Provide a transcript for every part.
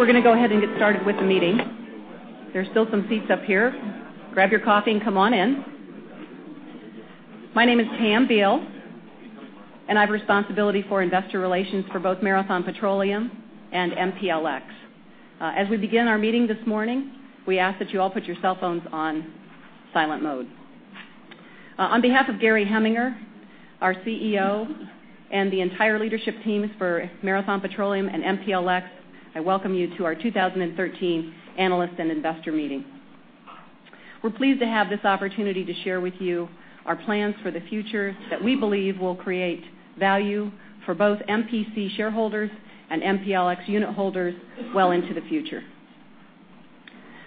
Okay, we're going to go ahead and get started with the meeting. There are still some seats up here. Grab your coffee and come on in. My name is Pam Beall, and I have responsibility for investor relations for both Marathon Petroleum and MPLX. As we begin our meeting this morning, we ask that you all put your cell phones on silent mode. On behalf of Gary Heminger, our CEO, and the entire leadership teams for Marathon Petroleum and MPLX, I welcome you to our 2013 Analyst and Investor Meeting. We're pleased to have this opportunity to share with you our plans for the future that we believe will create value for both MPC shareholders and MPLX unitholders well into the future.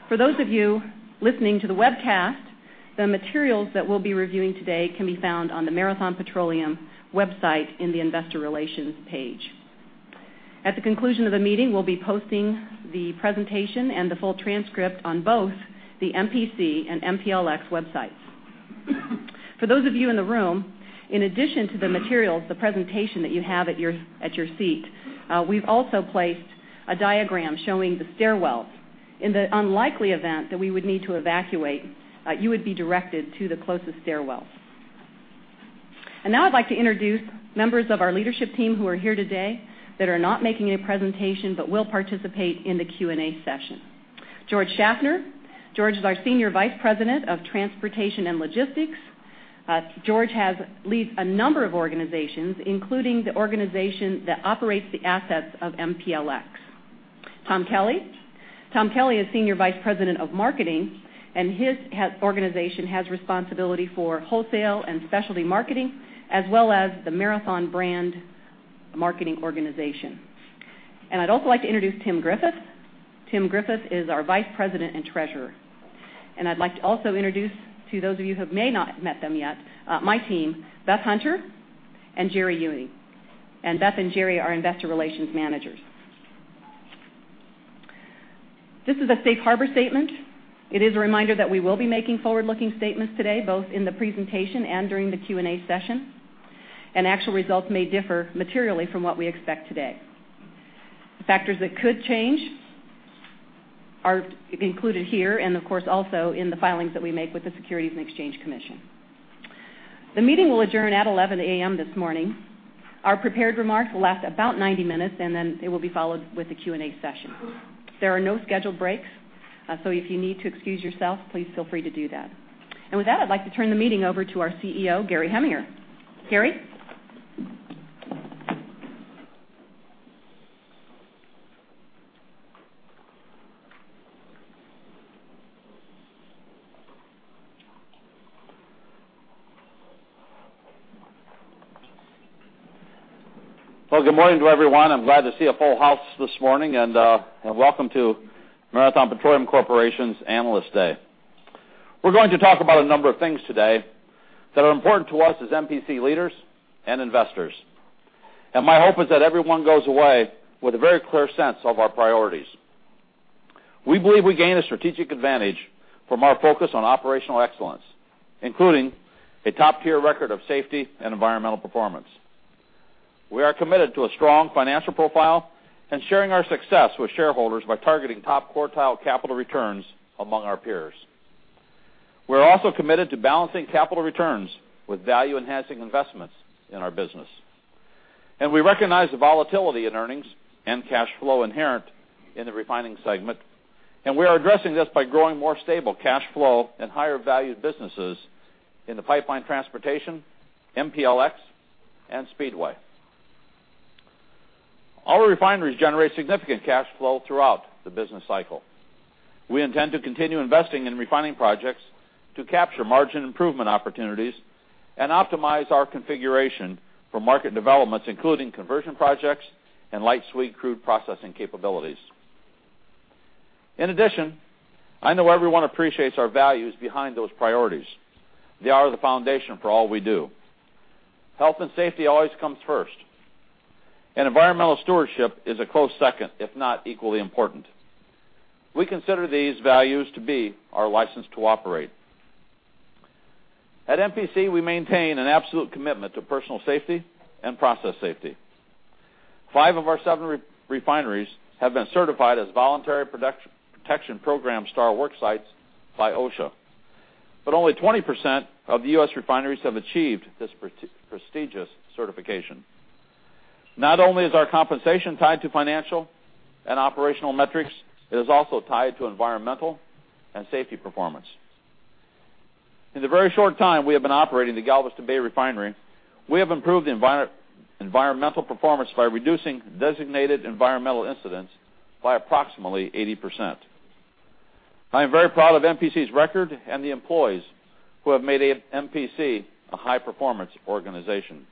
For those of you listening to the webcast, the materials that we'll be reviewing today can be found on the Marathon Petroleum website in the investor relations page. At the conclusion of the meeting, we'll be posting the presentation and the full transcript on both the MPC and MPLX websites. For those of you in the room, in addition to the materials, the presentation that you have at your seat, we've also placed a diagram showing the stairwells. In the unlikely event that we would need to evacuate, you would be directed to the closest stairwell. Now I'd like to introduce members of our leadership team who are here today that are not making a presentation but will participate in the Q&A session. George Shaffner. George is our Senior Vice President of Transportation and Logistics. George leads a number of organizations, including the organization that operates the assets of MPLX. Tom Kelley. Tom Kelley is Senior Vice President of Marketing, and his organization has responsibility for wholesale and specialty marketing, as well as the Marathon brand marketing organization. I'd also like to introduce Tim Griffith. Tim Griffith is our Vice President and Treasurer. I'd like to also introduce to those of you who have may not met them yet my team, Beth Hunter and Geri Ewing. Beth and Geri are investor relations managers. This is a safe harbor statement. It is a reminder that we will be making forward-looking statements today, both in the presentation and during the Q&A session, and actual results may differ materially from what we expect today. The factors that could change are included here and of course, also in the filings that we make with the Securities and Exchange Commission. The meeting will adjourn at 11:00 A.M. this morning. Our prepared remarks will last about 90 minutes, then it will be followed with a Q&A session. There are no scheduled breaks so if you need to excuse yourself, please feel free to do that. With that, I'd like to turn the meeting over to our CEO, Gary Heminger. Gary? Well, good morning to everyone. I'm glad to see a full house this morning, and welcome to Marathon Petroleum Corporation's Analyst Day. We're going to talk about a number of things today that are important to us as MPC leaders and investors. My hope is that everyone goes away with a very clear sense of our priorities. We believe we gain a strategic advantage from our focus on operational excellence, including a top-tier record of safety and environmental performance. We are committed to a strong financial profile and sharing our success with shareholders by targeting top-quartile capital returns among our peers. We're also committed to balancing capital returns with value-enhancing investments in our business. We recognize the volatility in earnings and cash flow inherent in the refining segment, and we are addressing this by growing more stable cash flow and higher valued businesses in the pipeline transportation, MPLX, and Speedway. Our refineries generate significant cash flow throughout the business cycle. We intend to continue investing in refining projects to capture margin improvement opportunities and optimize our configuration for market developments, including conversion projects and light sweet crude processing capabilities. In addition, I know everyone appreciates our values behind those priorities. They are the foundation for all we do. Health and safety always comes first, and environmental stewardship is a close second, if not equally important. We consider these values to be our license to operate. At MPC, we maintain an absolute commitment to personal safety and process safety. Five of our seven refineries have been certified as Voluntary Protection Program Star worksites by OSHA, but only 20% of the U.S. refineries have achieved this prestigious certification. Not only is our compensation tied to financial and operational metrics, it is also tied to environmental and safety performance. In the very short time we have been operating the Galveston Bay Refinery, we have improved the environmental performance by reducing designated environmental incidents by approximately 80%. I am very proud of MPC's record and the employees who have made MPC a high-performance organization.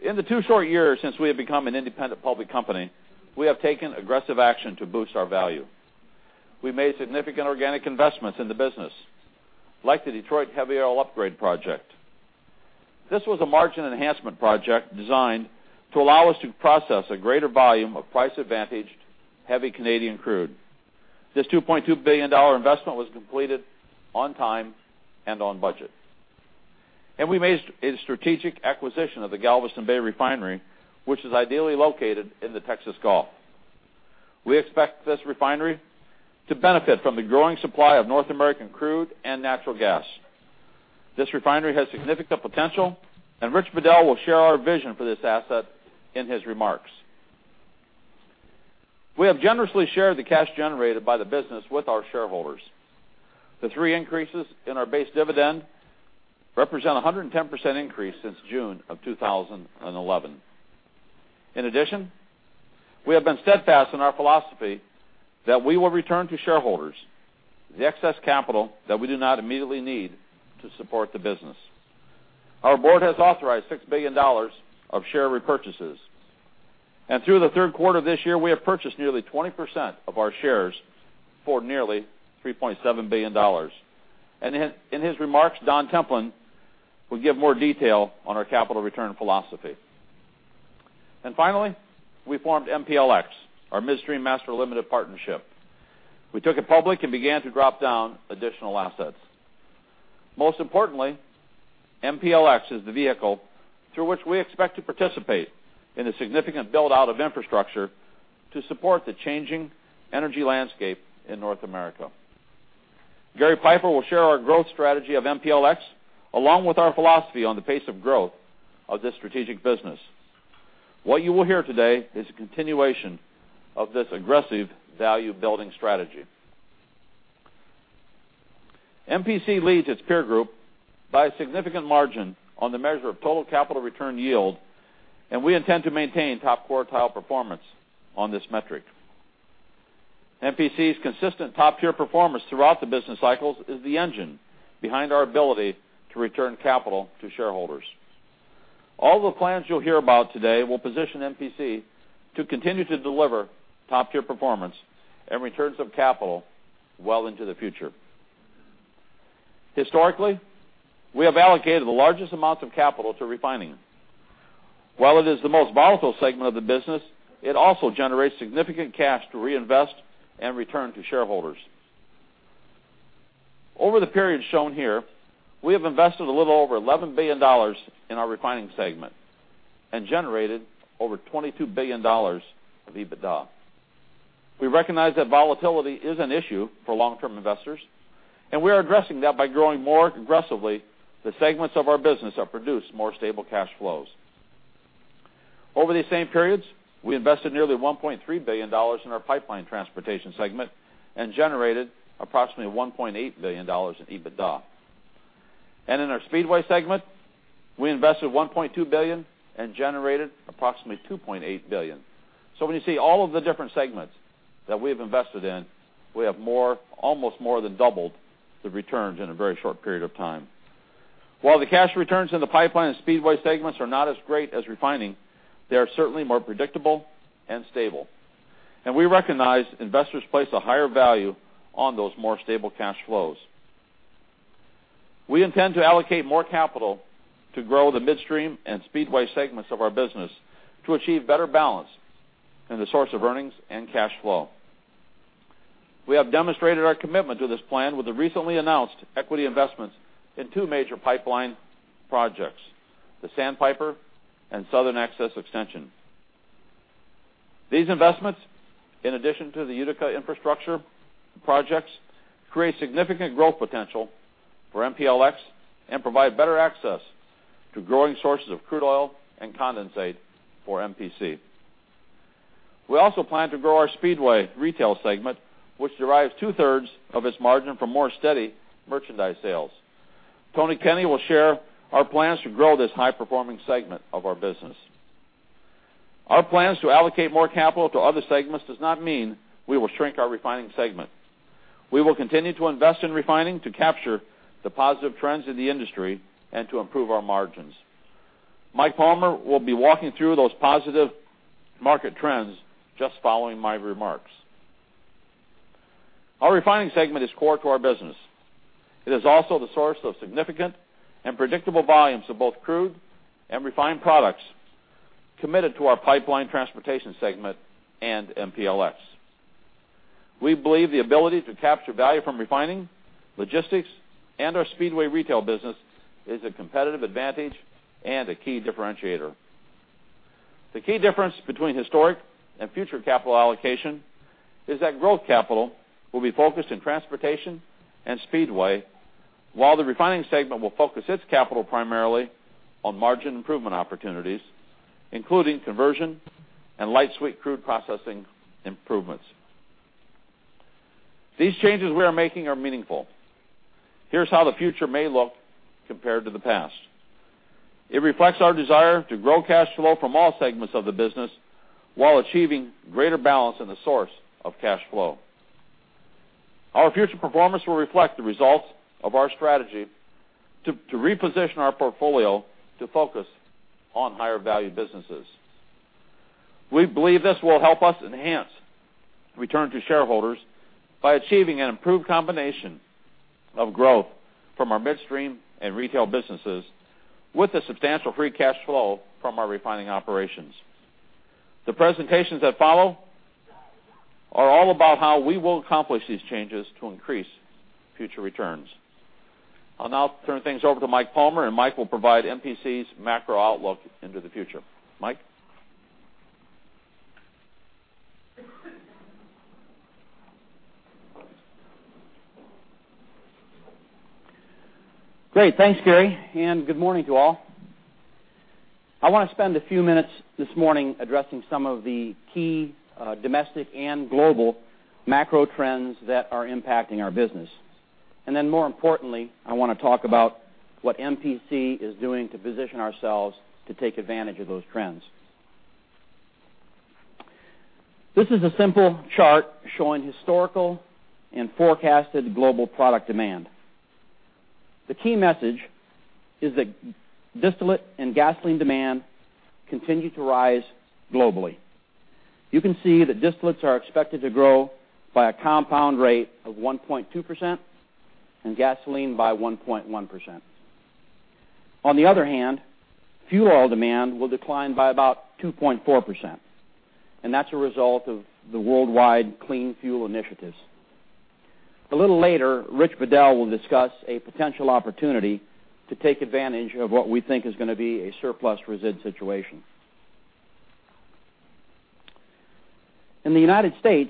In the two short years since we have become an independent public company, we have taken aggressive action to boost our value. We made significant organic investments in the business, like the Detroit Heavy Oil Upgrade Project. This was a margin enhancement project designed to allow us to process a greater volume of price-advantaged heavy Canadian crude. This $2.2 billion investment was completed on time and on budget. We made a strategic acquisition of the Galveston Bay Refinery, which is ideally located in the Texas Gulf. We expect this refinery to benefit from the growing supply of North American crude and natural gas. This refinery has significant potential, and Rich Bedell will share our vision for this asset in his remarks. We have generously shared the cash generated by the business with our shareholders. The three increases in our base dividend represent 110% increase since June of 2011. In addition, we have been steadfast in our philosophy that we will return to shareholders the excess capital that we do not immediately need to support the business. Our board has authorized $6 billion of share repurchases, and through the third quarter of this year, we have purchased nearly 20% of our shares for nearly $3.7 billion. In his remarks, Don Templin will give more detail on our capital return philosophy. Finally, we formed MPLX, our midstream master limited partnership. We took it public and began to drop down additional assets. Most importantly, MPLX is the vehicle through which we expect to participate in the significant build-out of infrastructure to support the changing energy landscape in North America. Gary Peiffer will share our growth strategy of MPLX, along with our philosophy on the pace of growth of this strategic business. What you will hear today is a continuation of this aggressive value-building strategy. MPC leads its peer group by a significant margin on the measure of total capital return yield, and we intend to maintain top quartile performance on this metric. MPC's consistent top-tier performance throughout the business cycles is the engine behind our ability to return capital to shareholders. All the plans you'll hear about today will position MPC to continue to deliver top-tier performance and returns of capital well into the future. Historically, we have allocated the largest amounts of capital to refining. While it is the most volatile segment of the business, it also generates significant cash to reinvest and return to shareholders. Over the period shown here, we have invested a little over $11 billion in our refining segment and generated over $22 billion of EBITDA. We recognize that volatility is an issue for long-term investors, and we are addressing that by growing more aggressively the segments of our business that produce more stable cash flows. Over these same periods, we invested nearly $1.3 billion in our pipeline transportation segment and generated approximately $1.8 billion in EBITDA. In our Speedway segment, we invested $1.2 billion and generated approximately $2.8 billion. When you see all of the different segments that we have invested in, we have almost more than doubled the returns in a very short period of time. While the cash returns in the pipeline and Speedway segments are not as great as refining, they are certainly more predictable and stable, and we recognize investors place a higher value on those more stable cash flows. We intend to allocate more capital to grow the midstream and Speedway segments of our business to achieve better balance in the source of earnings and cash flow. We have demonstrated our commitment to this plan with the recently announced equity investments in two major pipeline projects, the Sandpiper and Southern Access Extension. These investments, in addition to the Utica infrastructure projects, create significant growth potential for MPLX and provide better access to growing sources of crude oil and condensate for MPC. We also plan to grow our Speedway retail segment, which derives two-thirds of its margin from more steady merchandise sales. Tony Kenney will share our plans to grow this high-performing segment of our business. Our plans to allocate more capital to other segments does not mean we will shrink our refining segment. We will continue to invest in refining to capture the positive trends in the industry and to improve our margins. Mike Palmer will be walking through those positive market trends just following my remarks. Our refining segment is core to our business. It is also the source of significant and predictable volumes of both crude and refined products committed to our pipeline transportation segment and MPLX. We believe the ability to capture value from refining, logistics, and our Speedway retail business is a competitive advantage and a key differentiator. The key difference between historic and future capital allocation is that growth capital will be focused in transportation and Speedway, while the refining segment will focus its capital primarily on margin improvement opportunities, including conversion and light sweet crude processing improvements. These changes we are making are meaningful. Here's how the future may look compared to the past. It reflects our desire to grow cash flow from all segments of the business while achieving greater balance in the source of cash flow. Our future performance will reflect the results of our strategy to reposition our portfolio to focus on higher value businesses. We believe this will help us enhance return to shareholders by achieving an improved combination of growth from our midstream and retail businesses with the substantial free cash flow from our refining operations. The presentations that follow are all about how we will accomplish these changes to increase future returns. I'll now turn things over to Mike Palmer, Mike will provide MPC's macro outlook into the future. Mike? Great. Thanks, Gary, good morning to all. I want to spend a few minutes this morning addressing some of the key domestic and global macro trends that are impacting our business. More importantly, I want to talk about what MPC is doing to position ourselves to take advantage of those trends. This is a simple chart showing historical and forecasted global product demand. The key message is that distillate and gasoline demand continue to rise globally. You can see that distillates are expected to grow by a compound rate of 1.2% and gasoline by 1.1%. On the other hand, fuel oil demand will decline by about 2.4%, and that's a result of the worldwide clean fuel initiatives. A little later, Rich Bedell will discuss a potential opportunity to take advantage of what we think is going to be a surplus resid situation. In the U.S.,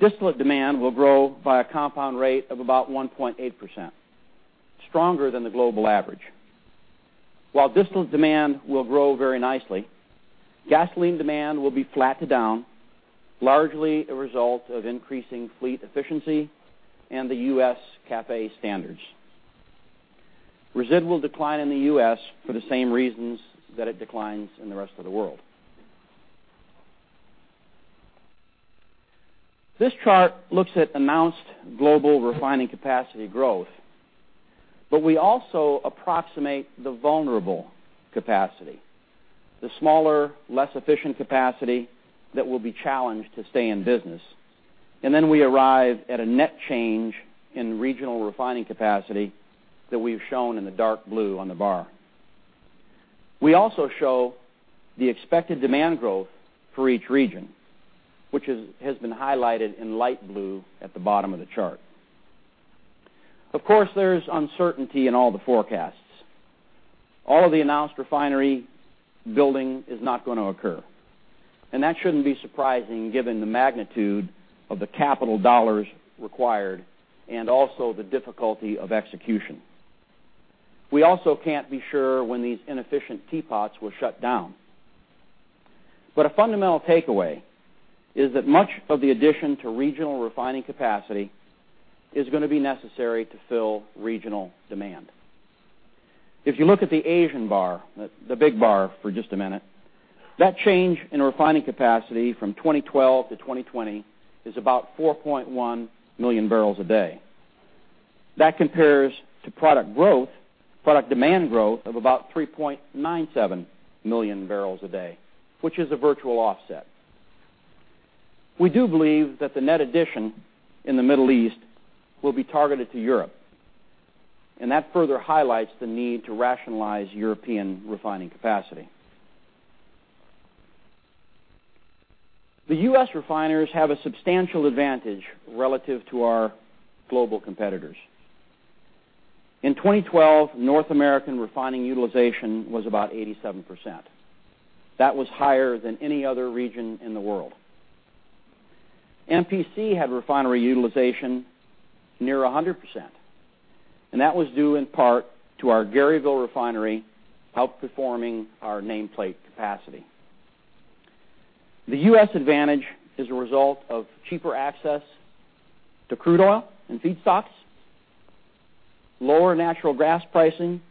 distillate demand will grow by a compound rate of about 1.8%, stronger than the global average. While distillate demand will grow very nicely, gasoline demand will be flat to down, largely a result of increasing fleet efficiency and the U.S. CAFE standards. Resid will decline in the U.S. for the same reasons that it declines in the rest of the world. This chart looks at announced global refining capacity growth, we also approximate the vulnerable capacity, the smaller, less efficient capacity that will be challenged to stay in business. We arrive at a net change in regional refining capacity that we've shown in the dark blue on the bar. We also show the expected demand growth for each region, which has been highlighted in light blue at the bottom of the chart. Of course, there's uncertainty in all the forecasts. All of the announced refinery building is not going to occur, that shouldn't be surprising given the magnitude of the capital dollars required and also the difficulty of execution. We also can't be sure when these inefficient teapots will shut down. A fundamental takeaway is that much of the addition to regional refining capacity is going to be necessary to fill regional demand. If you look at the Asian bar, the big bar for just a minute, that change in refining capacity from 2012 to 2020 is about 4.1 million barrels a day. That compares to product demand growth of about 3.97 million barrels a day, which is a virtual offset. We do believe that the net addition in the Middle East will be targeted to Europe, that further highlights the need to rationalize European refining capacity. The U.S. refiners have a substantial advantage relative to our global competitors. In 2012, North American refining utilization was about 87%. That was higher than any other region in the world. MPC had refinery utilization near 100%, that was due in part to our Garyville refinery outperforming our nameplate capacity. The U.S. advantage is a result of cheaper access to crude oil and feedstocks, lower natural gas pricing,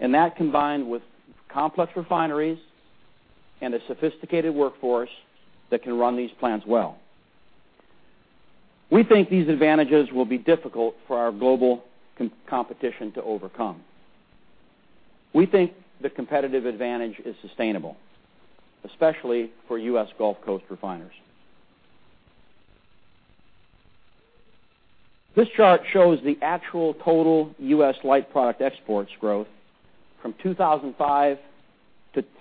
that combined with complex refineries and a sophisticated workforce that can run these plants well. We think these advantages will be difficult for our global competition to overcome. We think the competitive advantage is sustainable, especially for U.S. Gulf Coast refiners. This chart shows the actual total U.S. light product exports growth from 2005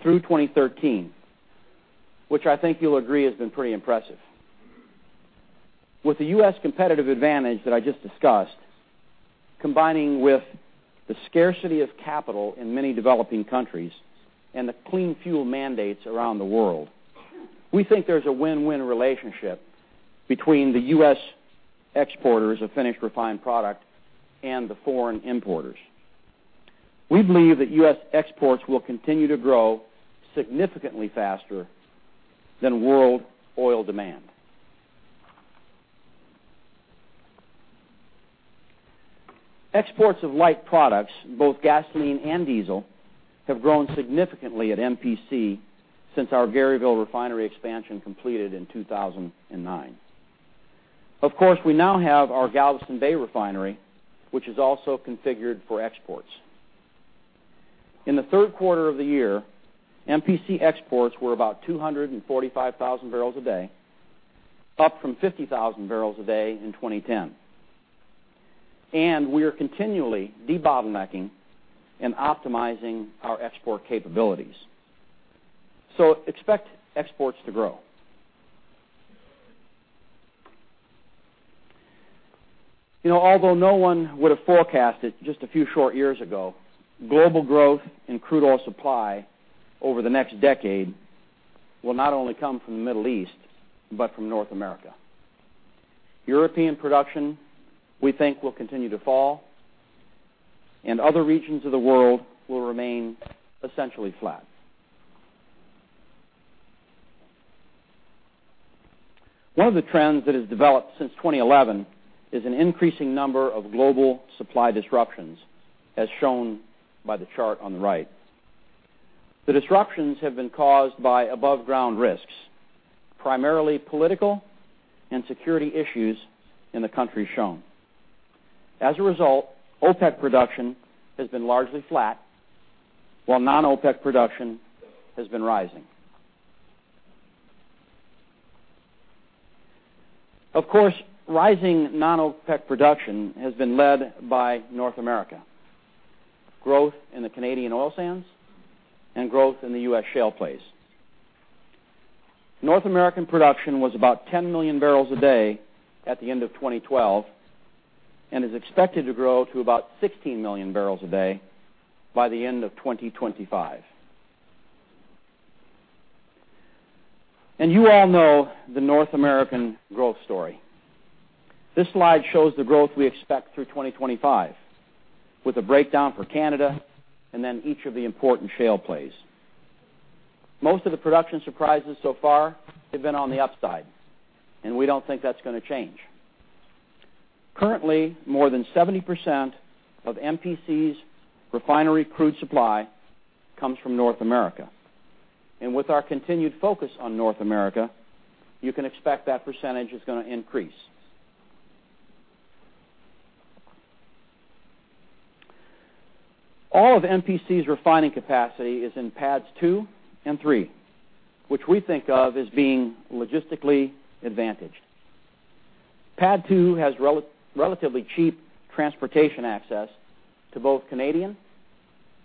through 2013, which I think you'll agree has been pretty impressive. With the U.S. competitive advantage that I just discussed, combining with the scarcity of capital in many developing countries and the clean fuel mandates around the world, we think there's a win-win relationship between the U.S. exporters of finished refined product and the foreign importers. We believe that U.S. exports will continue to grow significantly faster than world oil demand. Exports of light products, both gasoline and diesel, have grown significantly at MPC since our Garyville refinery expansion completed in 2009. Of course, we now have our Galveston Bay refinery, which is also configured for exports. In the third quarter of the year, MPC exports were about 245,000 barrels a day, up from 50,000 barrels a day in 2010. We are continually debottlenecking and optimizing our export capabilities. Expect exports to grow. Although no one would have forecasted just a few short years ago, global growth in crude oil supply over the next decade will not only come from the Middle East, but from North America. European production, we think, will continue to fall, other regions of the world will remain essentially flat. One of the trends that has developed since 2011 is an increasing number of global supply disruptions, as shown by the chart on the right. The disruptions have been caused by above-ground risks, primarily political and security issues in the countries shown. As a result, OPEC production has been largely flat, while non-OPEC production has been rising. Of course, rising non-OPEC production has been led by North America, growth in the Canadian oil sands, and growth in the U.S. shale plays. North American production was about 10 million barrels a day at the end of 2012 and is expected to grow to about 16 million barrels a day by the end of 2025. You all know the North American growth story. This slide shows the growth we expect through 2025, with a breakdown for Canada and then each of the important shale plays. Most of the production surprises so far have been on the upside, we don't think that's going to change. Currently, more than 70% of MPC's refinery crude supply comes from North America. With our continued focus on North America, you can expect that percentage is going to increase. All of MPC's refining capacity is in PADDs 2 and 3, which we think of as being logistically advantaged. PADD 2 has relatively cheap transportation access to both Canadian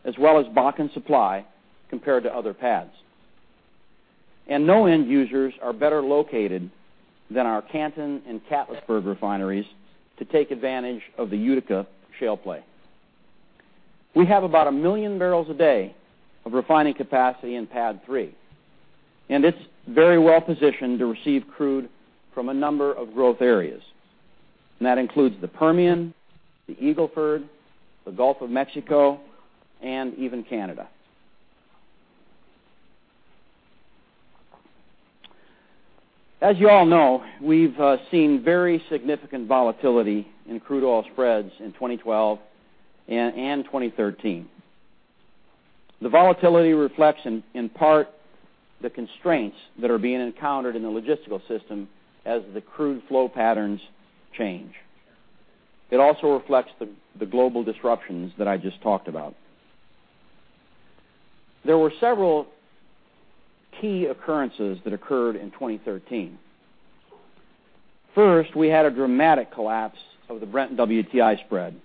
as well as Bakken supply compared to other PADDs. No end users are better located than our Canton and Catlettsburg refineries to take advantage of the Utica shale play. We have about a million barrels a day of refining capacity in PADD 3, it's very well-positioned to receive crude from a number of growth areas, that includes the Permian, the Eagle Ford, the Gulf of Mexico, and even Canada. As you all know, we've seen very significant volatility in crude oil spreads in 2012 and 2013. The volatility reflects in part the constraints that are being encountered in the logistical system as the crude flow patterns change. It also reflects the global disruptions that I just talked about. There were several key occurrences that occurred in 2013. First, we had a dramatic collapse of the Brent and WTI spread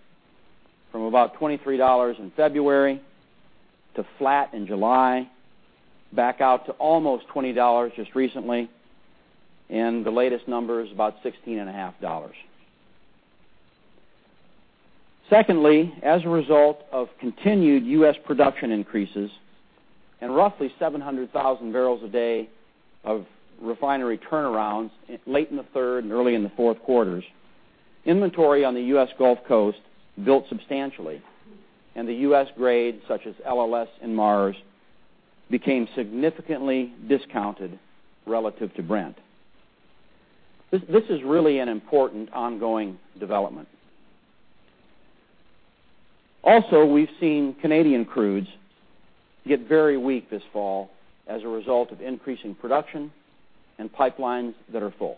from about $23 in February to flat in July, back out to almost $20 just recently, and the latest number is about $16.50. Secondly, as a result of continued U.S. production increases and roughly 700,000 barrels a day of refinery turnarounds late in the third and early in the fourth quarters, inventory on the U.S. Gulf Coast built substantially, and the U.S. grades, such as LLS and Mars, became significantly discounted relative to Brent. This is really an important ongoing development. Also, we've seen Canadian crudes get very weak this fall as a result of increasing production and pipelines that are full.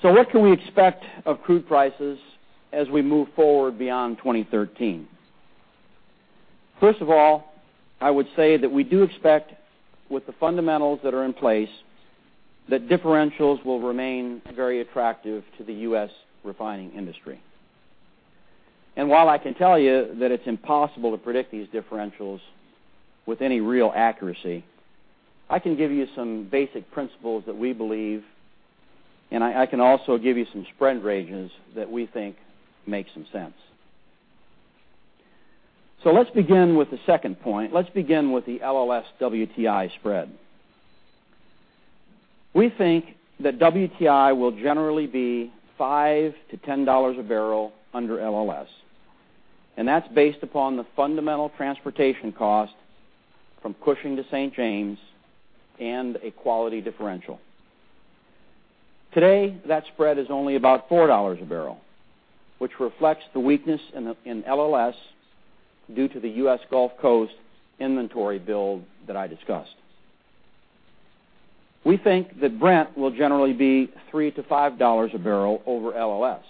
What can we expect of crude prices as we move forward beyond 2013? First of all, I would say that we do expect with the fundamentals that are in place that differentials will remain very attractive to the U.S. refining industry. While I can tell you that it's impossible to predict these differentials with any real accuracy, I can give you some basic principles that we believe, I can also give you some spread ranges that we think make some sense. Let's begin with the second point. Let's begin with the LLS-WTI spread. We think that WTI will generally be $5-$10 a barrel under LLS, and that's based upon the fundamental transportation cost from Cushing to St. James and a quality differential. Today, that spread is only about $4 a barrel, which reflects the weakness in LLS due to the U.S. Gulf Coast inventory build that I discussed. We think that Brent will generally be $3-$5 a barrel over LLS.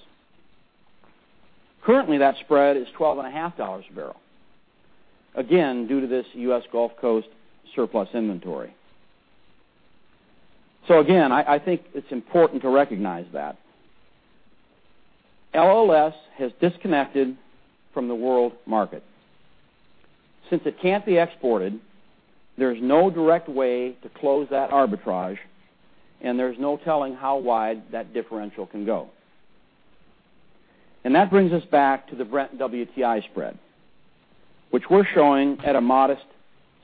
Currently, that spread is $12.50 a barrel, again, due to this U.S. Gulf Coast surplus inventory. Again, I think it's important to recognize that. LLS has disconnected from the world market. Since it can't be exported, there's no direct way to close that arbitrage, and there's no telling how wide that differential can go. That brings us back to the Brent WTI spread, which we're showing at a modest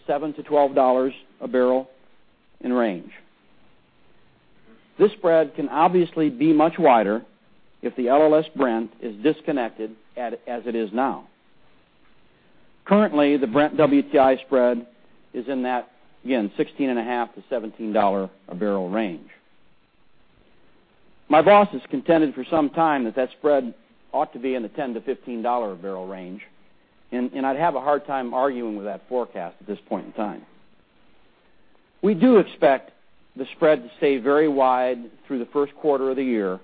$7-$12 a barrel in range. This spread can obviously be much wider if the LLS Brent is disconnected as it is now. Currently, the Brent WTI spread is in that, again, $16.50-$17 a barrel range. My boss has contended for some time that that spread ought to be in the $10-$15 a barrel range, and I'd have a hard time arguing with that forecast at this point in time. We do expect the spread to stay very wide through the first quarter of the year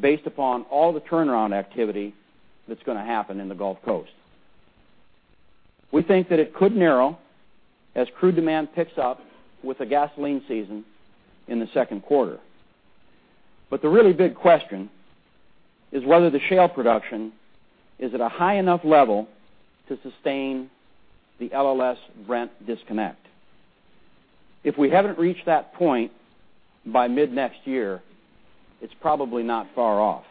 based upon all the turnaround activity that's going to happen in the Gulf Coast. The really big question is whether the shale production is at a high enough level to sustain the LLS Brent disconnect. If we haven't reached that point by mid-next year, it's probably not far off.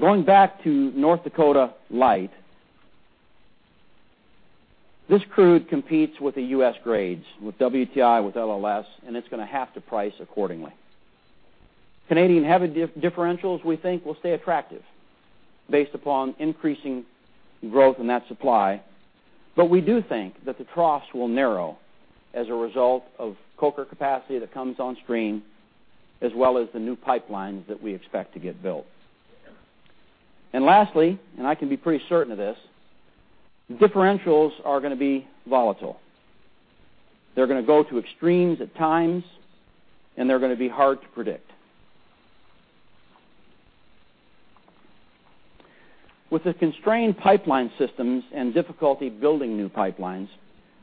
Going back to North Dakota light, this crude competes with the U.S. grades, with WTI, with LLS, and it's going to have to price accordingly. Canadian heavy differentials, we think, will stay attractive based upon increasing growth in that supply. We do think that the troughs will narrow as a result of coker capacity that comes on stream, as well as the new pipelines that we expect to get built. Lastly, and I can be pretty certain of this, differentials are going to be volatile. They're going to go to extremes at times, and they're going to be hard to predict. With the constrained pipeline systems and difficulty building new pipelines,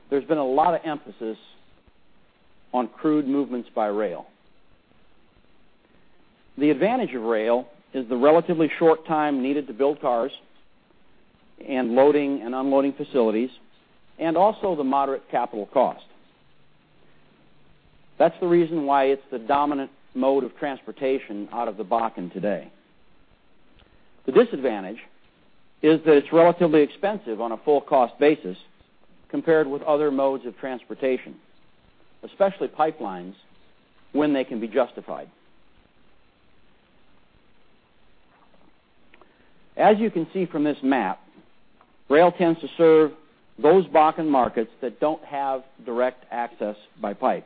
there's been a lot of emphasis on crude movements by rail. The advantage of rail is the relatively short time needed to build cars and loading and unloading facilities, and also the moderate capital cost. That's the reason why it's the dominant mode of transportation out of the Bakken today. The disadvantage is that it's relatively expensive on a full-cost basis compared with other modes of transportation, especially pipelines, when they can be justified. As you can see from this map, rail tends to serve those Bakken markets that don't have direct access by pipe.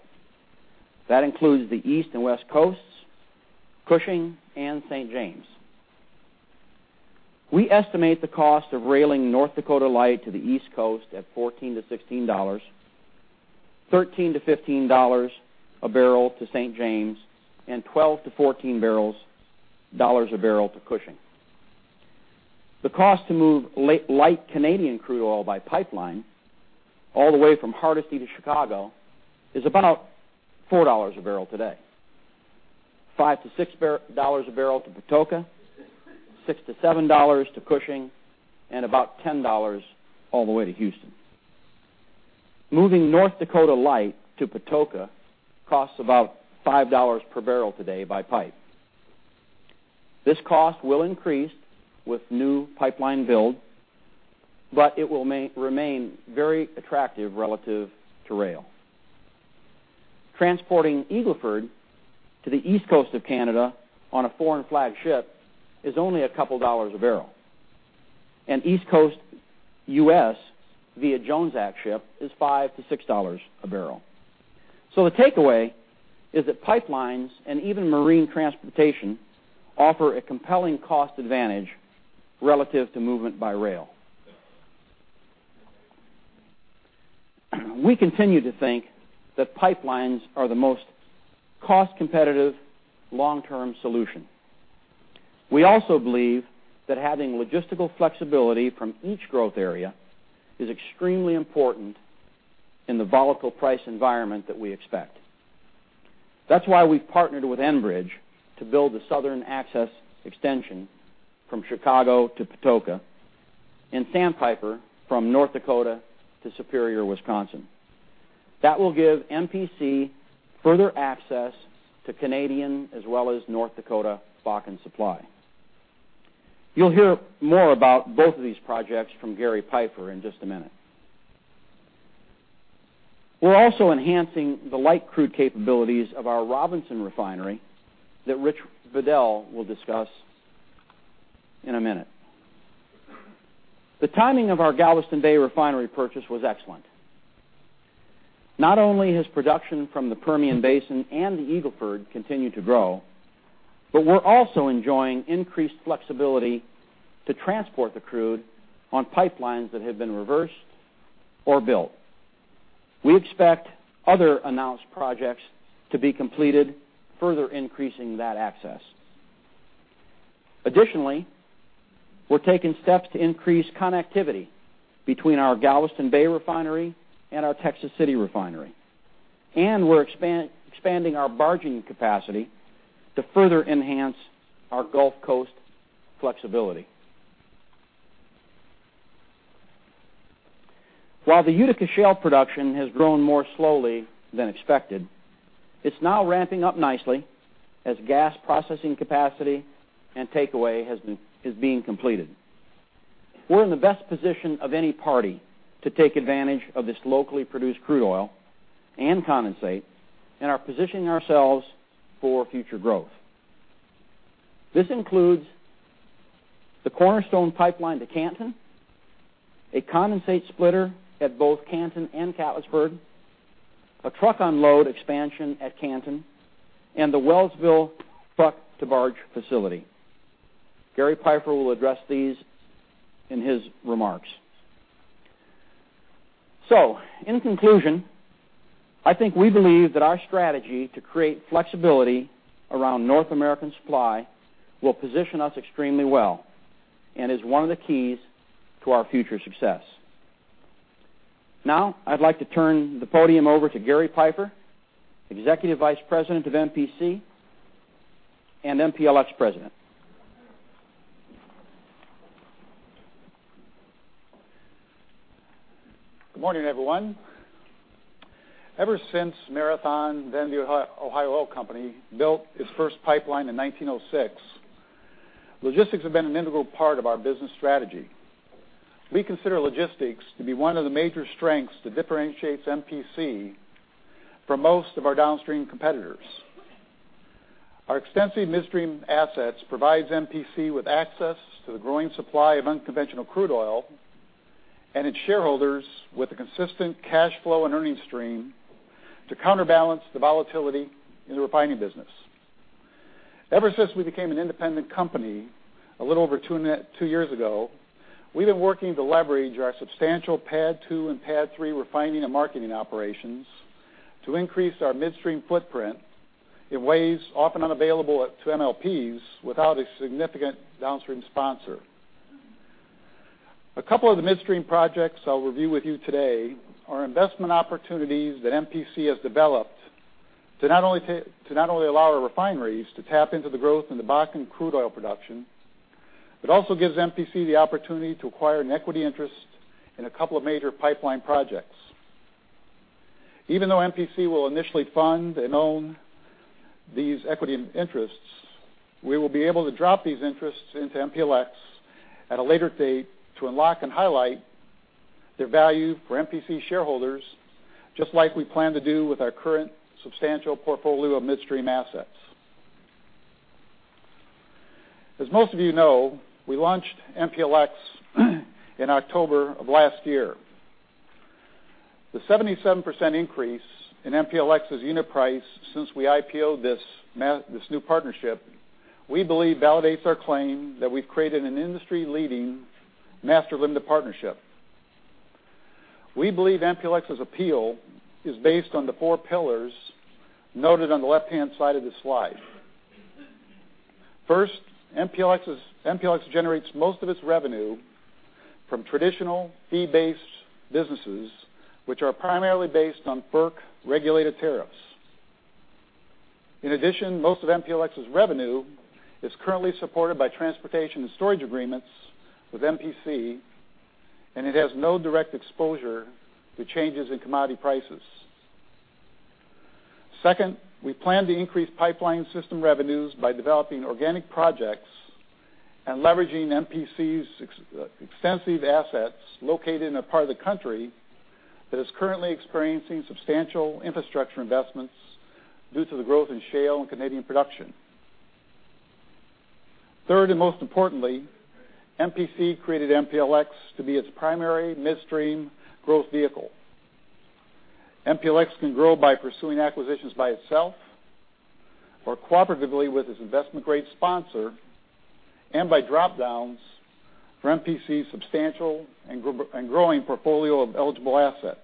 That includes the East and West Coasts, Cushing, and St. James. We estimate the cost of railing North Dakota light to the East Coast at $14-$16, $13-$15 a barrel to St. James, and $12-$14 a barrel to Cushing. The cost to move light Canadian crude oil by pipeline all the way from Hardisty to Chicago is about $4 a barrel today, $5-$6 a barrel to Patoka, $6-$7 to Cushing, and about $10 all the way to Houston. Moving North Dakota light to Patoka costs about $5 per barrel today by pipe. This cost will increase with new pipeline build, but it will remain very attractive relative to rail. Transporting Eagle Ford to the East Coast of Canada on a foreign flagged ship is only a couple of dollars a barrel. East Coast U.S. via Jones Act ship is $5-$6 a barrel. The takeaway is that pipelines and even marine transportation offer a compelling cost advantage relative to movement by rail. We continue to think that pipelines are the most cost-competitive long-term solution. We also believe that having logistical flexibility from each growth area is extremely important in the volatile price environment that we expect. That is why we have partnered with Enbridge to build the Southern Access Extension from Chicago to Patoka and Sandpiper from North Dakota to Superior, Wisconsin. That will give MPC further access to Canadian as well as North Dakota Bakken supply. You will hear more about both of these projects from Gary Peiffer in just a minute. We are also enhancing the light crude capabilities of our Robinson refinery that Rich Bedell will discuss in a minute. The timing of our Galveston Bay Refinery purchase was excellent. Not only has production from the Permian Basin and the Eagle Ford continued to grow, we are also enjoying increased flexibility to transport the crude on pipelines that have been reversed or built. We expect other announced projects to be completed, further increasing that access. Additionally, we are taking steps to increase connectivity between our Galveston Bay Refinery and our Texas City Refinery, we are expanding our barging capacity to further enhance our Gulf Coast flexibility. While the Utica Shale production has grown more slowly than expected, it is now ramping up nicely as gas processing capacity and takeaway is being completed. We are in the best position of any party to take advantage of this locally produced crude oil and condensate and are positioning ourselves for future growth. This includes the Cornerstone Pipeline to Canton, a condensate splitter at both Canton and Catlettsburg, a truck unload expansion at Canton, and the Wellsville truck-to-barge facility. Gary Peiffer will address these in his remarks. In conclusion, I think we believe that our strategy to create flexibility around North American supply will position us extremely well and is one of the keys to our future success. Now I would like to turn the podium over to Gary Peiffer, Executive Vice President of MPC and MPLX President. Good morning, everyone. Ever since Marathon, then The Ohio Oil Company, built its first pipeline in 1906, logistics have been an integral part of our business strategy. We consider logistics to be one of the major strengths that differentiates MPC from most of our downstream competitors. Our extensive midstream assets provides MPC with access to the growing supply of unconventional crude oil and its shareholders with a consistent cash flow and earnings stream to counterbalance the volatility in the refining business. Ever since we became an independent company a little over two years ago, we have been working to leverage our substantial PADD II and PADD III refining and marketing operations to increase our midstream footprint in ways often unavailable to MLPs without a significant downstream sponsor. A couple of the midstream projects I'll review with you today are investment opportunities that MPC has developed to not only allow our refineries to tap into the growth in the Bakken crude oil production, but also gives MPC the opportunity to acquire an equity interest in a couple of major pipeline projects. Even though MPC will initially fund and own these equity interests, we will be able to drop these interests into MPLX at a later date to unlock and highlight their value for MPC shareholders, just like we plan to do with our current substantial portfolio of midstream assets. As most of you know, we launched MPLX in October of last year. The 77% increase in MPLX's unit price since we IPO'd this new partnership, we believe validates our claim that we've created an industry-leading master limited partnership. We believe MPLX's appeal is based on the four pillars noted on the left-hand side of this slide. First, MPLX generates most of its revenue from traditional fee-based businesses, which are primarily based on FERC-regulated tariffs. In addition, most of MPLX's revenue is currently supported by transportation and storage agreements with MPC, it has no direct exposure to changes in commodity prices. Second, we plan to increase pipeline system revenues by developing organic projects and leveraging MPC's extensive assets located in a part of the country that is currently experiencing substantial infrastructure investments due to the growth in shale and Canadian production. Third, most importantly, MPC created MPLX to be its primary midstream growth vehicle. MPLX can grow by pursuing acquisitions by itself or cooperatively with its investment-grade sponsor and by drop-downs for MPC's substantial and growing portfolio of eligible assets.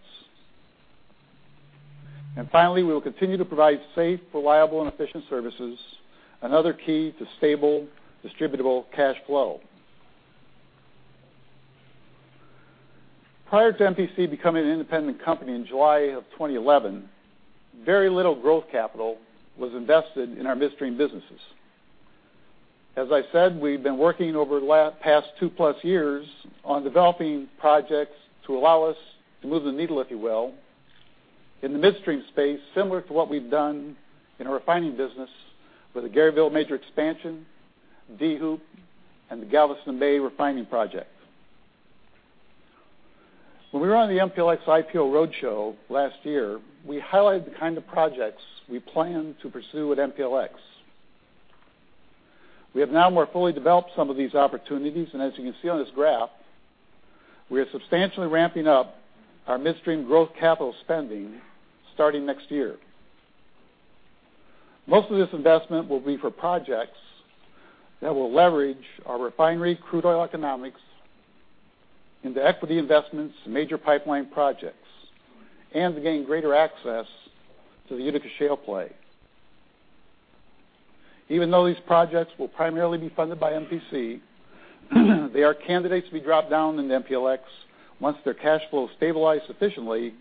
Finally, we will continue to provide safe, reliable, and efficient services, another key to stable distributable cash flow. Prior to MPC becoming an independent company in July of 2011, very little growth capital was invested in our midstream businesses. As I said, we've been working over the past two-plus years on developing projects to allow us to move the needle, if you will, in the midstream space, similar to what we've done in our refining business with the Garyville Major Expansion, DHOUP, and the Galveston Bay refining project. When we were on the MPLX IPO roadshow last year, we highlighted the kind of projects we planned to pursue with MPLX. We have now more fully developed some of these opportunities, as you can see on this graph, we are substantially ramping up our midstream growth capital spending starting next year. Most of this investment will be for projects that will leverage our refinery crude oil economics into equity investments in major pipeline projects and to gain greater access to the Utica Shale play. Even though these projects will primarily be funded by MPC, they are candidates to be dropped down into MPLX once their cash flow is stabilized sufficiently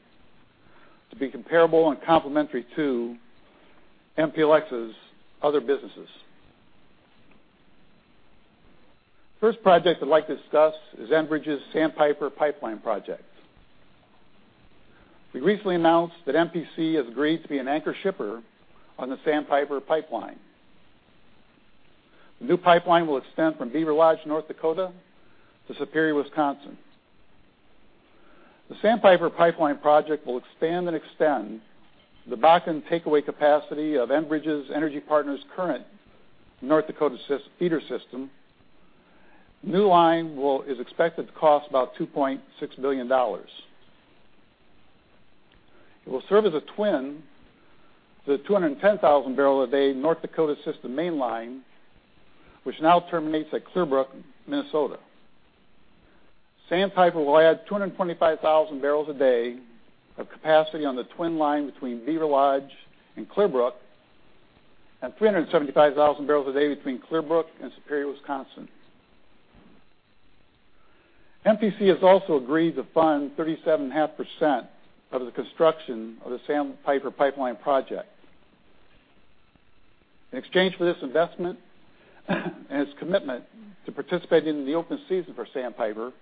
to be comparable and complementary to MPLX's other businesses. First project I'd like to discuss is Enbridge's Sandpiper Pipeline Project. We recently announced that MPC has agreed to be an anchor shipper on the Sandpiper Pipeline. The new pipeline will extend from Beaverlodge, North Dakota to Superior, Wisconsin. The Sandpiper Pipeline Project will expand and extend the Bakken takeaway capacity of Enbridge Energy Partners' current North Dakota feeder system. New line is expected to cost about $2.6 billion. It will serve as a twin to the 210,000 barrels a day North Dakota system mainline, which now terminates at Clearbrook, Minnesota. Sandpiper will add 225,000 barrels a day of capacity on the twin line between Beaverlodge and Clearbrook, and 375,000 barrels a day between Clearbrook and Superior, Wisconsin. MPC has also agreed to fund 37.5% of the construction of the Sandpiper Pipeline Project. In exchange for this investment and its commitment to participate in the open season for Sandpiper,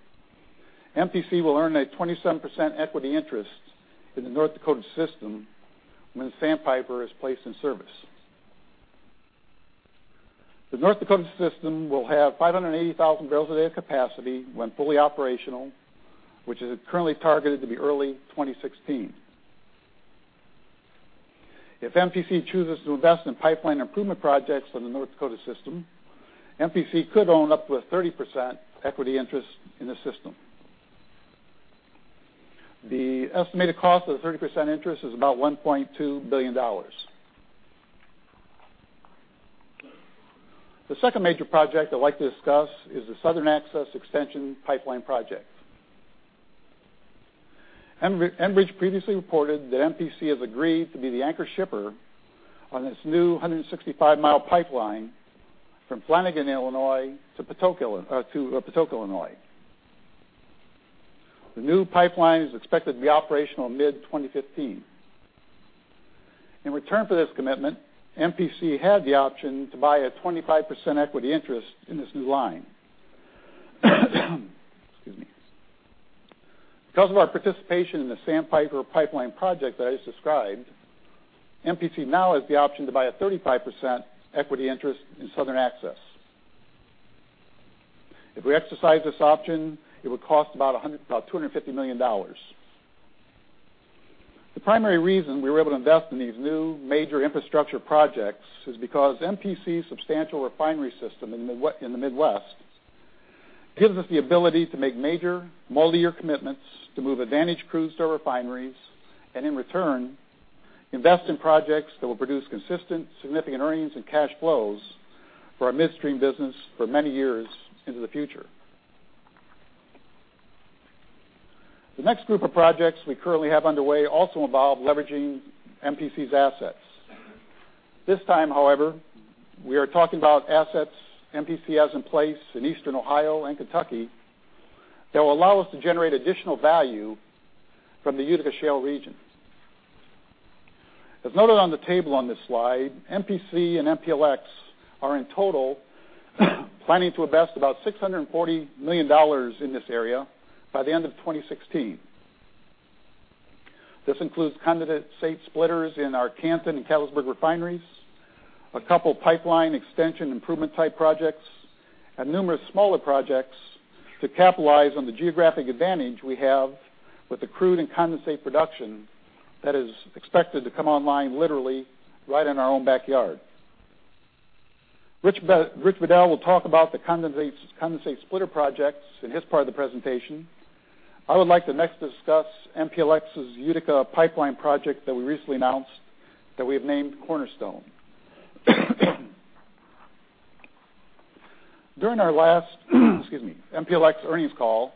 MPC will earn a 27% equity interest in the North Dakota system when Sandpiper is placed in service. The North Dakota system will have 580,000 barrels a day of capacity when fully operational, which is currently targeted to be early 2016. If MPC chooses to invest in pipeline improvement projects on the North Dakota system, MPC could own up to a 30% equity interest in the system. The estimated cost of the 30% interest is about $1.2 billion. The second major project I'd like to discuss is the Southern Access Extension Pipeline Project. Enbridge previously reported that MPC has agreed to be the anchor shipper on its new 165-mile pipeline from Flanagan, Illinois, to Patoka, Illinois. The new pipeline is expected to be operational mid-2015. In return for this commitment, MPC had the option to buy a 25% equity interest in this new line. Excuse me. Because of our participation in the Sandpiper Pipeline Project that I just described, MPC now has the option to buy a 35% equity interest in Southern Access. If we exercise this option, it would cost about $250 million. The primary reason we were able to invest in these new major infrastructure projects is because MPC's substantial refinery system in the Midwest gives us the ability to make major multiyear commitments to move advantage crude store refineries, and in return, invest in projects that will produce consistent, significant earnings and cash flows for our midstream business for many years into the future. The next group of projects we currently have underway also involve leveraging MPC's assets. This time, however, we are talking about assets MPC has in place in Eastern Ohio and Kentucky that will allow us to generate additional value from the Utica Shale region. As noted on the table on this slide, MPC and MPLX are in total planning to invest about $640 million in this area by the end of 2016. This includes condensate splitters in our Canton and Catlettsburg refineries, a couple pipeline extension improvement type projects, and numerous smaller projects to capitalize on the geographic advantage we have with the crude and condensate production that is expected to come online literally right in our own backyard. Rich Vadel will talk about the condensate splitter projects in his part of the presentation. I would like to next discuss MPLX's Utica Pipeline Project that we recently announced, that we have named Cornerstone. During our last MPLX earnings call,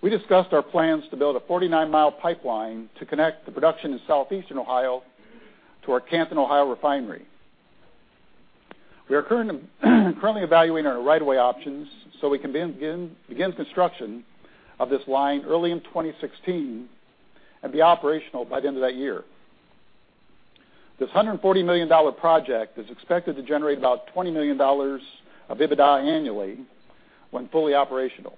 we discussed our plans to build a 49-mile pipeline to connect the production in Southeastern Ohio to our Canton, Ohio refinery. We are currently evaluating our right of way options so we can begin construction of this line early in 2016 and be operational by the end of that year. This $140 million project is expected to generate about $20 million of EBITDA annually when fully operational.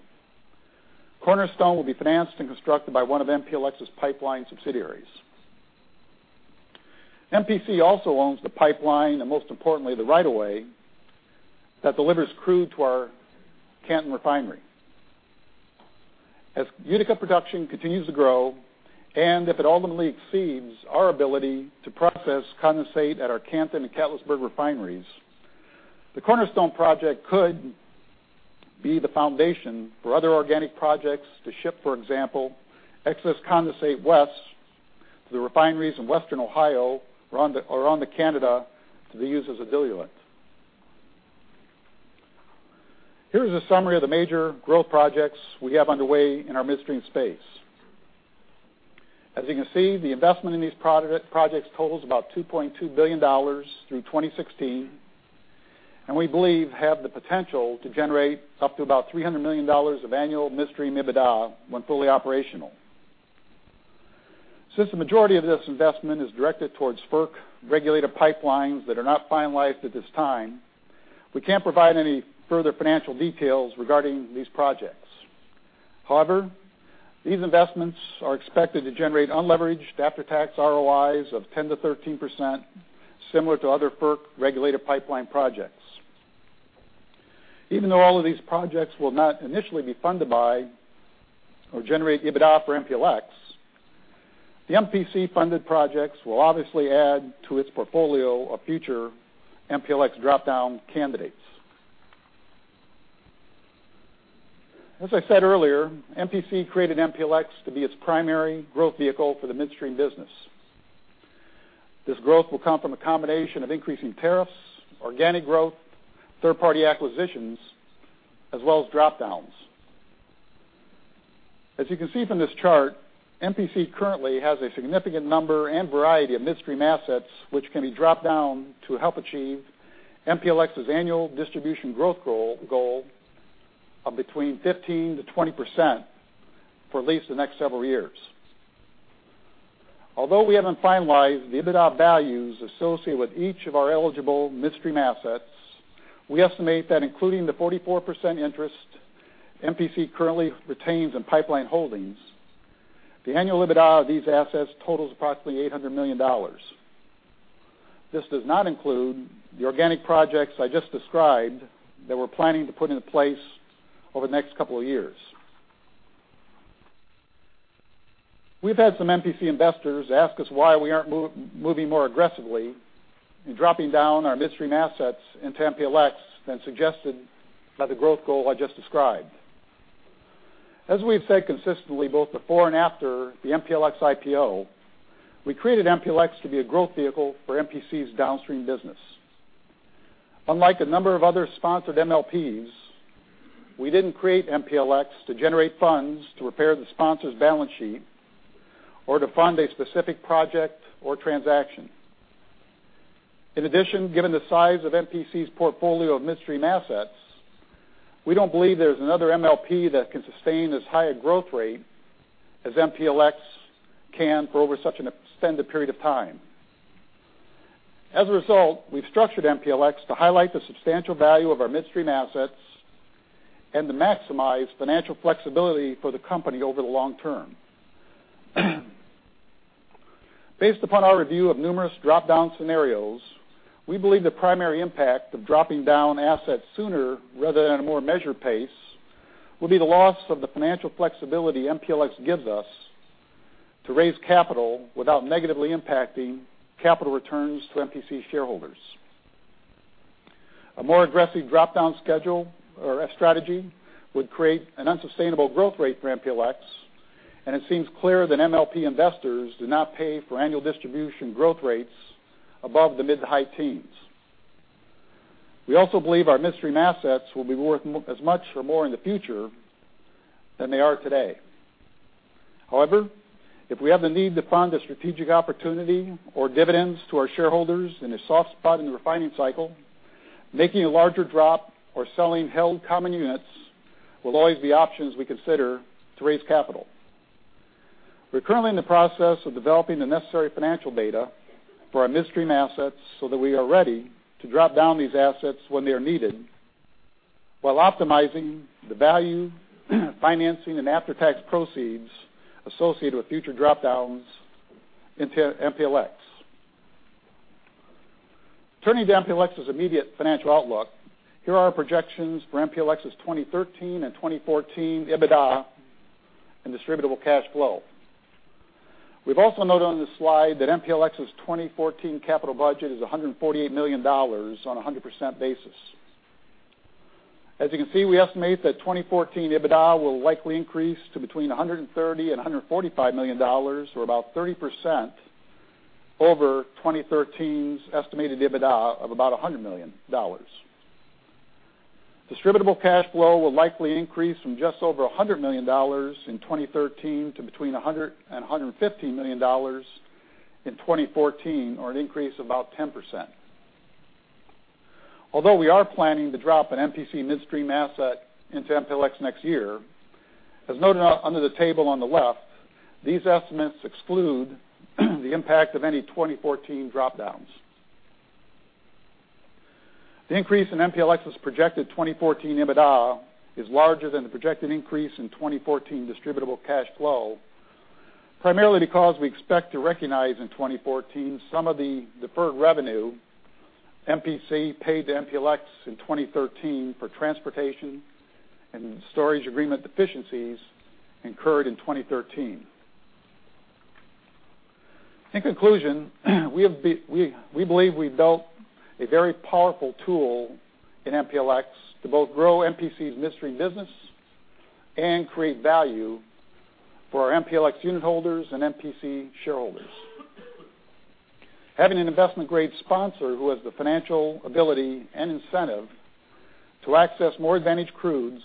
Cornerstone will be financed and constructed by one of MPLX's pipeline subsidiaries. MPC also owns the pipeline, and most importantly, the right of way that delivers crude to our Canton refinery. As Utica production continues to grow, and if it ultimately exceeds our ability to process condensate at our Canton and Catlettsburg refineries, the Cornerstone project could be the foundation for other organic projects to ship, for example, excess condensate west to the refineries in Western Ohio or onto Canada to be used as a diluent. Here is a summary of the major growth projects we have underway in our midstream space. As you can see, the investment in these projects totals about $2.2 billion through 2016. We believe have the potential to generate up to about $300 million of annual midstream EBITDA when fully operational. Since the majority of this investment is directed towards FERC-regulated pipelines that are not finalized at this time, we can't provide any further financial details regarding these projects. However, these investments are expected to generate unleveraged after-tax ROIs of 10%-13%, similar to other FERC-regulated pipeline projects. Even though all of these projects will not initially be funded by or generate EBITDA for MPLX, the MPC-funded projects will obviously add to its portfolio of future MPLX drop-down candidates. As I said earlier, MPC created MPLX to be its primary growth vehicle for the midstream business. This growth will come from a combination of increasing tariffs, organic growth, third-party acquisitions, as well as drop-downs. As you can see from this chart, MPC currently has a significant number and variety of midstream assets which can be dropped down to help achieve MPLX's annual distribution growth goal of between 15%-20% for at least the next several years. Although we haven't finalized the EBITDA values associated with each of our eligible midstream assets, we estimate that including the 44% interest MPC currently retains in Pipeline Holdings, the annual EBITDA of these assets totals approximately $800 million. This does not include the organic projects I just described that we're planning to put into place over the next couple of years. We've had some MPC investors ask us why we aren't moving more aggressively in dropping down our midstream assets into MPLX than suggested by the growth goal I just described. As we've said consistently, both before and after the MPLX IPO, we created MPLX to be a growth vehicle for MPC's downstream business. Unlike a number of other sponsored MLPs, we didn't create MPLX to generate funds to repair the sponsor's balance sheet or to fund a specific project or transaction. In addition, given the size of MPC's portfolio of midstream assets, we don't believe there's another MLP that can sustain as high a growth rate as MPLX can for over such an extended period of time. As a result, we've structured MPLX to highlight the substantial value of our midstream assets and to maximize financial flexibility for the company over the long term. Based upon our review of numerous drop-down scenarios, we believe the primary impact of dropping down assets sooner rather than at a more measured pace would be the loss of the financial flexibility MPLX gives us to raise capital without negatively impacting capital returns to MPC shareholders. A more aggressive drop-down schedule or strategy would create an unsustainable growth rate for MPLX, and it seems clear that MLP investors do not pay for annual distribution growth rates above the mid to high teens. We also believe our midstream assets will be worth as much or more in the future than they are today. However, if we have the need to fund a strategic opportunity or dividends to our shareholders in a soft spot in the refining cycle, making a larger drop or selling held common units will always be options we consider to raise capital. We're currently in the process of developing the necessary financial data for our midstream assets so that we are ready to drop down these assets when they are needed while optimizing the value, financing, and after-tax proceeds associated with future drop-downs into MPLX. Turning to MPLX's immediate financial outlook, here are our projections for MPLX's 2013 and 2014 EBITDA and distributable cash flow. We've also noted on this slide that MPLX's 2014 capital budget is $148 million on a 100% basis. As you can see, we estimate that 2014 EBITDA will likely increase to between $130 million and $145 million, or about 30% over 2013's estimated EBITDA of about $100 million. Distributable cash flow will likely increase from just over $100 million in 2013 to between $100 million and $150 million in 2014, or an increase of about 10%. Although we are planning to drop an MPC midstream asset into MPLX next year, as noted under the table on the left, these estimates exclude the impact of any 2014 drop-downs. The increase in MPLX's projected 2014 EBITDA is larger than the projected increase in 2014 distributable cash flow, primarily because we expect to recognize in 2014 some of the deferred revenue MPC paid to MPLX in 2013 for transportation and storage agreement deficiencies incurred in 2013. In conclusion, we believe we built a very powerful tool in MPLX to both grow MPC's midstream business and create value for our MPLX unit holders and MPC shareholders. Having an investment-grade sponsor who has the financial ability and incentive to access more advantage crudes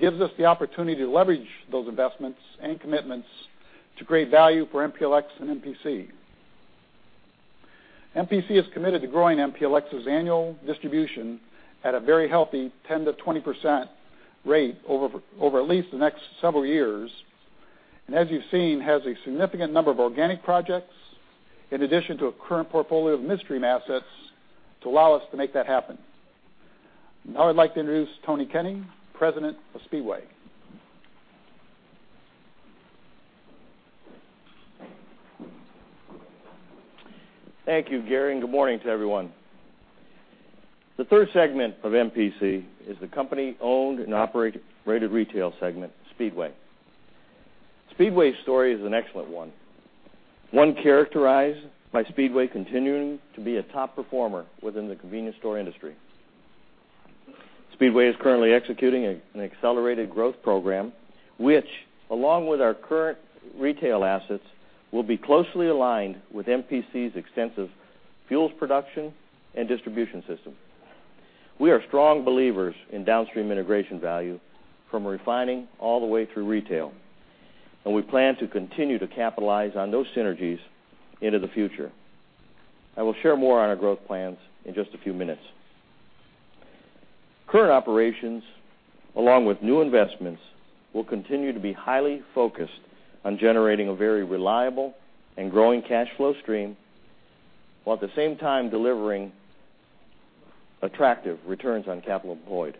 gives us the opportunity to leverage those investments and commitments to create value for MPLX and MPC. MPC is committed to growing MPLX's annual distribution at a very healthy 10%-20% rate over at least the next several years. As you've seen, has a significant number of organic projects, in addition to a current portfolio of midstream assets, to allow us to make that happen. Now I'd like to introduce Tony Kenney, President of Speedway. Thank you, Gary, good morning to everyone. The third segment of MPC is the company-owned and operated retail segment, Speedway. Speedway's story is an excellent one characterized by Speedway continuing to be a top performer within the convenience store industry. Speedway is currently executing an accelerated growth program, which, along with our current retail assets, will be closely aligned with MPC's extensive fuels production and distribution system. We are strong believers in downstream integration value from refining all the way through retail, we plan to continue to capitalize on those synergies into the future. I will share more on our growth plans in just a few minutes. Current operations, along with new investments, will continue to be highly focused on generating a very reliable and growing cash flow stream, while at the same time delivering attractive returns on capital employed.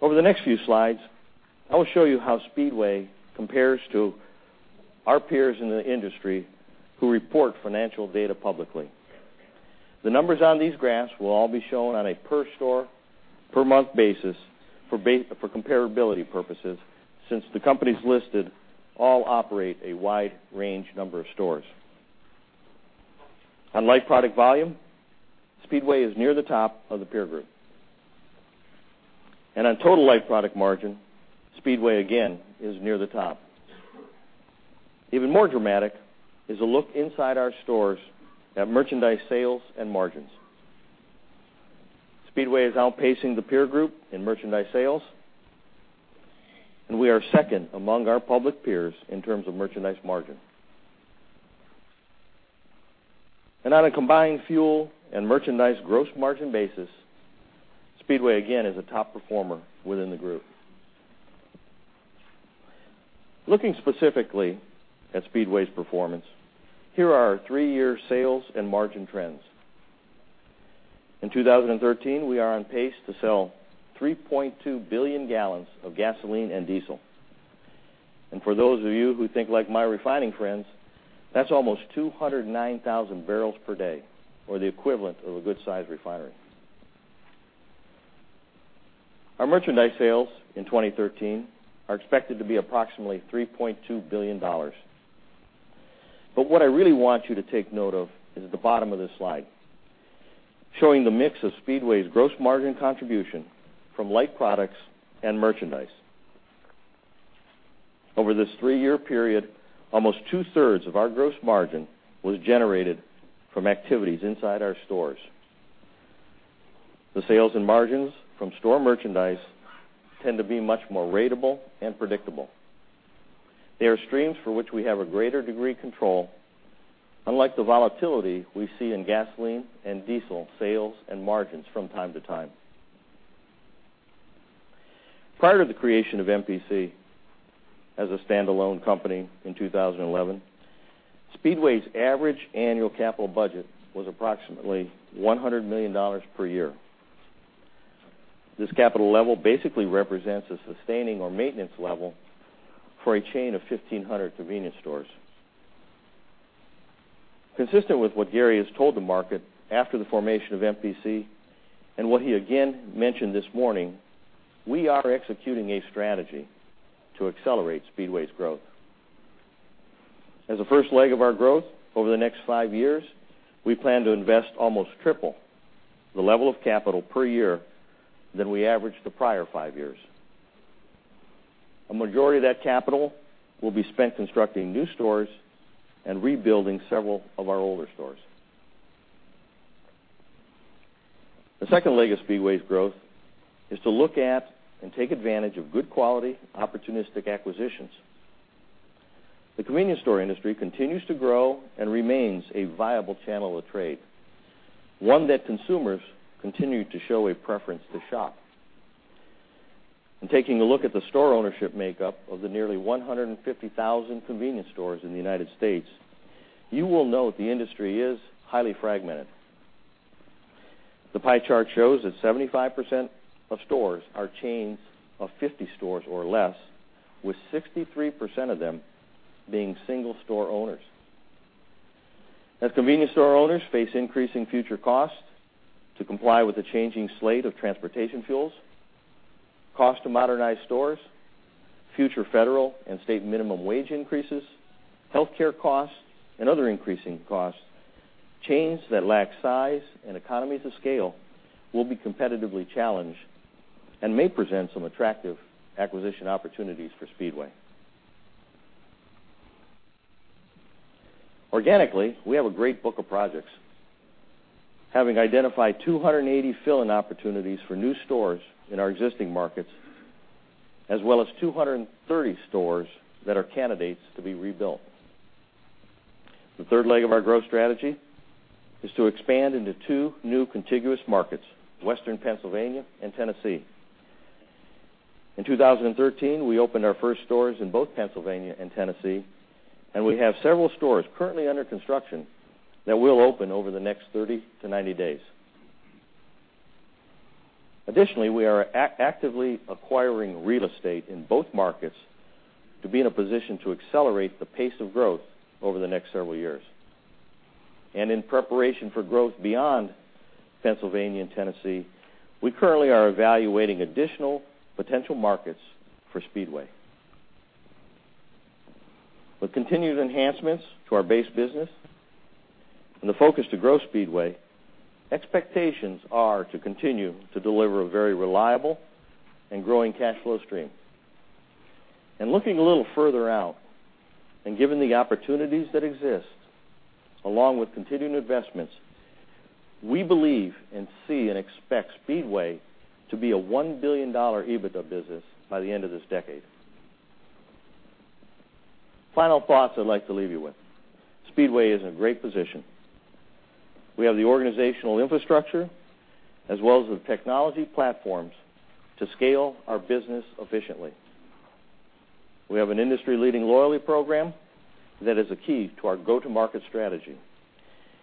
Over the next few slides, I will show you how Speedway compares to our peers in the industry who report financial data publicly. The numbers on these graphs will all be shown on a per store, per month basis for comparability purposes, since the companies listed all operate a wide range number of stores. On light product volume, Speedway is near the top of the peer group. On total light product margin, Speedway, again, is near the top. Even more dramatic is a look inside our stores at merchandise sales and margins. Speedway is outpacing the peer group in merchandise sales, we are second among our public peers in terms of merchandise margin. On a combined fuel and merchandise gross margin basis, Speedway again is a top performer within the group. Looking specifically at Speedway's performance, here are our three-year sales and margin trends. In 2013, we are on pace to sell 3.2 billion gallons of gasoline and diesel. For those of you who think like my refining friends, that's almost 209,000 barrels per day or the equivalent of a good size refinery. Our merchandise sales in 2013 are expected to be approximately $3.2 billion. What I really want you to take note of is at the bottom of this slide, showing the mix of Speedway's gross margin contribution from light products and merchandise. Over this three-year period, almost two-thirds of our gross margin was generated from activities inside our stores. The sales and margins from store merchandise tend to be much more ratable and predictable. They are streams for which we have a greater degree of control, unlike the volatility we see in gasoline and diesel sales and margins from time to time. Prior to the creation of MPC as a standalone company in 2011, Speedway's average annual capital budget was approximately $100 million per year. This capital level basically represents a sustaining or maintenance level for a chain of 1,500 convenience stores. Consistent with what Gary has told the market after the formation of MPC, what he again mentioned this morning, we are executing a strategy to accelerate Speedway's growth. As a first leg of our growth over the next five years, we plan to invest almost triple the level of capital per year than we averaged the prior five years. A majority of that capital will be spent constructing new stores and rebuilding several of our older stores. The second leg of Speedway's growth is to look at and take advantage of good quality, opportunistic acquisitions. The convenience store industry continues to grow and remains a viable channel of trade, one that consumers continue to show a preference to shop. In taking a look at the store ownership makeup of the nearly 150,000 convenience stores in the U.S., you will note the industry is highly fragmented. The pie chart shows that 75% of stores are chains of 50 stores or less, with 63% of them being single store owners. As convenience store owners face increasing future costs to comply with the changing slate of transportation fuels, cost to modernize stores, future federal and state minimum wage increases, healthcare costs, and other increasing costs, chains that lack size and economies of scale will be competitively challenged and may present some attractive acquisition opportunities for Speedway. Organically, we have a great book of projects, having identified 280 fill-in opportunities for new stores in our existing markets, as well as 230 stores that are candidates to be rebuilt. The third leg of our growth strategy is to expand into two new contiguous markets: western Pennsylvania and Tennessee. In 2013, we opened our first stores in both Pennsylvania and Tennessee, and we have several stores currently under construction that will open over the next 30 to 90 days. Additionally, we are actively acquiring real estate in both markets to be in a position to accelerate the pace of growth over the next several years. In preparation for growth beyond Pennsylvania and Tennessee, we currently are evaluating additional potential markets for Speedway. With continued enhancements to our base business and the focus to grow Speedway, expectations are to continue to deliver a very reliable and growing cash flow stream. Looking a little further out and given the opportunities that exist, along with continuing investments, we believe, and see, and expect Speedway to be a $1 billion EBITDA business by the end of this decade. Final thoughts I'd like to leave you with. Speedway is in a great position. We have the organizational infrastructure as well as the technology platforms to scale our business efficiently. We have an industry-leading loyalty program that is a key to our go-to-market strategy,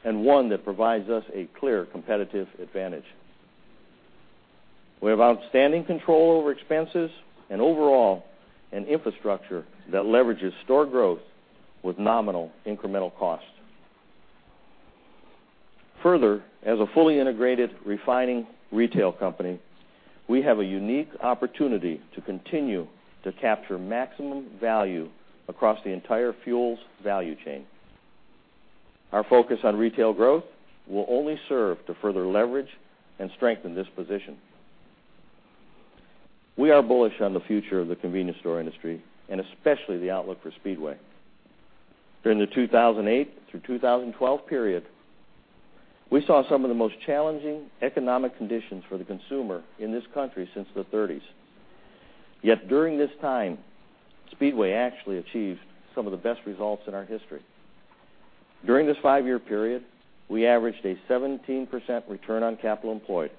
and one that provides us a clear competitive advantage. We have outstanding control over expenses and overall, an infrastructure that leverages store growth with nominal incremental costs. Further, as a fully integrated refining retail company, we have a unique opportunity to continue to capture maximum value across the entire fuels value chain. Our focus on retail growth will only serve to further leverage and strengthen this position. We are bullish on the future of the convenience store industry, and especially the outlook for Speedway. During the 2008 through 2012 period, we saw some of the most challenging economic conditions for the consumer in this country since the '30s. Yet during this time, Speedway actually achieved some of the best results in our history. During this five-year period, we averaged a 17% return on capital employed.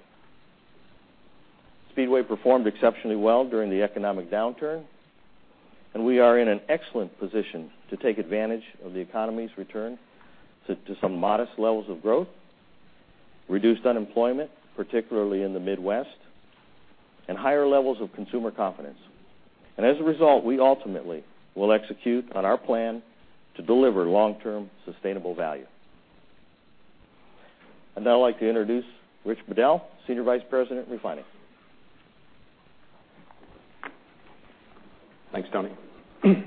Speedway performed exceptionally well during the economic downturn, and we are in an excellent position to take advantage of the economy's return to some modest levels of growth, reduced unemployment, particularly in the Midwest, and higher levels of consumer confidence. As a result, we ultimately will execute on our plan to deliver long-term sustainable value. Now I'd like to introduce Rich Bedell, Senior Vice President of Refining. Thanks, Tony Kenney.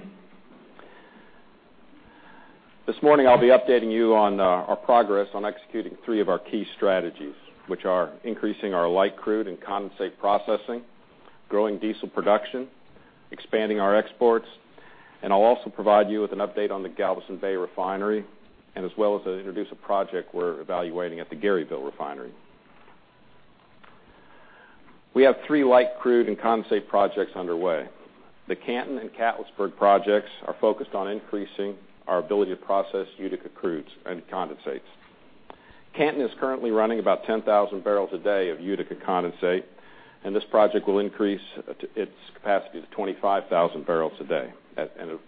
This morning I'll be updating you on our progress on executing three of our key strategies, which are increasing our light crude and condensate processing, growing diesel production, expanding our exports. I'll also provide you with an update on the Galveston Bay Refinery, as well as introduce a project we're evaluating at the Garyville Refinery. We have three light crude and condensate projects underway. The Canton and Catlettsburg projects are focused on increasing our ability to process Utica crudes and condensates. Canton is currently running about 10,000 barrels a day of Utica condensate, and this project will increase its capacity to 25,000 barrels a day. The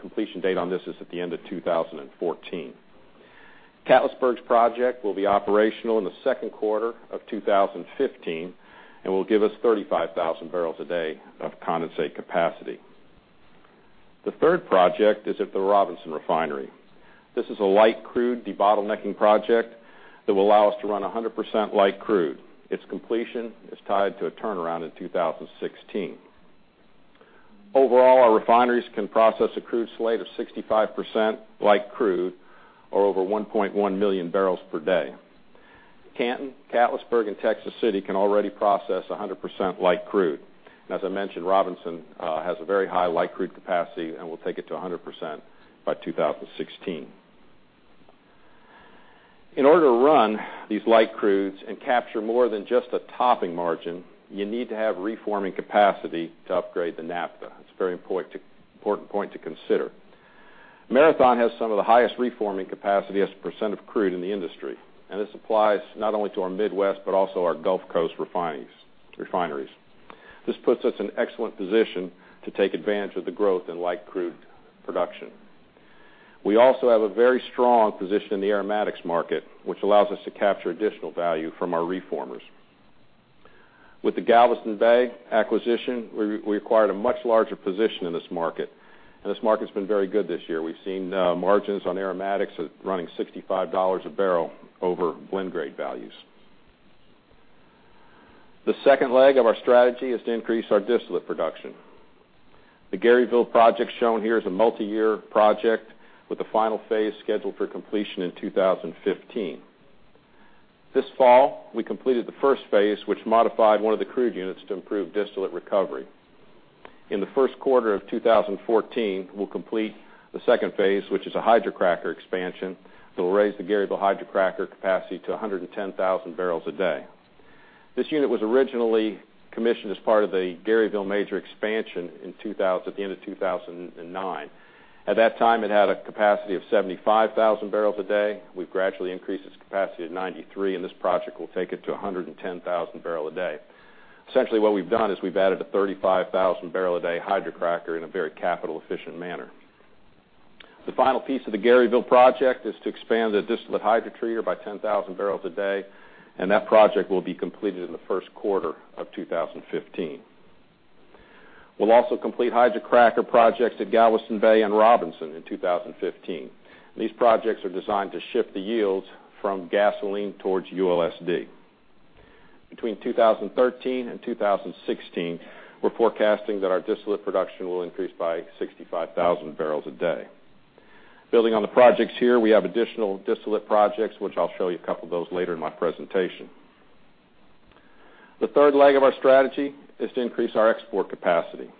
completion date on this is at the end of 2014. Catlettsburg's project will be operational in the second quarter of 2015 and will give us 35,000 barrels a day of condensate capacity. The third project is at the Robinson Refinery. This is a light crude debottlenecking project that will allow us to run 100% light crude. Its completion is tied to a turnaround in 2016. Overall, our refineries can process a crude slate of 65% light crude or over 1.1 million barrels per day. Canton, Catlettsburg, and Texas City can already process 100% light crude. As I mentioned, Robinson has a very high light crude capacity and will take it to 100% by 2016. In order to run these light crudes and capture more than just a topping margin, you need to have reforming capacity to upgrade the naphtha. It's a very important point to consider. Marathon has some of the highest reforming capacity as a percent of crude in the industry, and this applies not only to our Midwest, but also our Gulf Coast refineries. This puts us in excellent position to take advantage of the growth in light crude production. We also have a very strong position in the aromatics market, which allows us to capture additional value from our reformers. With the Galveston Bay acquisition, we acquired a much larger position in this market, and this market's been very good this year. We've seen margins on aromatics running $65 a barrel over blend grade values. The second leg of our strategy is to increase our distillate production. The Garyville Project shown here is a multi-year project with the final phase scheduled for completion in 2015. This fall, we completed the first phase, which modified one of the crude units to improve distillate recovery. In the first quarter of 2014, we'll complete the second phase, which is a hydrocracker expansion that will raise the Garyville hydrocracker capacity to 110,000 barrels a day. This unit was originally commissioned as part of the Garyville Major Expansion at the end of 2009. At that time, it had a capacity of 75,000 barrels a day. We've gradually increased its capacity to 93, and this project will take it to 110,000 barrel a day. Essentially what we've done is we've added a 35,000 barrel a day hydrocracker in a very capital-efficient manner. The final piece of the Garyville project is to expand the distillate hydrotreater by 10,000 barrels a day, and that project will be completed in the first quarter of 2015. We'll also complete hydrocracker projects at Galveston Bay and Robinson in 2015. These projects are designed to shift the yields from gasoline towards ULSD. Between 2013 and 2016, we're forecasting that our distillate production will increase by 65,000 barrels a day. Building on the projects here, we have additional distillate projects, which I'll show you a couple of those later in my presentation. The third leg of our strategy is to increase our export capacity.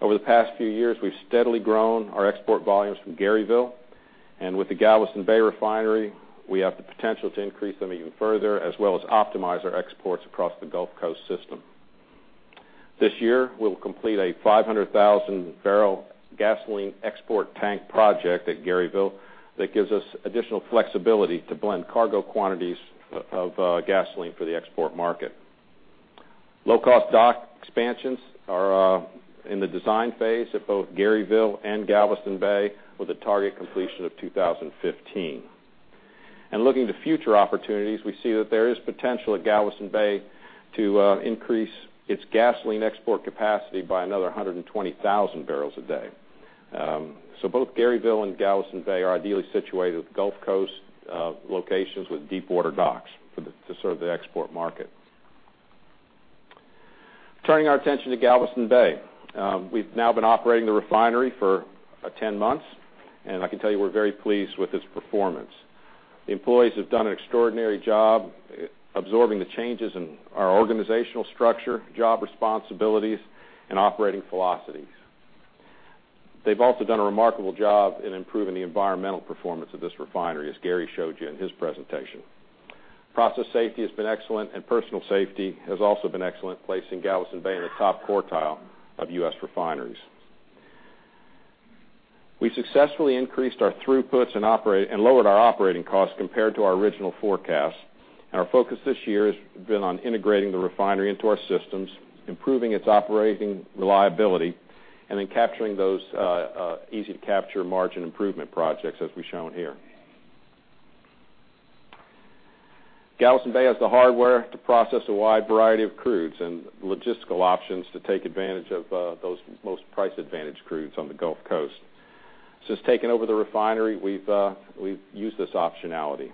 Over the past few years, we've steadily grown our export volumes from Garyville, and with the Galveston Bay refinery, we have the potential to increase them even further, as well as optimize our exports across the Gulf Coast system. This year, we'll complete a 500,000-barrel gasoline export tank project at Garyville that gives us additional flexibility to blend cargo quantities of gasoline for the export market. Low-cost dock expansions are in the design phase at both Garyville and Galveston Bay with a target completion of 2015. Looking to future opportunities, we see that there is potential at Galveston Bay to increase its gasoline export capacity by another 120,000 barrels a day. Both Garyville and Galveston Bay are ideally situated with Gulf Coast locations with deepwater docks to serve the export market. Turning our attention to Galveston Bay. We've now been operating the refinery for 10 months, and I can tell you we're very pleased with its performance. The employees have done an extraordinary job absorbing the changes in our organizational structure, job responsibilities, and operating philosophies. They've also done a remarkable job in improving the environmental performance of this refinery, as Garry showed you in his presentation. Process safety has been excellent, and personal safety has also been excellent, placing Galveston Bay in the top quartile of U.S. refineries. We successfully increased our throughputs and lowered our operating costs compared to our original forecast, and our focus this year has been on integrating the refinery into our systems, improving its operating reliability, and then capturing those easy-to-capture margin improvement projects as we've shown here. Galveston Bay has the hardware to process a wide variety of crudes and logistical options to take advantage of those most price-advantaged crudes on the Gulf Coast. Since taking over the refinery, we've used this optionality.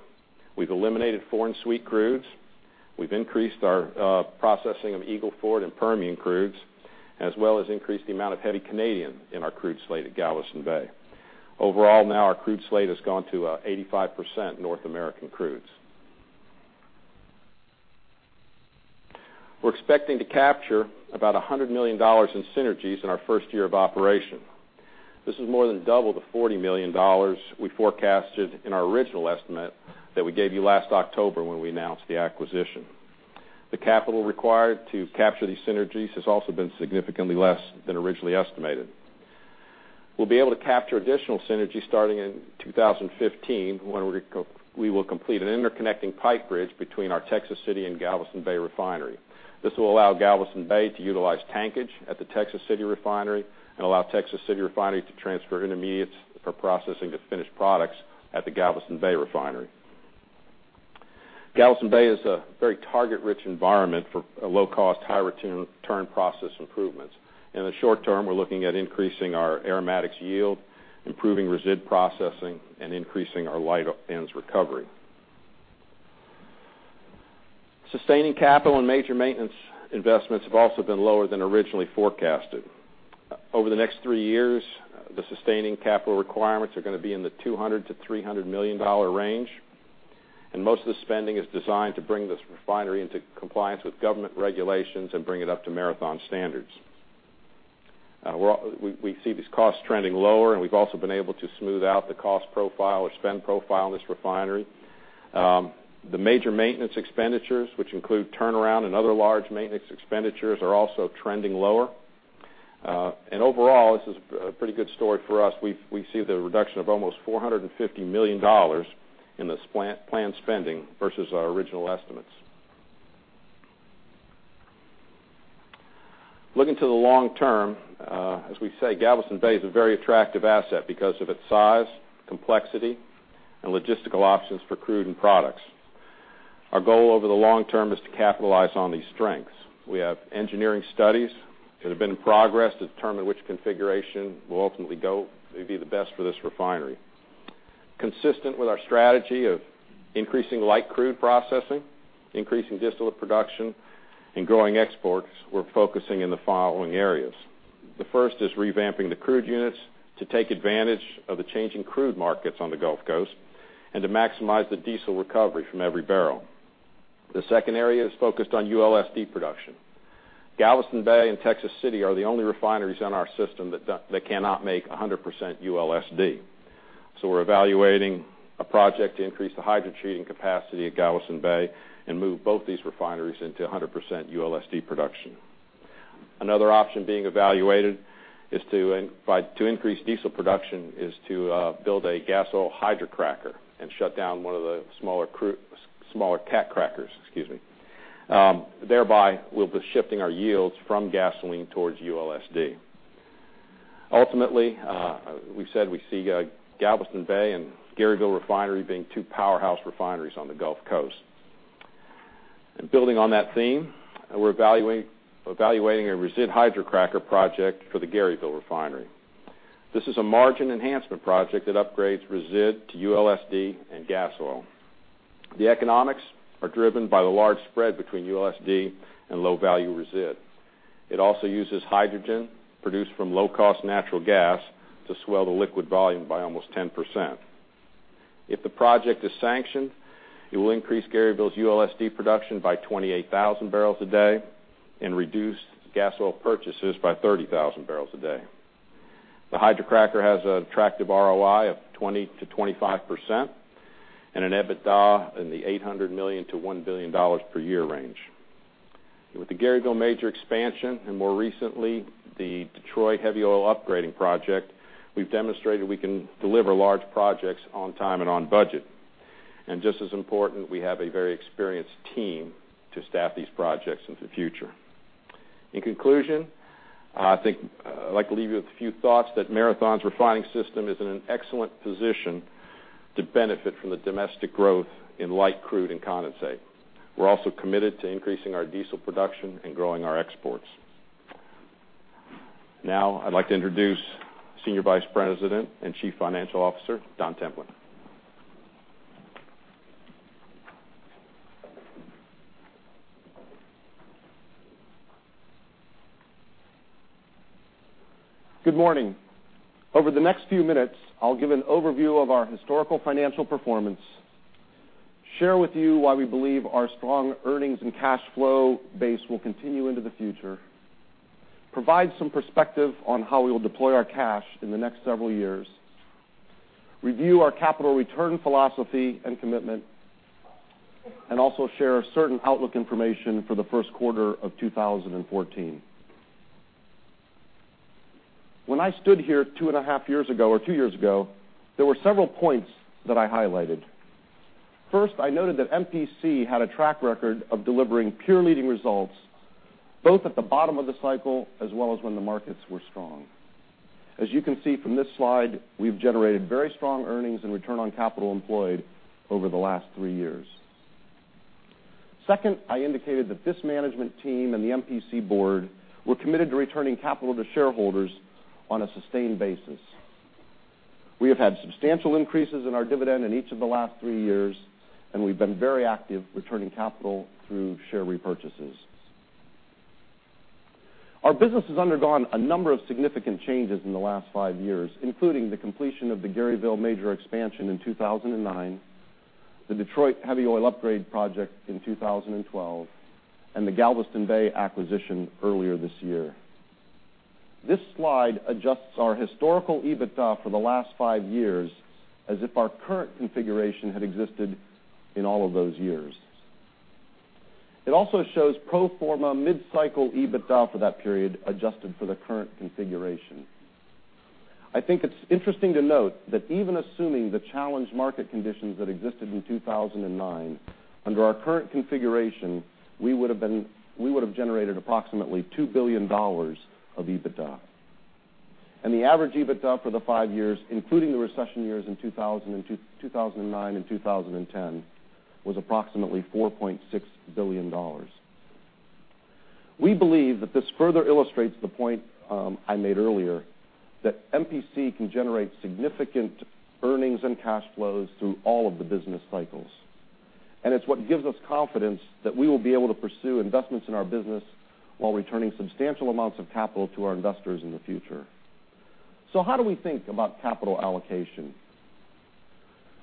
We've eliminated foreign sweet crudes. We've increased our processing of Eagle Ford and Permian crudes, as well as increased the amount of heavy Canadian in our crude slate at Galveston Bay. Overall, now our crude slate has gone to 85% North American crudes. We're expecting to capture about $100 million in synergies in our first year of operation. This is more than double the $40 million we forecasted in our original estimate that we gave you last October when we announced the acquisition. The capital required to capture these synergies has also been significantly less than originally estimated. We'll be able to capture additional synergies starting in 2015, when we will complete an interconnecting pipe bridge between our Texas City and Galveston Bay refinery. This will allow Galveston Bay to utilize tankage at the Texas City refinery and allow Texas City refinery to transfer intermediates for processing to finished products at the Galveston Bay refinery. Galveston Bay is a very target-rich environment for low-cost, high-return process improvements. In the short term, we're looking at increasing our aromatics yield, improving resid processing, and increasing our light ends recovery. Sustaining capital and major maintenance investments have also been lower than originally forecasted. Over the next three years, the sustaining capital requirements are going to be in the $200 million-$300 million range, most of the spending is designed to bring this refinery into compliance with government regulations and bring it up to Marathon standards. We see these costs trending lower, we've also been able to smooth out the cost profile or spend profile in this refinery. The major maintenance expenditures, which include turnaround and other large maintenance expenditures, are also trending lower. Overall, this is a pretty good story for us. We see the reduction of almost $450 million in this planned spending versus our original estimates. Looking to the long term, as we say, Galveston Bay is a very attractive asset because of its size, complexity, and logistical options for crude and products. Our goal over the long term is to capitalize on these strengths. We have engineering studies that have been in progress to determine which configuration will ultimately be the best for this refinery. Consistent with our strategy of increasing light crude processing, increasing distillate production, and growing exports, we're focusing in the following areas. The first is revamping the crude units to take advantage of the changing crude markets on the Gulf Coast and to maximize the diesel recovery from every barrel. The second area is focused on ULSD production. Galveston Bay and Texas City are the only refineries in our system that cannot make 100% ULSD. We're evaluating a project to increase the hydro treating capacity at Galveston Bay and move both these refineries into 100% ULSD production. Another option being evaluated to increase diesel production is to build a gas oil hydrocracker and shut down one of the smaller cat crackers. Thereby, we'll be shifting our yields from gasoline towards ULSD. Ultimately, we've said we see Galveston Bay and Garyville Refinery being two powerhouse refineries on the Gulf Coast. Building on that theme, we're evaluating a resid hydrocracker project for the Garyville Refinery. This is a margin enhancement project that upgrades resid to ULSD and gas oil. The economics are driven by the large spread between ULSD and low-value resid. It also uses hydrogen produced from low-cost natural gas to swell the liquid volume by almost 10%. If the project is sanctioned, it will increase Garyville's ULSD production by 28,000 barrels a day and reduce gas oil purchases by 30,000 barrels a day. The hydrocracker has an attractive ROI of 20%-25% and an EBITDA in the $800 million-$1 billion per year range. With the Garyville Major Expansion and more recently, the Detroit Heavy Oil Upgrade Project, we've demonstrated we can deliver large projects on time and on budget. Just as important, we have a very experienced team to staff these projects into the future. In conclusion, I'd like to leave you with a few thoughts that Marathon Petroleum's refining system is in an excellent position to benefit from the domestic growth in light crude and condensate. We're also committed to increasing our diesel production and growing our exports. Now I'd like to introduce Senior Vice President and Chief Financial Officer, Don Templin. Good morning. Over the next few minutes, I'll give an overview of our historical financial performance, share with you why we believe our strong earnings and cash flow base will continue into the future, provide some perspective on how we will deploy our cash in the next several years, review our capital return philosophy and commitment, also share certain outlook information for the first quarter of 2014. When I stood here two and a half years ago or two years ago, there were several points that I highlighted. First, I noted that MPC had a track record of delivering peer-leading results, both at the bottom of the cycle as well as when the markets were strong. As you can see from this slide, we've generated very strong earnings and return on capital employed over the last three years. Second, I indicated that this management team and the MPC board were committed to returning capital to shareholders on a sustained basis. We have had substantial increases in our dividend in each of the last three years, we've been very active returning capital through share repurchases. Our business has undergone a number of significant changes in the last five years, including the completion of the Garyville Major Expansion in 2009, the Detroit Heavy Oil Upgrade Project in 2012, and the Galveston Bay acquisition earlier this year. This slide adjusts our historical EBITDA for the last five years as if our current configuration had existed in all of those years. It also shows pro forma mid-cycle EBITDA for that period adjusted for the current configuration. I think it's interesting to note that even assuming the challenged market conditions that existed in 2009, under our current configuration, we would have generated approximately $2 billion of EBITDA. The average EBITDA for the five years, including the recession years in 2009 and 2010, was approximately $4.6 billion. We believe that this further illustrates the point I made earlier that MPC can generate significant earnings and cash flows through all of the business cycles. It's what gives us confidence that we will be able to pursue investments in our business while returning substantial amounts of capital to our investors in the future. How do we think about capital allocation?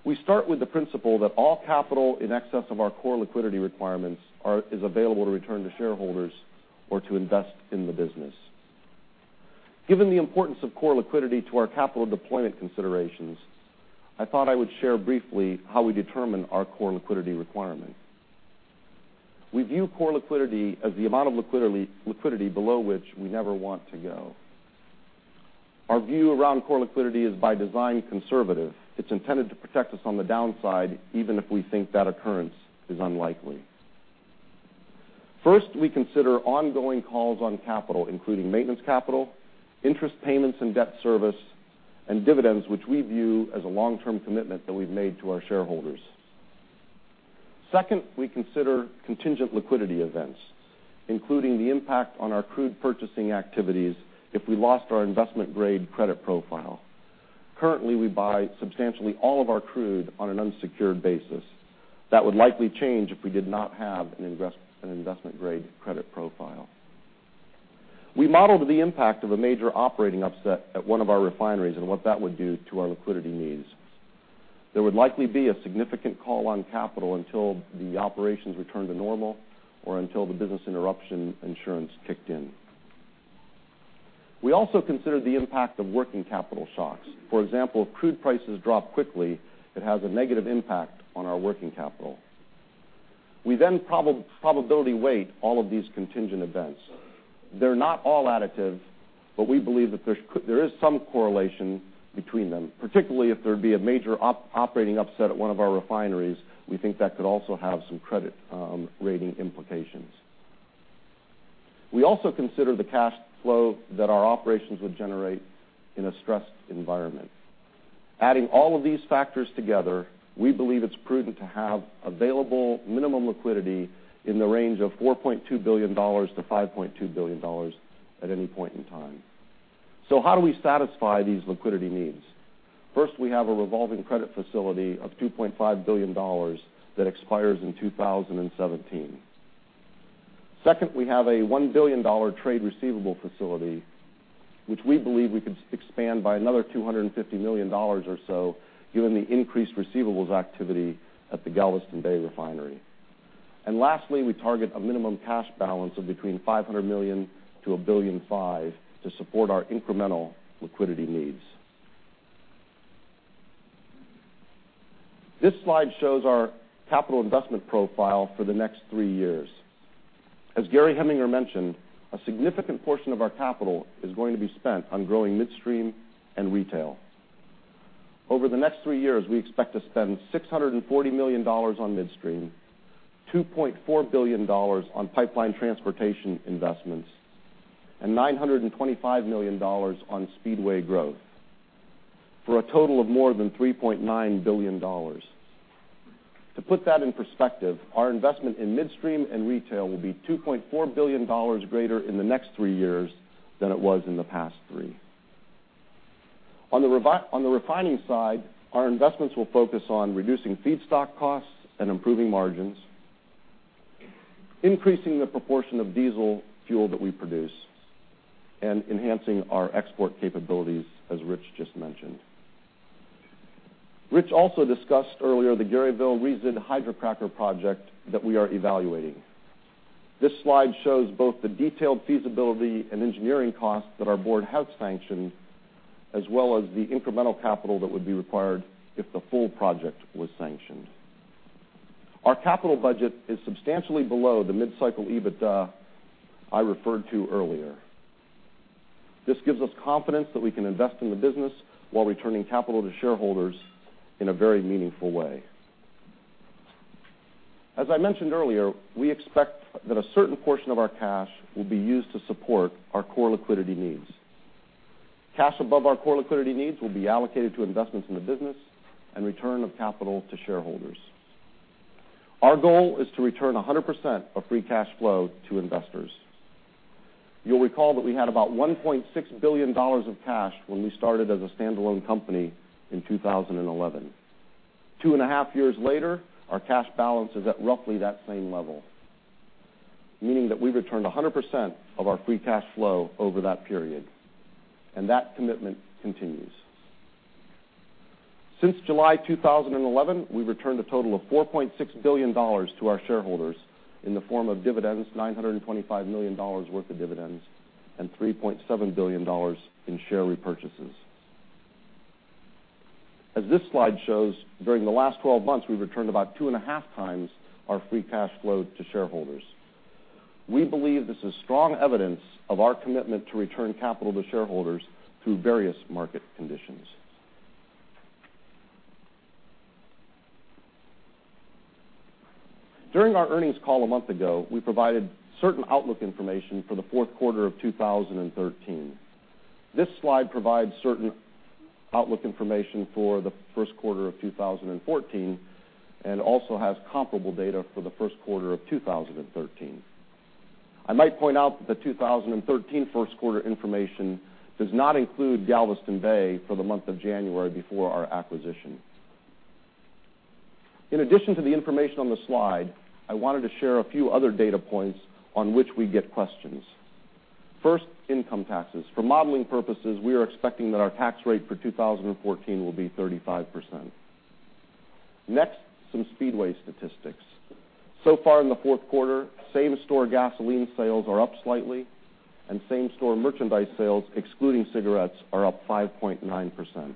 We start with the principle that all capital in excess of our core liquidity requirements is available to return to shareholders or to invest in the business. Given the importance of core liquidity to our capital deployment considerations, I thought I would share briefly how we determine our core liquidity requirement. We view core liquidity as the amount of liquidity below which we never want to go. Our view around core liquidity is by design conservative. It's intended to protect us on the downside, even if we think that occurrence is unlikely. First, we consider ongoing calls on capital, including maintenance capital, interest payments and debt service, and dividends, which we view as a long-term commitment that we've made to our shareholders. Second, we consider contingent liquidity events, including the impact on our crude purchasing activities if we lost our investment-grade credit profile. Currently, we buy substantially all of our crude on an unsecured basis. That would likely change if we did not have an investment-grade credit profile. We modeled the impact of a major operating upset at one of our refineries and what that would do to our liquidity needs. There would likely be a significant call on capital until the operations return to normal or until the business interruption insurance kicked in. We also considered the impact of working capital shocks. For example, if crude prices drop quickly, it has a negative impact on our working capital. We probability weight all of these contingent events. They're not all additive, but we believe that there is some correlation between them, particularly if there'd be a major operating upset at one of our refineries. We think that could also have some credit rating implications. We also consider the cash flow that our operations would generate in a stressed environment. Adding all of these factors together, we believe it's prudent to have available minimum liquidity in the range of $4.2 billion-$5.2 billion at any point in time. How do we satisfy these liquidity needs? First, we have a revolving credit facility of $2.5 billion that expires in 2017. Second, we have a $1 billion trade receivable facility, which we believe we could expand by another $250 million or so given the increased receivables activity at the Galveston Bay Refinery. Lastly, we target a minimum cash balance of between $500 million-$1.5 billion to support our incremental liquidity needs. This slide shows our capital investment profile for the next three years. As Gary Heminger mentioned, a significant portion of our capital is going to be spent on growing midstream and retail. Over the next three years, we expect to spend $640 million on midstream, $2.4 billion on pipeline transportation investments, and $925 million on Speedway growth for a total of more than $3.9 billion. To put that in perspective, our investment in midstream and retail will be $2.4 billion greater in the next three years than it was in the past three. On the refining side, our investments will focus on reducing feedstock costs and improving margins, increasing the proportion of diesel fuel that we produce, and enhancing our export capabilities, as Rich just mentioned. Rich also discussed earlier the Garyville resid hydrocracker project that we are evaluating. This slide shows both the detailed feasibility and engineering costs that our board has sanctioned, as well as the incremental capital that would be required if the full project was sanctioned. Our capital budget is substantially below the mid-cycle EBITDA I referred to earlier. This gives us confidence that we can invest in the business while returning capital to shareholders in a very meaningful way. As I mentioned earlier, we expect that a certain portion of our cash will be used to support our core liquidity needs. Cash above our core liquidity needs will be allocated to investments in the business and return of capital to shareholders. Our goal is to return 100% of free cash flow to investors. You will recall that we had about $1.6 billion of cash when we started as a standalone company in 2011. Two and a half years later, our cash balance is at roughly that same level, meaning that we returned 100% of our free cash flow over that period, and that commitment continues. Since July 2011, we have returned a total of $4.6 billion to our shareholders in the form of dividends, $925 million worth of dividends, and $3.7 billion in share repurchases. As this slide shows, during the last 12 months, we have returned about two and a half times our free cash flow to shareholders. We believe this is strong evidence of our commitment to return capital to shareholders through various market conditions. During our earnings call a month ago, we provided certain outlook information for the fourth quarter of 2013. This slide provides certain outlook information for the first quarter of 2014 and also has comparable data for the first quarter of 2013. I might point out that the 2013 first quarter information does not include Galveston Bay for the month of January before our acquisition. In addition to the information on the slide, I wanted to share a few other data points on which we get questions. First, income taxes. For modeling purposes, we are expecting that our tax rate for 2014 will be 35%. Next, some Speedway statistics. So far in the fourth quarter, same-store gasoline sales are up slightly, and same-store merchandise sales, excluding cigarettes, are up 5.9%.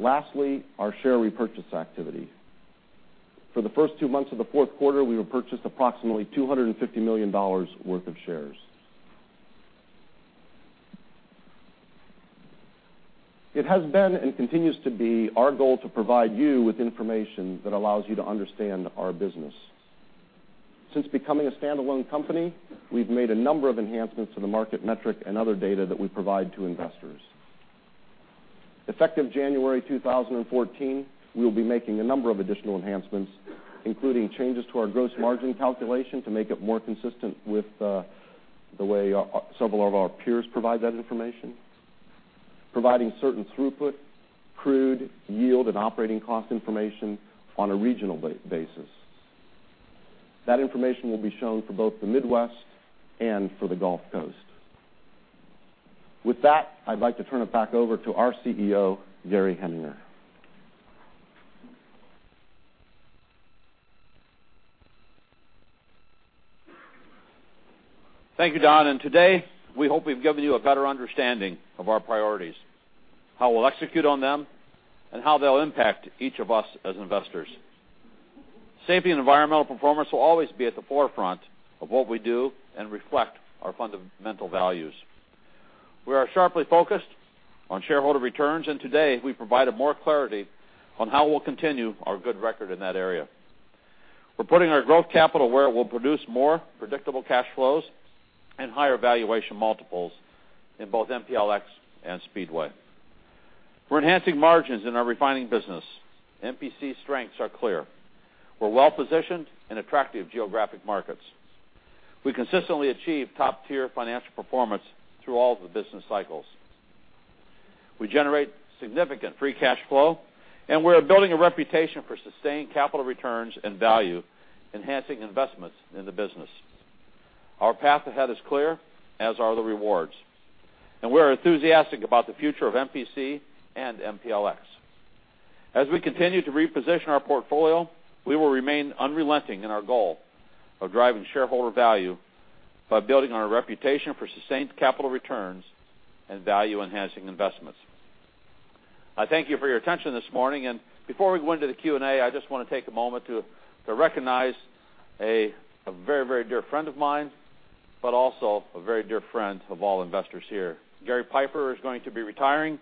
Lastly, our share repurchase activity. For the first two months of the fourth quarter, we repurchased approximately $250 million worth of shares. It has been and continues to be our goal to provide you with information that allows you to understand our business. Since becoming a standalone company, we have made a number of enhancements to the market metric and other data that we provide to investors. Effective January 2014, we will be making a number of additional enhancements, including changes to our gross margin calculation to make it more consistent with the way several of our peers provide that information, providing certain throughput, crude yield, and operating cost information on a regional basis. That information will be shown for both the Midwest and for the Gulf Coast. With that, I would like to turn it back over to our CEO, Gary Heminger. Thank you, Don. Today, we hope we've given you a better understanding of our priorities, how we'll execute on them, and how they'll impact each of us as investors. Safety and environmental performance will always be at the forefront of what we do and reflect our fundamental values. We are sharply focused on shareholder returns. Today we provided more clarity on how we'll continue our good record in that area. We're putting our growth capital where it will produce more predictable cash flows and higher valuation multiples in both MPLX and Speedway. We're enhancing margins in our refining business. MPC's strengths are clear. We're well-positioned in attractive geographic markets. We consistently achieve top-tier financial performance through all the business cycles. We generate significant free cash flow, and we're building a reputation for sustained capital returns and value-enhancing investments in the business. Our path ahead is clear, as are the rewards. We're enthusiastic about the future of MPC and MPLX. As we continue to reposition our portfolio, we will remain unrelenting in our goal of driving shareholder value by building on our reputation for sustained capital returns and value-enhancing investments. I thank you for your attention this morning. Before we go into the Q&A, I just want to take a moment to recognize a very dear friend of mine, but also a very dear friend of all investors here. Garry Peiffer is going to be retiring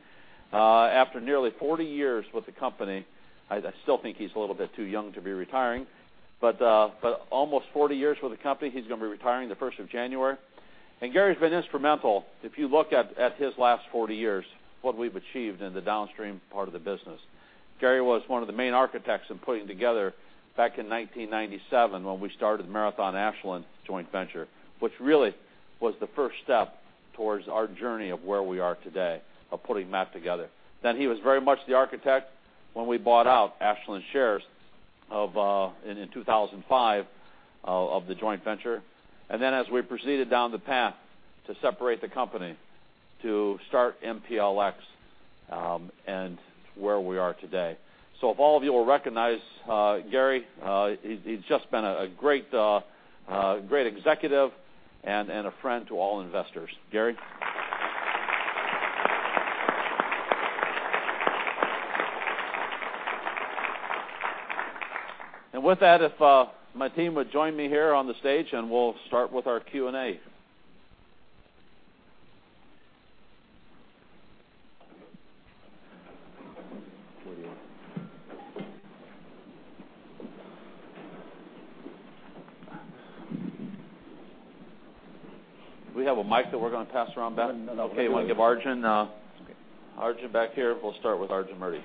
after nearly 40 years with the company. I still think he's a little bit too young to be retiring, but almost 40 years with the company, he's going to be retiring the 1st of January. Garry's been instrumental. If you look at his last 40 years, what we've achieved in the downstream part of the business. Garry was one of the main architects in putting together, back in 1997, when we started the Marathon Ashland joint venture, which really was the first step towards our journey of where we are today, of putting that together. He was very much the architect when we bought out Ashland shares in 2005 of the joint venture, and then as we proceeded down the path to separate the company to start MPLX and where we are today. If all of you will recognize Garry. He's just been a great executive and a friend to all investors. Garry. With that, if my team would join me here on the stage, and we'll start with our Q&A. We have a mic that we're going to pass around. Want to give Arjun back here. We'll start with Arjun Murti.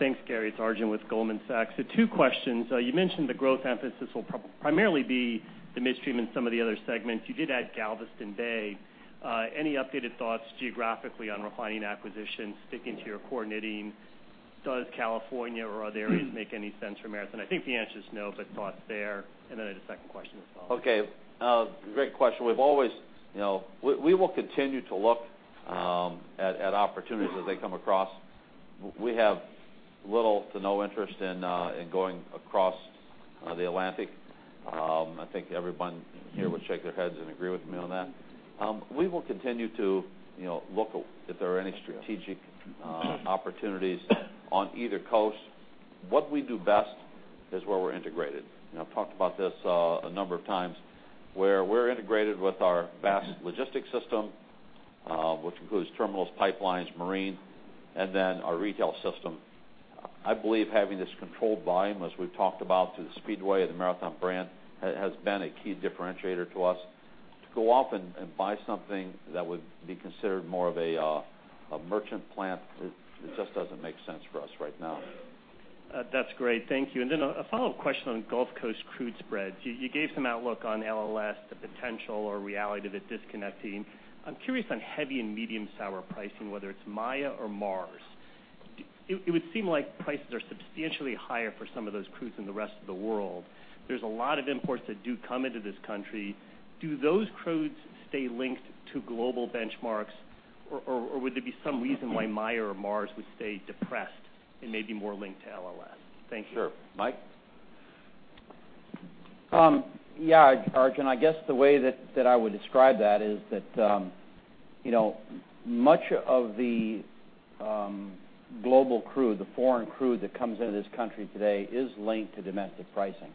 Thanks, Gary. It's Arjun with Goldman Sachs. Two questions. You mentioned the growth emphasis will primarily be the midstream and some of the other segments. You did add Galveston Bay. Any updated thoughts geographically on refining acquisitions sticking to your core knitting? Does California or other areas make any sense for Marathon? I think the answer's no, but thoughts there. I had a second question as well. Okay. Great question. We will continue to look at opportunities as they come across. We have little to no interest in going across the Atlantic. I think everyone here would shake their heads and agree with me on that. We will continue to look if there are any strategic opportunities on either coast. What we do best is where we're integrated. I've talked about this a number of times, where we're integrated with our vast logistics system which includes terminals, pipelines, marine, and then our retail system. I believe having this controlled volume, as we've talked about through the Speedway and the Marathon brand, has been a key differentiator to us. To go off and buy something that would be considered more of a merchant plant, it just doesn't make sense for us right now. That's great. Thank you. A follow-up question on Gulf Coast crude spreads. You gave some outlook on LLS, the potential or reality of it disconnecting. I'm curious on heavy and medium sour pricing, whether it's Maya or Mars. It would seem like prices are substantially higher for some of those crudes than the rest of the world. There's a lot of imports that do come into this country. Do those crudes stay linked to global benchmarks, or would there be some reason why Maya or Mars would stay depressed and maybe more linked to LLS? Thank you. Sure. Mike? Yeah, Arjun, I guess the way that I would describe that is that much of the global crude, the foreign crude that comes into this country today is linked to domestic pricing,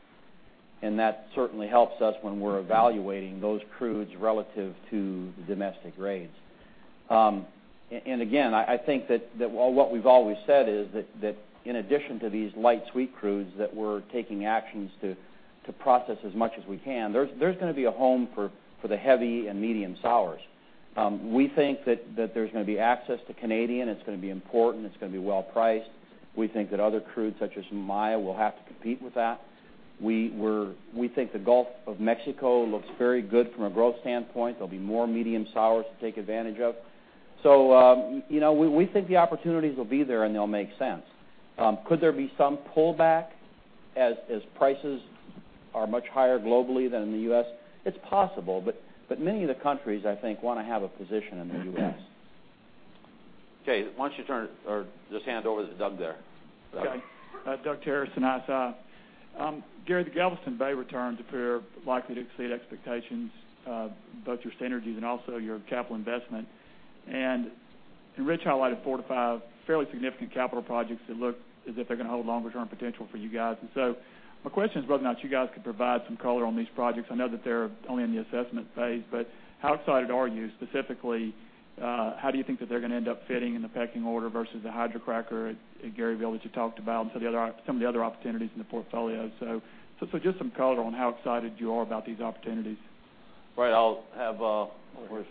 and that certainly helps us when we're evaluating those crudes relative to the domestic rates. Again, I think that what we've always said is that in addition to these light sweet crudes that we're taking actions to process as much as we can, there's going to be a home for the heavy and medium sours. We think that there's going to be access to Canadian. It's going to be important. It's going to be well priced. We think that other crudes such as Maya will have to compete with that. We think the Gulf of Mexico looks very good from a growth standpoint. There'll be more medium sours to take advantage of. We think the opportunities will be there, and they'll make sense. Could there be some pullback as prices are much higher globally than in the U.S.? It's possible, but many of the countries, I think, want to have a position in the U.S. Okay. Why don't you just hand over to Doug there? Okay. Doug Terreson, ISI. Gary, the Galveston Bay returns appear likely to exceed expectations, both your synergies and also your capital investment. Rich highlighted four to five fairly significant capital projects that look as if they're going to hold longer-term potential for you guys. My question is whether or not you guys could provide some color on these projects. I know that they're only in the assessment phase, but how excited are you specifically? How do you think that they're going to end up fitting in the pecking order versus the hydrocracker at Garyville that you talked about and some of the other opportunities in the portfolio? Just some color on how excited you are about these opportunities. Right. Where's Rich? There's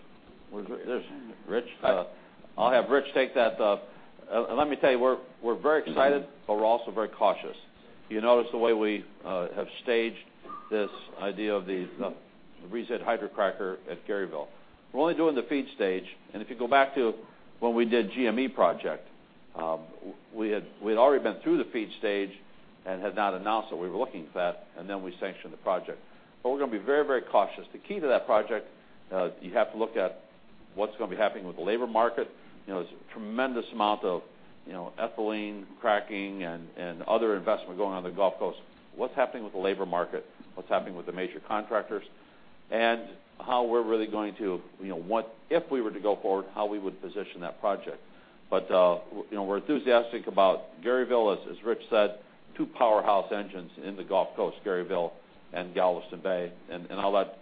Rich. I'll have Rich take that up. Let me tell you, we're very excited, but we're also very cautious. You notice the way we have staged this idea of the resid hydrocracker at Garyville. We're only doing the feed stage, and if you go back to when we did GME project, we had already been through the feed stage and had not announced that we were looking for that, and then we sanctioned the project. We're going to be very cautious. The key to that project, you have to look at what's going to be happening with the labor market. There's a tremendous amount of ethylene cracking and other investment going on in the Gulf Coast. What's happening with the labor market? What's happening with the major contractors? How we're really, if we were to go forward, how we would position that project. We're enthusiastic about Garyville, as Rich said, two powerhouse engines in the Gulf Coast, Garyville and Galveston Bay. I'll let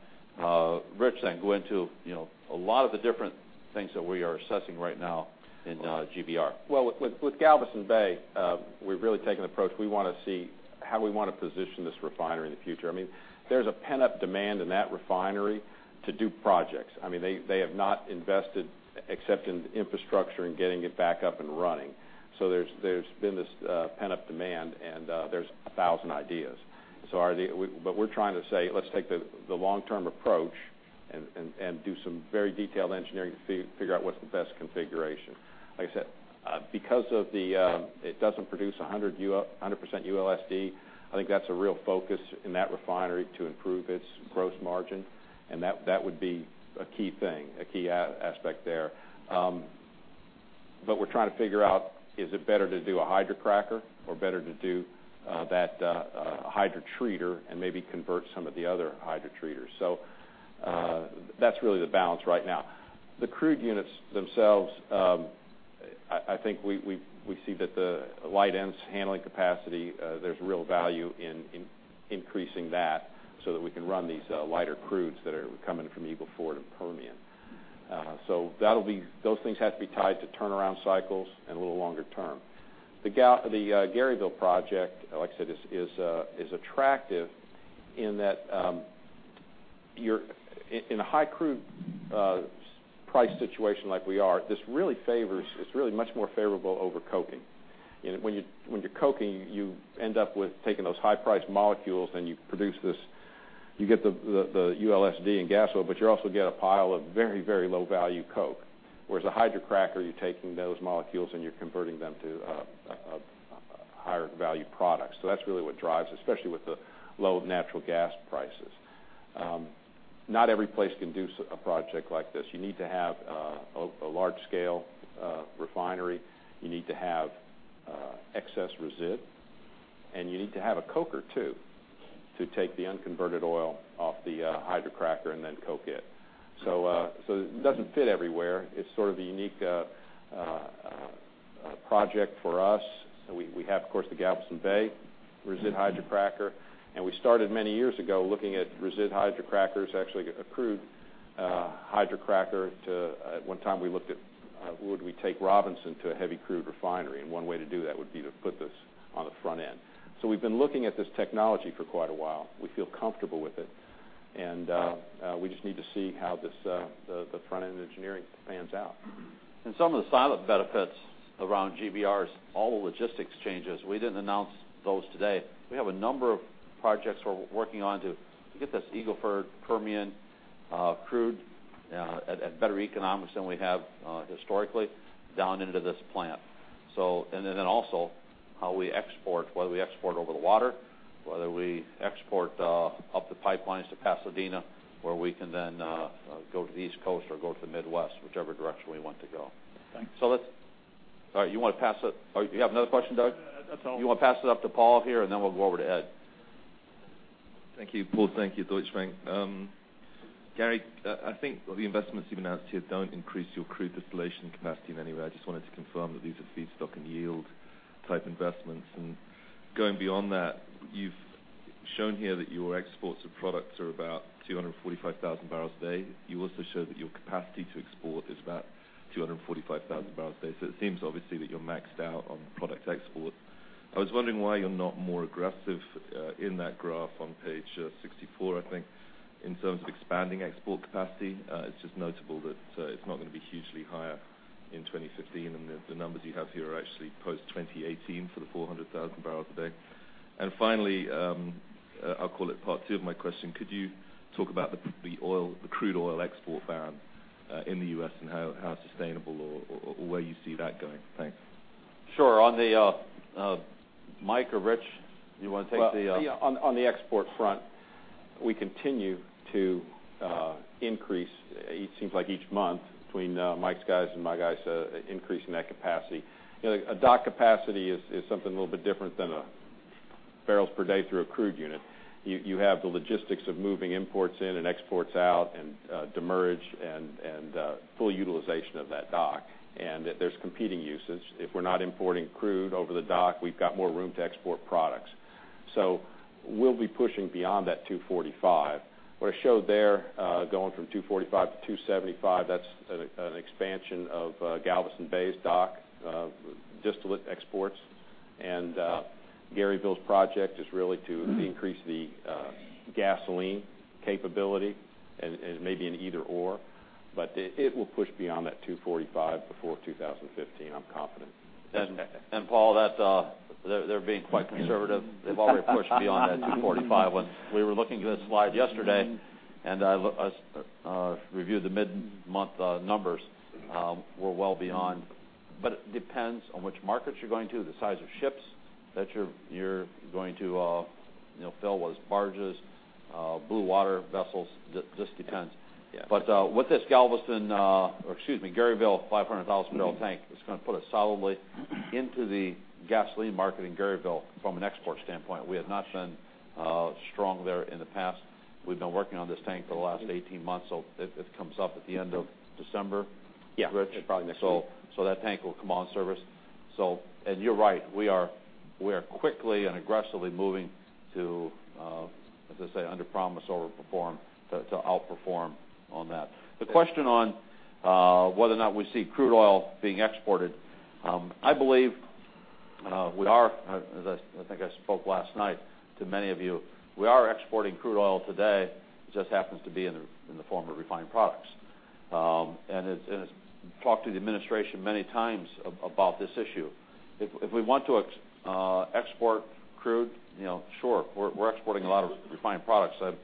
Rich then go into a lot of the different things that we are assessing right now in GBR. With Galveston Bay, we've really taken an approach. We want to see how we want to position this refinery in the future. There's a pent-up demand in that refinery to do projects. They have not invested except in infrastructure and getting it back up and running. There's been this pent-up demand, and there's a thousand ideas. We're trying to say, let's take the long-term approach and do some very detailed engineering to figure out what's the best configuration. Like I said, because it doesn't produce 100% ULSD, I think that's a real focus in that refinery to improve its gross margin, and that would be a key thing, a key aspect there. We're trying to figure out, is it better to do a hydrocracker or better to do that hydrotreater and maybe convert some of the other hydrotreaters. That's really the balance right now. The crude units themselves, I think we see that the light ends handling capacity, there's real value in increasing that so that we can run these lighter crudes that are coming from Eagle Ford and Permian. Those things have to be tied to turnaround cycles and a little longer term. The Garyville project, like I said, is attractive in that in a high crude price situation like we are, this really favors, it's really much more favorable over coking. When you're coking, you end up with taking those high-priced molecules, and you produce, you get the ULSD and gas oil, but you also get a pile of very low-value coke. Whereas a hydrocracker, you're taking those molecules, and you're converting them to a higher value product. That's really what drives, especially with the low natural gas prices. Not every place can do a project like this. You need to have a large-scale refinery. You need to have excess resid, and you need to have a coker, too, to take the unconverted oil off the hydrocracker and then coke it. It doesn't fit everywhere. It's sort of a unique project for us. We have, of course, the Galveston Bay resid hydrocracker, and we started many years ago looking at resid hydrocrackers, actually a crude hydrocracker. At one time we looked at would we take Robinson to a heavy crude refinery, and one way to do that would be to put this on the front end. We've been looking at this technology for quite a while. We feel comfortable with it, and we just need to see how the front-end engineering pans out. Some of the siloed benefits around GBR's all logistics changes, we didn't announce those today. We have a number of projects we're working on to get this Eagle Ford, Permian crude at better economics than we have historically down into this plant. Also how we export, whether we export over the water, whether we export up the pipelines to Pasadena, where we can then go to the East Coast or go to the Midwest, whichever direction we want to go. Thanks. All right. You want to pass it? Oh, you have another question, Doug? That's all. You want to pass it up to Paul here, and then we'll go over to Ed. Thank you, Paul. Thank you, Deutsche Bank. Gary, I think the investments you've announced here don't increase your crude distillation capacity in any way. I just wanted to confirm that these are feedstock and yield type investments. Going beyond that, you've shown here that your exports of products are about 245,000 barrels a day. You also showed that your capacity to export is about 245,000 barrels a day. It seems obviously that you're maxed out on product export. I was wondering why you're not more aggressive in that graph on page 64, I think, in terms of expanding export capacity. It's just notable that it's not going to be hugely higher in 2015, and the numbers you have here are actually post-2018 for the 400,000 barrels a day. Finally, I'll call it part 2 of my question, could you talk about the crude oil export ban in the U.S. and how sustainable or where you see that going? Thanks. Sure. Mike or Rich, you want to take the? Well, on the export front, we continue to increase, it seems like each month between Mike's guys and my guys increasing that capacity. A dock capacity is something a little bit different than a barrels per day through a crude unit. You have the logistics of moving imports in and exports out and demurrage and full utilization of that dock. There's competing uses. If we're not importing crude over the dock, we've got more room to export products. We'll be pushing beyond that 245. What I showed there, going from 245 to 275, that's an expansion of Galveston Bay's dock distillate exports. Garyville's project is really to increase the gasoline capability and maybe an either/or. It will push beyond that 245 before 2015, I'm confident. Paul, they're being quite conservative. They've already pushed beyond that 245 when we were looking at a slide yesterday, and I reviewed the mid-month numbers. We're well beyond. It depends on which markets you're going to, the size of ships that you're going to fill, whether it's barges, blue water vessels. Just depends. Yeah. With this Galveston, or excuse me, Garyville 500,000-barrel tank, it's going to put us solidly into the gasoline market in Garyville from an export standpoint. We have not been strong there in the past. We've been working on this tank for the last 18 months, so it comes up at the end of December. Yeah. Rich? Probably next week. That tank will come on service. You're right, we are quickly and aggressively moving to, as I say, underpromise, overperform to outperform on that. The question on whether or not we see crude oil being exported. I believe we are, as I think I spoke last night to many of you, we are exporting crude oil today. It just happens to be in the form of refined products. Talked to the administration many times about this issue. If we want to export crude, sure, we're exporting a lot of refined products. I'm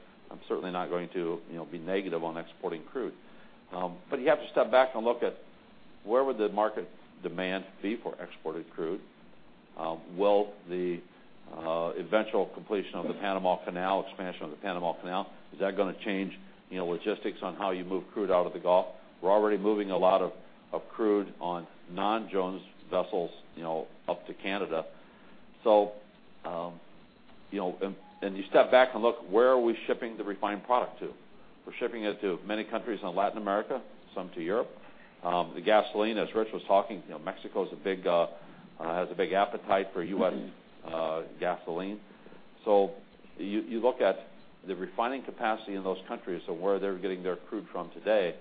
certainly not going to be negative on exporting crude. You have to step back and look at where would the market demand be for exported crude. Will the eventual completion of the Panama Canal expansion, is that going to change logistics on how you move crude out of the Gulf? We're already moving a lot of crude on non-Jones vessels up to Canada. You step back and look, where are we shipping the refined product to? We're shipping it to many countries in Latin America, some to Europe. The gasoline, as Rich was talking, Mexico has a big appetite for U.S. gasoline. You look at the refining capacity in those countries. Where they're getting their crude from today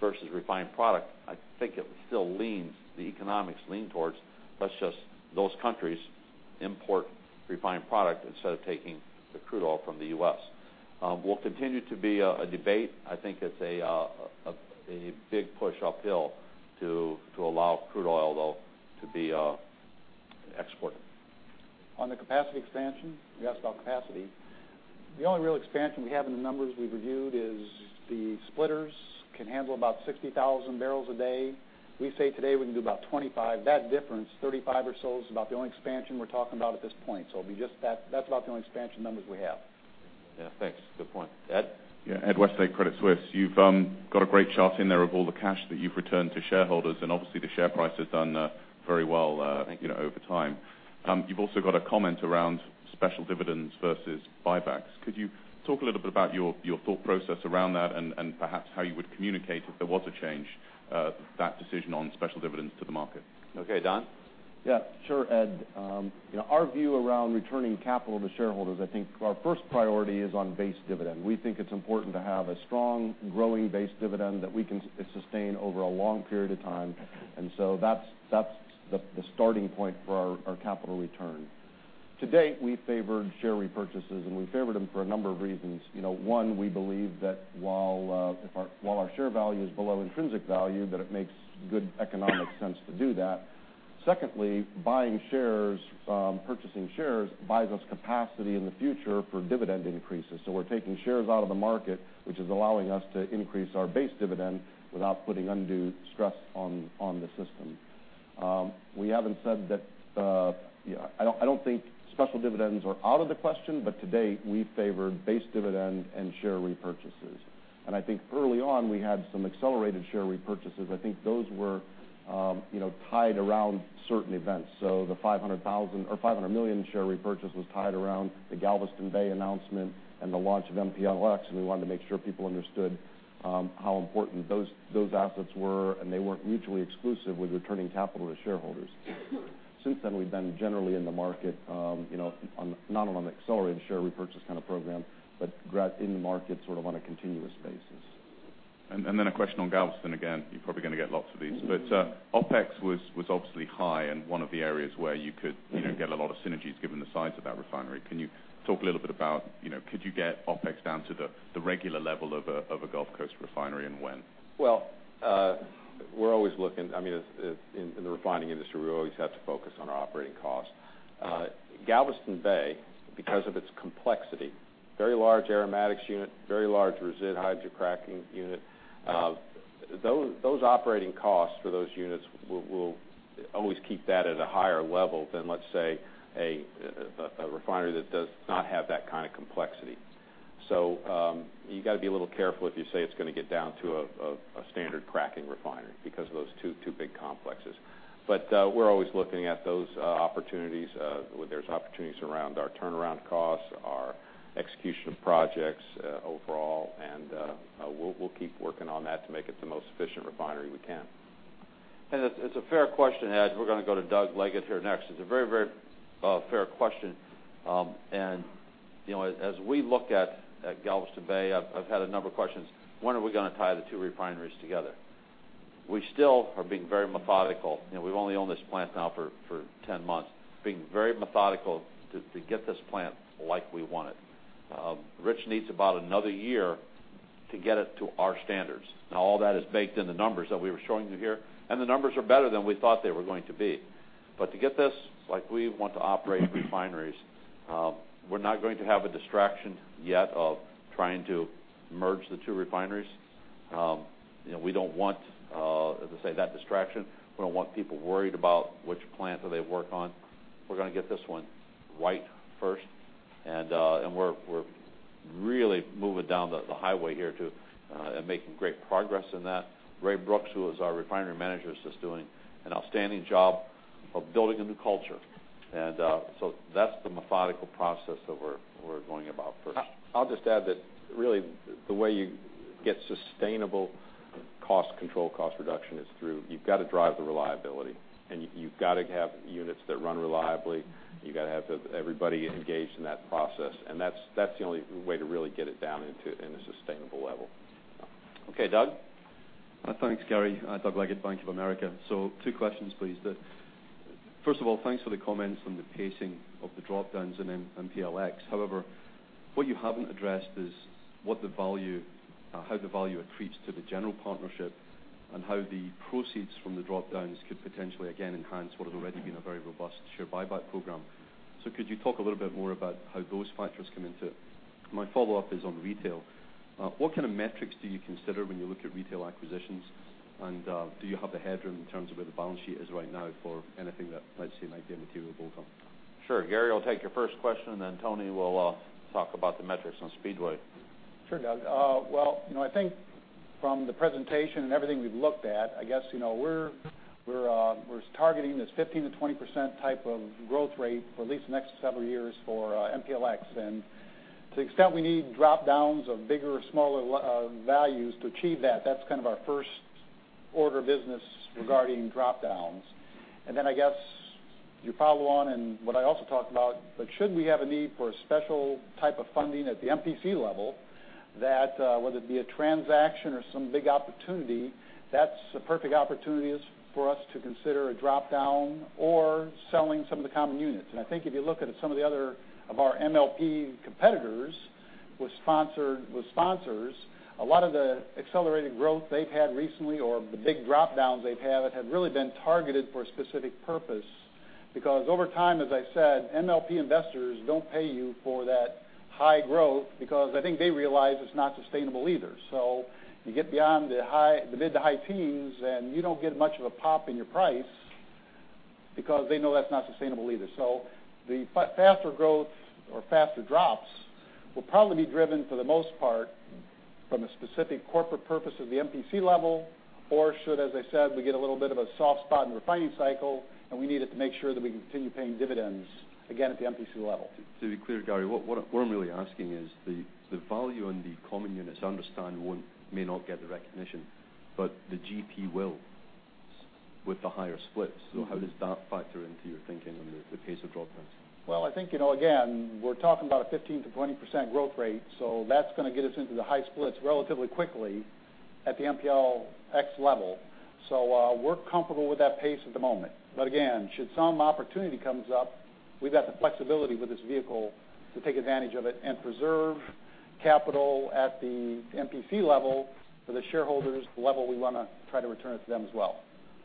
versus refined product, I think it still leans, the economics lean towards let's just those countries import refined product instead of taking the crude oil from the U.S. Will continue to be a debate. I think it's a big push uphill to allow crude oil, though, to be exported. On the capacity expansion, you asked about capacity. The only real expansion we have in the numbers we've reviewed is the splitters can handle about 60,000 barrels a day. We say today we can do about 25. That difference, 35 or so, is about the only expansion we're talking about at this point. It'll be just that. That's about the only expansion numbers we have. Yeah, thanks. Good point. Ed? Yeah, Ed Westlake, Credit Suisse. You've got a great chart in there of all the cash that you've returned to shareholders, and obviously, the share price has done very well- Thank you over time. You've also got a comment around special dividends versus buybacks. Could you talk a little bit about your thought process around that and perhaps how you would communicate if there was a change that decision on special dividends to the market? Okay. Don? Yeah, sure, Ed. Our view around returning capital to shareholders, I think our first priority is on base dividend. We think it's important to have a strong growing base dividend that we can sustain over a long period of time. That's the starting point for our capital return. To date, we favored share repurchases. We favored them for a number of reasons. One, we believe that while our share value is below intrinsic value, that it makes good economic sense to do that. Secondly, purchasing shares buys us capacity in the future for dividend increases. We're taking shares out of the market, which is allowing us to increase our base dividend without putting undue stress on the system. I don't think special dividends are out of the question, but to date, we favored base dividend and share repurchases. I think early on, we had some accelerated share repurchases. I think those were tied around certain events. The $500 million share repurchase was tied around the Galveston Bay announcement and the launch of MPLX. We wanted to make sure people understood how important those assets were. They weren't mutually exclusive with returning capital to shareholders. Since then, we've been generally in the market, not on an accelerated share repurchase kind of program, but in the market sort of on a continuous basis. A question on Galveston again. You're probably going to get lots of these. OpEx was obviously high, one of the areas where you could get a lot of synergies given the size of that refinery. Can you talk a little bit about could you get OpEx down to the regular level of a Gulf Coast refinery? When? Well, in the refining industry, we always have to focus on our operating costs. Galveston Bay, because of its complexity, very large aromatics unit, very large resid hydrocracking unit. Those operating costs for those units will always keep that at a higher level than, let's say, a refinery that does not have that kind of complexity. You got to be a little careful if you say it's going to get down to a standard cracking refinery because of those two big complexes. We're always looking at those opportunities where there's opportunities around our turnaround costs, our execution of projects overall. We'll keep working on that to make it the most efficient refinery we can. It's a fair question, Ed. We're going to go to Doug Leggate here next. It's a very fair question. As we look at Galveston Bay, I've had a number of questions. When are we going to tie the two refineries together? We still are being very methodical. We've only owned this plant now for 10 months. Being very methodical to get this plant like we want it. Rich needs about another year to get it to our standards. All that is baked in the numbers that we were showing you here, and the numbers are better than we thought they were going to be. To get this like we want to operate refineries we're not going to have a distraction yet of trying to merge the two refineries. We don't want, as I say, that distraction. We don't want people worried about which plant do they work on. We're going to get this one right first, and we're really moving down the highway here too and making great progress in that. Ray Brooks, who is our refinery manager, is just doing an outstanding job of building a new culture. That's the methodical process that we're going about first. I'll just add that really the way you get sustainable cost control, cost reduction is through you've got to drive the reliability, and you've got to have units that run reliably. You got to have everybody engaged in that process. That's the only way to really get it down into in a sustainable level. Okay, Doug. Thanks, Garry. Doug Leggate, Bank of America. Two questions, please. First of all, thanks for the comments on the pacing of the drop-downs in MPLX. However, what you haven't addressed is how the value accretes to the general partnership and how the proceeds from the drop-downs could potentially, again, enhance what has already been a very robust share buyback program. Could you talk a little bit more about how those factors come into it? My follow-up is on retail. What kind of metrics do you consider when you look at retail acquisitions, and do you have the headroom in terms of where the balance sheet is right now for anything that, let's say, might be a material bolt-on? Sure. Garry will take your first question, then Tony will talk about the metrics on Speedway. Sure, Doug. Well, I think from the presentation and everything we've looked at, I guess we're targeting this 15%-20% type of growth rate for at least the next several years for MPLX. To the extent we need drop-downs of bigger or smaller values to achieve that's kind of our first order of business regarding drop-downs. I guess you follow on and what I also talked about, but should we have a need for a special type of funding at the MPC level, that whether it be a transaction or some big opportunity, that's the perfect opportunity for us to consider a drop-down or selling some of the common units. I think if you look at some of the other of our MLP competitors with sponsors, a lot of the accelerated growth they've had recently or the big drop-downs they've had have really been targeted for a specific purpose. Because over time, as I said, MLP investors don't pay you for that high growth because I think they realize it's not sustainable either. You get beyond the mid to high teens, and you don't get much of a pop in your price because they know that's not sustainable either. the faster growth or faster drops will probably be driven for the most part from a specific corporate purpose of the MPC level or should, as I said, we get a little bit of a soft spot in the refining cycle and we need it to make sure that we can continue paying dividends again at the MPC level. To be clear, Gary, what I'm really asking is the value in the common units I understand may not get the recognition, but the GP will with the higher splits. How does that factor into your thinking on the pace of drop-downs? Well, I think again, we're talking about a 15%-20% growth rate, that's going to get us into the high splits relatively quickly at the MPLX level. We're comfortable with that pace at the moment. Again, should some opportunity comes up, we've got the flexibility with this vehicle to take advantage of it and preserve capital at the MPC level for the shareholders level we want to try to return it to them as well.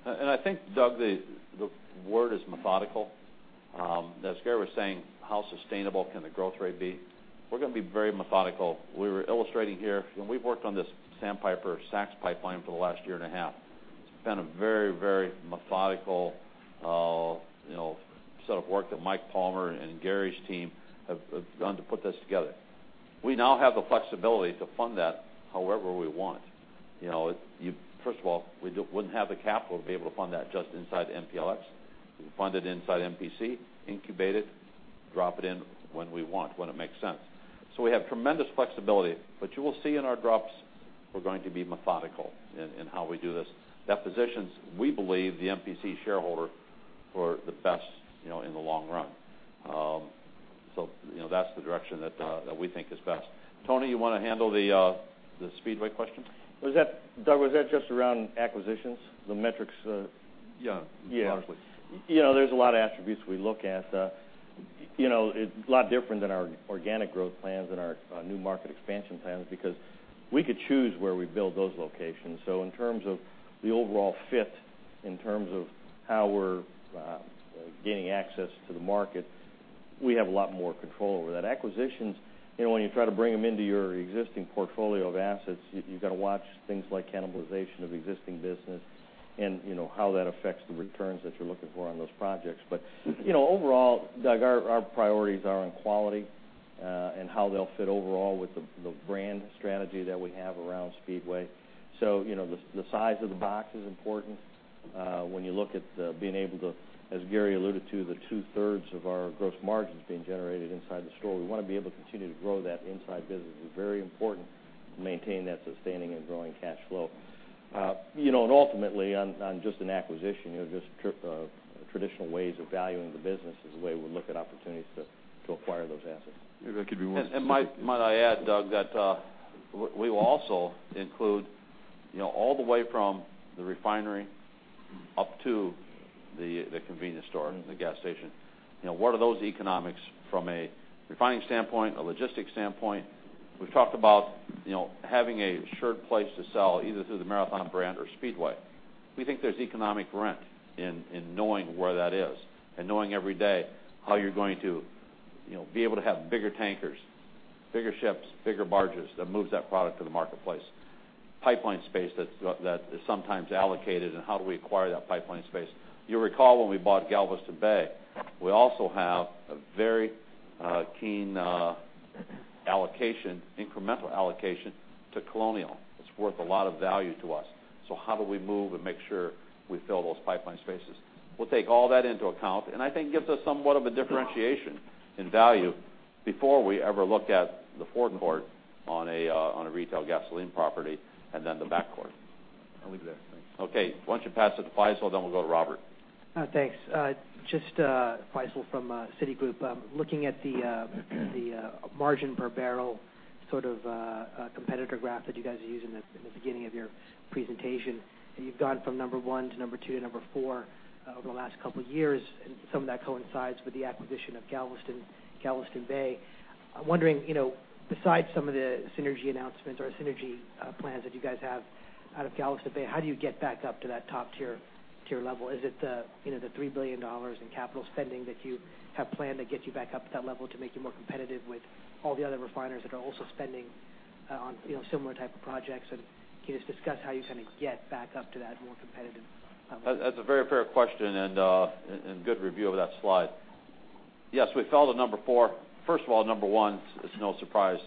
I think, Doug, the word is methodical. As Gary was saying, how sustainable can the growth rate be? We're going to be very methodical. We were illustrating here, we've worked on this Sandpiper-Southern Access Extension Pipeline for the last year and a half. It's been a very, very methodical set of work that Mike Palmer and Gary's team have done to put this together. We now have the flexibility to fund that however we want. First of all, we wouldn't have the capital to be able to fund that just inside MPLX. We can fund it inside MPC, incubate it, drop it in when we want, when it makes sense. We have tremendous flexibility, but you will see in our drops we're going to be methodical in how we do this. That positions, we believe, the MPC shareholder for the best in the long run. That's the direction that we think is best. Tony, you want to handle the Speedway question? Doug, was that just around acquisitions? Yeah. Largely. Yeah. There's a lot of attributes we look at. It's a lot different than our organic growth plans and our new market expansion plans because we could choose where we build those locations. In terms of the overall fit, in terms of how we're gaining access to the market, we have a lot more control over that. Acquisitions, when you try to bring them into your existing portfolio of assets, you've got to watch things like cannibalization of existing business and how that affects the returns that you're looking for on those projects. Overall, Doug, our priorities are on quality and how they'll fit overall with the brand strategy that we have around Speedway. The size of the box is important when you look at being able to, as Gary alluded to, the two-thirds of our gross margins being generated inside the store. We want to be able to continue to grow that inside business. It's very important to maintain that sustaining and growing cash flow. Ultimately on just an acquisition, just traditional ways of valuing the business is the way we look at opportunities to acquire those assets. Might I add, Doug, that we will also include all the way from the refinery up to the convenience store and the gas station. What are those economics from a refining standpoint, a logistics standpoint? We've talked about having a assured place to sell either through the Marathon brand or Speedway. We think there's economic rent in knowing where that is and knowing every day how you're going to be able to have bigger tankers, bigger ships, bigger barges that moves that product to the marketplace. Pipeline space that is sometimes allocated, and how do we acquire that pipeline space? You'll recall when we bought Galveston Bay, we also have a very keen incremental allocation to Colonial. It's worth a lot of value to us. How do we move and make sure we fill those pipeline spaces? We'll take all that into account, and I think gives us somewhat of a differentiation in value before we ever look at the forecourt on a retail gasoline property, and then the back court. I'll leave it there. Thanks. Okay. Why don't you pass it to Faisel, then we'll go to Robert. Thanks. Just Faisel from Citigroup. Looking at the margin per barrel competitor graph that you guys used in the beginning of your presentation, you've gone from number 1 to number 2 to number 4 over the last couple of years, and some of that coincides with the acquisition of Galveston Bay. I'm wondering, besides some of the synergy announcements or synergy plans that you guys have out of Galveston Bay, how do you get back up to that top tier level? Is it the $3 billion in capital spending that you have planned to get you back up to that level to make you more competitive with all the other refiners that are also spending on similar type of projects? Can you just discuss how you get back up to that more competitive level? That's a very fair question and good review of that slide. Yes, we fell to number 4. First of all, number 1, it's no surprise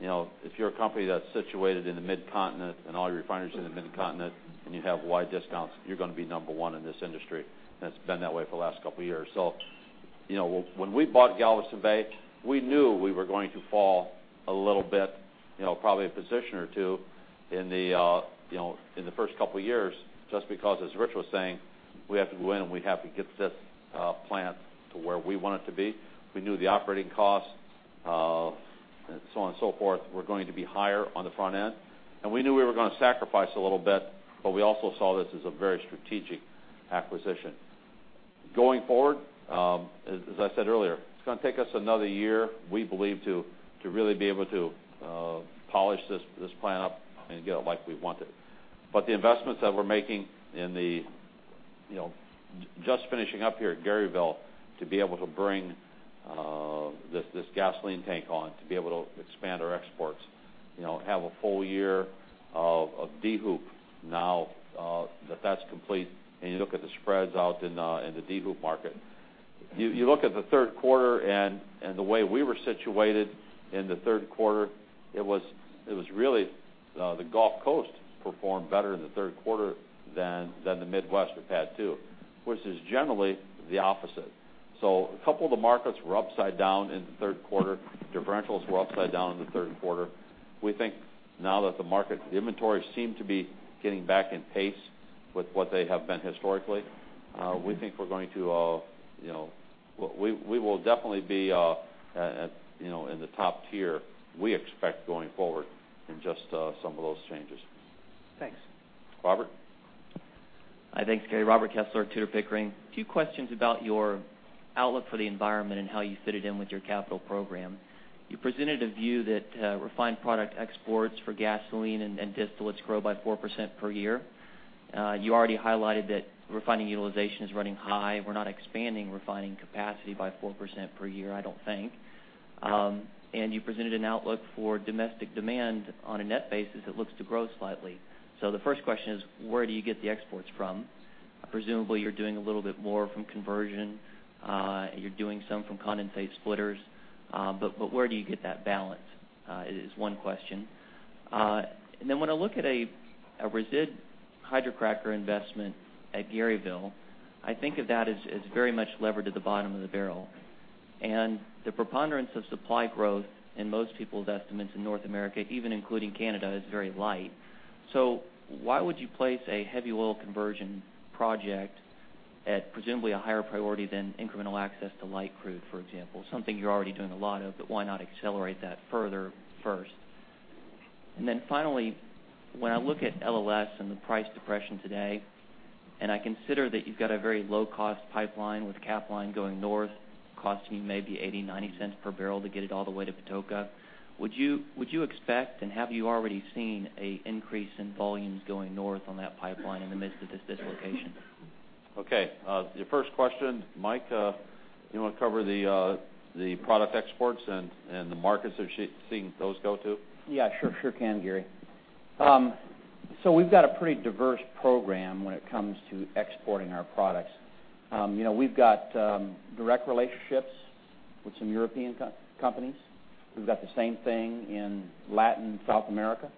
if you're a company that's situated in the Mid-Continent and all your refineries are in the Mid-Continent and you have wide discounts, you're going to be number 1 in this industry, and it's been that way for the last couple of years. When we bought Galveston Bay, we knew we were going to fall a little bit, probably a position or two in the first couple of years just because as Rich was saying, we have to go in and we have to get this plant to where we want it to be. We knew the operating costs, and so on and so forth, were going to be higher on the front end. We knew we were going to sacrifice a little bit, but we also saw this as a very strategic acquisition. Going forward as I said earlier, it's going to take us another year, we believe, to really be able to polish this plant up and get it like we want it. The investments that we're making in the just finishing up here at Garyville to be able to bring this gasoline tank on, to be able to expand our exports have a full year of DHOUP now that that's complete, and you look at the spreads out in the DHOUP market. You look at the third quarter and the way we were situated in the third quarter, it was really the Gulf Coast performed better in the third quarter than the Midwest had too, which is generally the opposite. A couple of the markets were upside down in the third quarter. Differentials were upside down in the third quarter. We think now that the market inventories seem to be getting back in pace with what they have been historically. We will definitely be in the top tier we expect going forward in just some of those changes. Thanks. Robert? Hi. Thanks, Gary. Robert Kessler, Tudor, Pickering. A few questions about your outlook for the environment and how you fit it in with your capital program. You presented a view that refined product exports for gasoline and distillates grow by 4% per year. You already highlighted that refining utilization is running high. We're not expanding refining capacity by 4% per year, I don't think. You presented an outlook for domestic demand on a net basis that looks to grow slightly. The first question is, where do you get the exports from? Presumably, you're doing a little bit more from conversion. You're doing some from condensate splitters. Where do you get that balance, is one question. When I look at a resid hydrocracker investment at Garyville, I think of that as very much levered to the bottom of the barrel. The preponderance of supply growth in most people's estimates in North America, even including Canada, is very light. Why would you place a heavy oil conversion project at presumably a higher priority than incremental access to light crude, for example, something you're already doing a lot of, but why not accelerate that further first? Finally, when I look at LLS and the price depression today, I consider that you've got a very low-cost pipeline with Capline going north, costing you maybe $0.80, $0.90 per barrel to get it all the way to Patoka, would you expect, and have you already seen, an increase in volumes going north on that pipeline in the midst of this dislocation? Your first question, Mike, you want to cover the product exports and the markets that you're seeing those go to? Yeah, sure can, Gary. We've got a pretty diverse program when it comes to exporting our products. We've got direct relationships with some European companies. We've got the same thing in Latin, South America.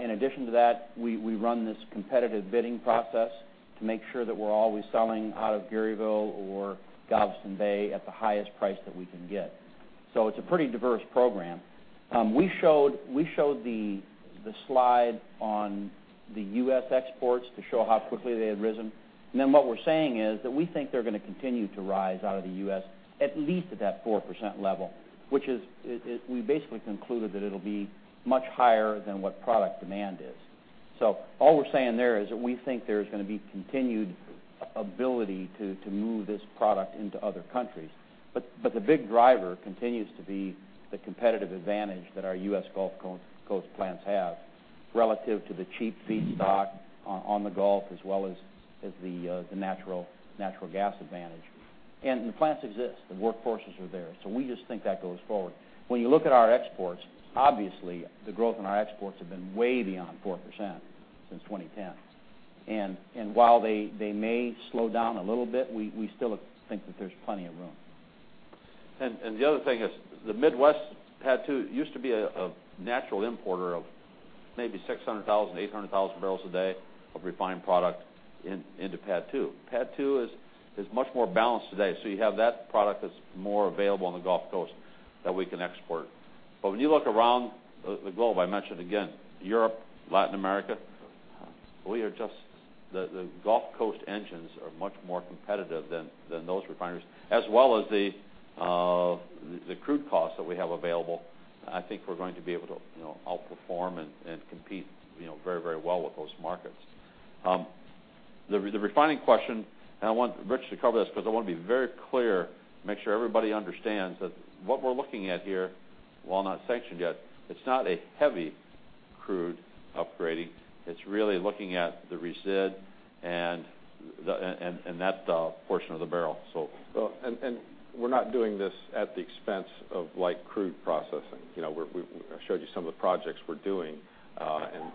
In addition to that, we run this competitive bidding process to make sure that we're always selling out of Garyville or Galveston Bay at the highest price that we can get. It's a pretty diverse program. We showed the slide on the U.S. exports to show how quickly they had risen. What we're saying is that we think they're going to continue to rise out of the U.S. at least at that 4% level, which is we basically concluded that it'll be much higher than what product demand is. All we're saying there is that we think there's going to be continued ability to move this product into other countries. The big driver continues to be the competitive advantage that our U.S. Gulf Coast plants have relative to the cheap feedstock on the Gulf as well as the natural gas advantage. The plants exist. The workforces are there. We just think that goes forward. When you look at our exports, obviously, the growth in our exports have been way beyond 4% since 2010. While they may slow down a little bit, we still think that there's plenty of room. The other thing is the Midwest PADD II used to be a natural importer of maybe 600,000, 800,000 barrels a day of refined product into PADD II. PADD II is much more balanced today. You have that product that's more available on the Gulf Coast that we can export. When you look around the globe, I mentioned again, Europe, Latin America, the Gulf Coast engines are much more competitive than those refineries, as well as the crude costs that we have available. I think we're going to be able to outperform and compete very well with those markets. The refining question, and I want Rich to cover this because I want to be very clear, make sure everybody understands that what we're looking at here, while not sanctioned yet, it's not a heavy crude upgrading. It's really looking at the resid and that portion of the barrel. We're not doing this at the expense of light crude processing. I showed you some of the projects we're doing,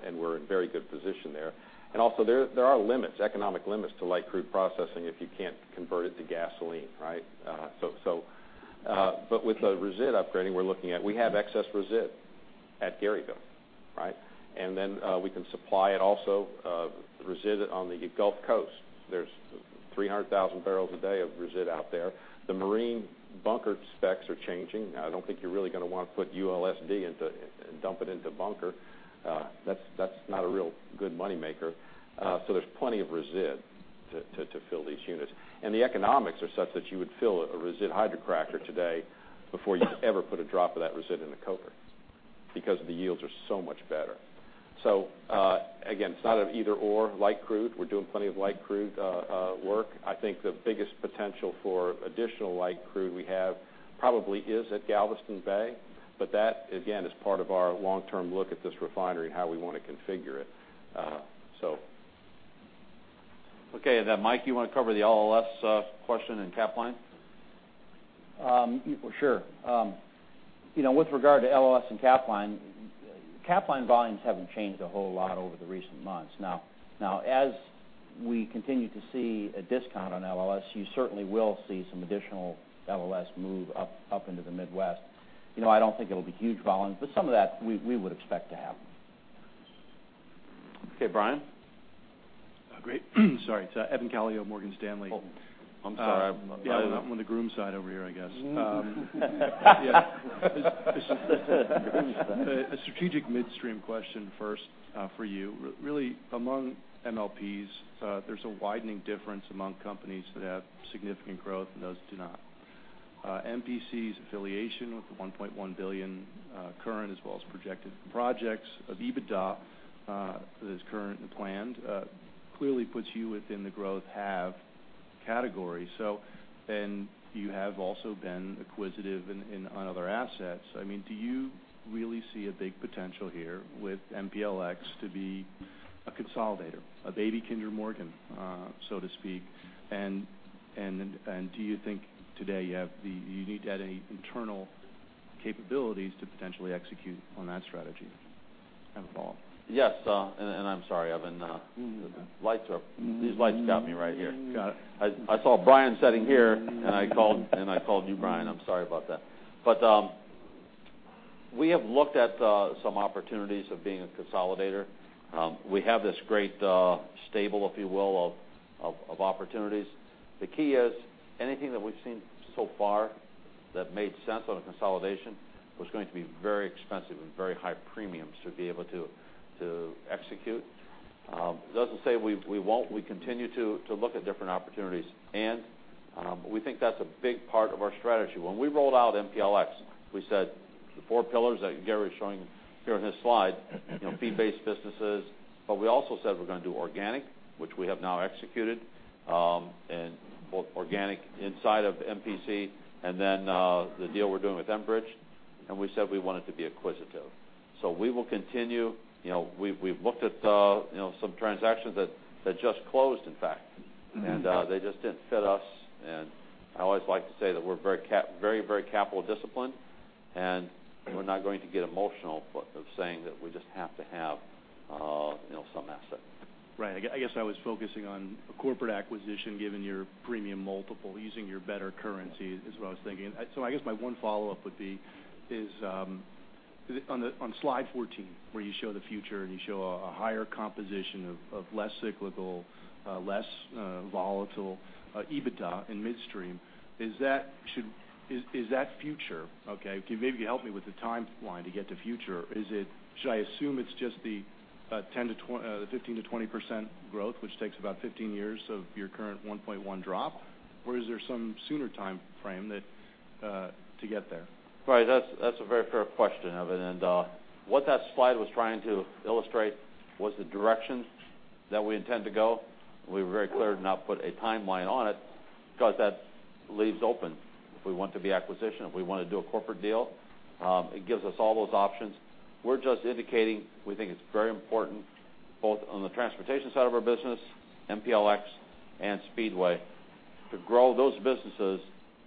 and we're in very good position there. Also there are limits, economic limits to light crude processing if you can't convert it to gasoline, right? But with the resid upgrading we're looking at, we have excess resid at Garyville, right? Then we can supply it also resid on the Gulf Coast. There's 300,000 barrels a day of resid out there. The marine bunker specs are changing. I don't think you're really going to want to put ULSD and dump it into bunker. That's not a real good money maker. There's plenty of resid to fill these units. The economics are such that you would fill a resid hydrocracker today before you ever put a drop of that resid in a coker because the yields are so much better. Again, it's not an either/or light crude. We're doing plenty of light crude work. I think the biggest potential for additional light crude we have probably is at Galveston Bay, that again, is part of our long-term look at this refinery and how we want to configure it. Okay. Mike, you want to cover the LLS question and Capline? Sure. With regard to LLS and Capline volumes haven't changed a whole lot over the recent months. Now, as we continue to see a discount on LLS, you certainly will see some additional LLS move up into the Midwest. I don't think it'll be huge volumes, but some of that we would expect to happen. Okay, Brian? Great. Sorry. It's Evan Calio, Morgan Stanley. Oh, I'm sorry. Yeah, I'm on the groom side over here, I guess. A strategic midstream question first for you. Really among MLPs there's a widening difference among companies that have significant growth and those that do not. MPC's affiliation with the $1.1 billion current as well as projected projects of EBITDA that is current and planned clearly puts you within the growth have category. You have also been acquisitive on other assets. Do you really see a big potential here with MPLX to be a consolidator, a baby Kinder Morgan so to speak, and do you think today you need to add any internal capabilities to potentially execute on that strategy? Follow-up. Yes. I'm sorry, Evan. These lights got me right here. Got it. I saw Brian sitting here, I called you, Brian. I'm sorry about that. We have looked at some opportunities of being a consolidator. We have this great stable, if you will, of opportunities. The key is anything that we've seen so far that made sense on a consolidation was going to be very expensive and very high premiums to be able to execute. Doesn't say we won't. We continue to look at different opportunities. We think that's a big part of our strategy. When we rolled out MPLX, we said the four pillars that Gary was showing here in his slide, fee-based businesses, we also said we're going to do organic, which we have now executed, both organic inside of MPC and then the deal we're doing with Enbridge, we said we wanted to be acquisitive. We will continue. We've looked at some transactions that just closed, in fact. They just didn't fit us, I always like to say that we're very capital disciplined, we're not going to get emotional of saying that we just have to have some asset. Right. I guess I was focusing on a corporate acquisition, given your premium multiple, using your better currency is what I was thinking. I guess my one follow-up would be is, on slide 14, where you show the future and you show a higher composition of less cyclical, less volatile EBITDA in midstream. Maybe you can help me with the timeline to get to future. Should I assume it's just the 15%-20% growth, which takes about 15 years of your current 1.1 drop? Is there some sooner timeframe to get there? Right. That's a very fair question, Evan. What that slide was trying to illustrate was the direction that we intend to go. We were very clear to not put a timeline on it because that leaves open if we want to be acquisition, if we want to do a corporate deal. It gives us all those options. We're just indicating we think it's very important, both on the transportation side of our business, MPLX, and Speedway, to grow those businesses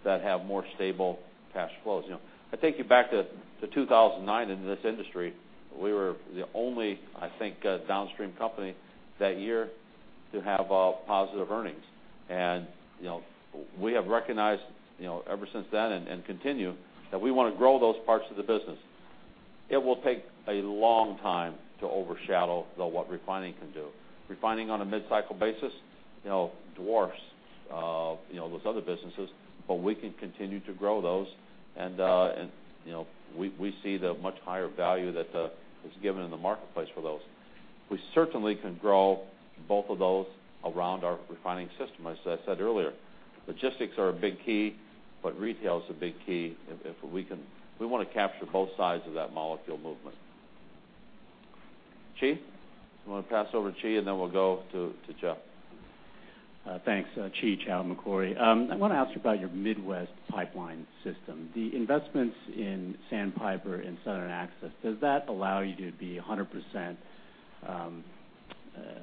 that have more stable cash flows. I take you back to 2009 in this industry. We were the only, I think, downstream company that year to have positive earnings. We have recognized, ever since then and continue, that we want to grow those parts of the business. It will take a long time to overshadow, though, what refining can do. Refining on a mid-cycle basis dwarfs those other businesses. We can continue to grow those, and we see the much higher value that is given in the marketplace for those. We certainly can grow both of those around our refining system, as I said earlier. Logistics are a big key. Retail is a big key. We want to capture both sides of that molecule movement. Chi? I'm going to pass over to Chi. Then we'll go to Joe. Thanks. Chi Chow, Macquarie. I want to ask you about your Midwest pipeline system. The investments in Sandpiper and Southern Access, does that allow you to be 100%,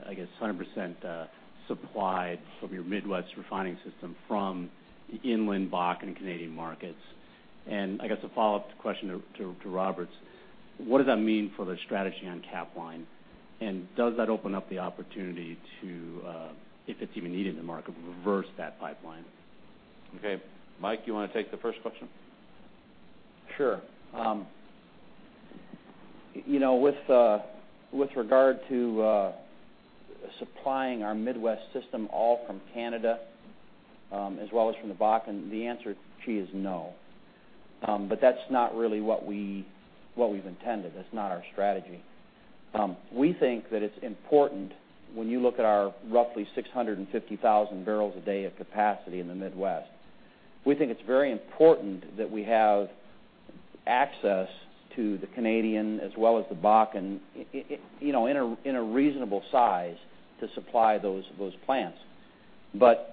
I guess 100% supplied from your Midwest refining system from the inland Bakken Canadian markets? I guess a follow-up question to Robert's, what does that mean for the strategy on Capline? Does that open up the opportunity to, if it's even needed in the market, reverse that pipeline? Okay. Mike, you want to take the first question? Sure. With regard to supplying our Midwest system all from Canada as well as from the Bakken, the answer, Chi, is no. That's not really what we've intended. That's not our strategy. We think that it's important when you look at our roughly 650,000 barrels a day of capacity in the Midwest. We think it's very important that we have access to the Canadian as well as the Bakken in a reasonable size to supply those plants.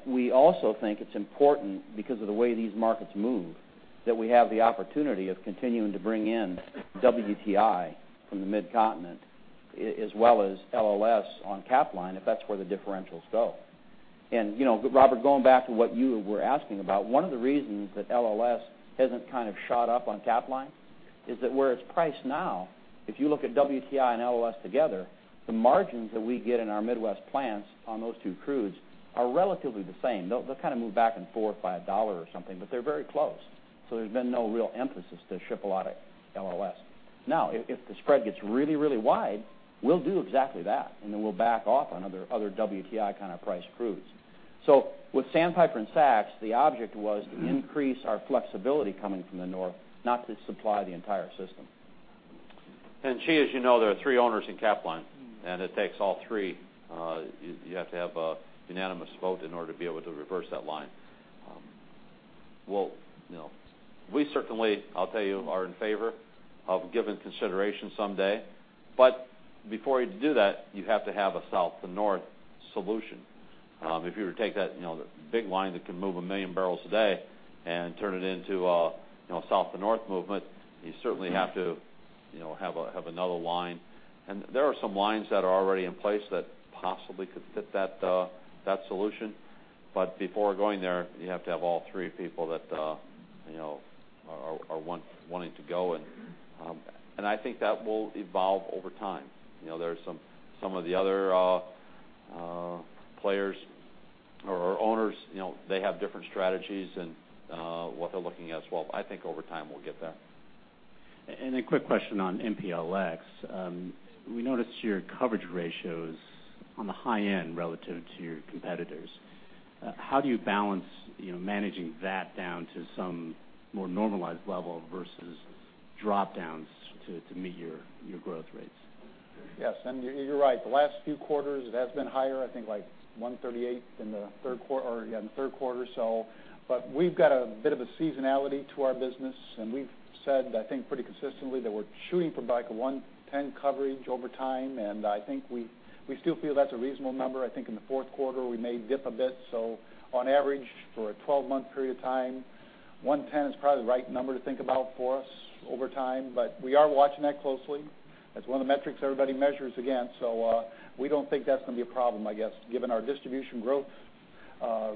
We also think it's important because of the way these markets move, that we have the opportunity of continuing to bring in WTI from the Mid-continent, as well as LLS on Capline, if that's where the differentials go. Robert, going back to what you were asking about, one of the reasons that LLS hasn't shot up on Capline is that where it's priced now, if you look at WTI and LLS together, the margins that we get in our Midwest plants on those two crudes are relatively the same. They'll move back and forth $5 or something, but they're very close. There's been no real emphasis to ship a lot of LLS. Now, if the spread gets really wide, we'll do exactly that, and then we'll back off on other WTI priced crudes. With Sandpiper and SAC, the object was to increase our flexibility coming from the north, not to supply the entire system. Chi, as you know, there are three owners in Capline. It takes all three. You have to have a unanimous vote in order to be able to reverse that line. We certainly, I'll tell you, are in favor of giving consideration someday. Before you do that, you have to have a south to north solution. If you were to take that big line that can move 1 million barrels a day and turn it into a south to north movement, you certainly have to have another line. There are some lines that are already in place that possibly could fit that solution. Before going there, you have to have all three people that are wanting to go, and I think that will evolve over time. There are some of the other players or owners, they have different strategies and what they're looking at as well. I think over time we'll get there. Quick question on MPLX. We noticed your coverage ratios on the high end relative to your competitors. How do you balance managing that down to some more normalized level versus drop-downs to meet your growth rates? Yes, you're right. The last few quarters it has been higher, I think like 138 in the third quarter. We've got a bit of a seasonality to our business, and we've said, I think, pretty consistently, that we're shooting for a 110 coverage over time, and I think we still feel that's a reasonable number. I think in the fourth quarter we may dip a bit. On average, for a 12-month period of time, 110 is probably the right number to think about for us over time. We are watching that closely. That's one of the metrics everybody measures against. We don't think that's going to be a problem, I guess, given our distribution growth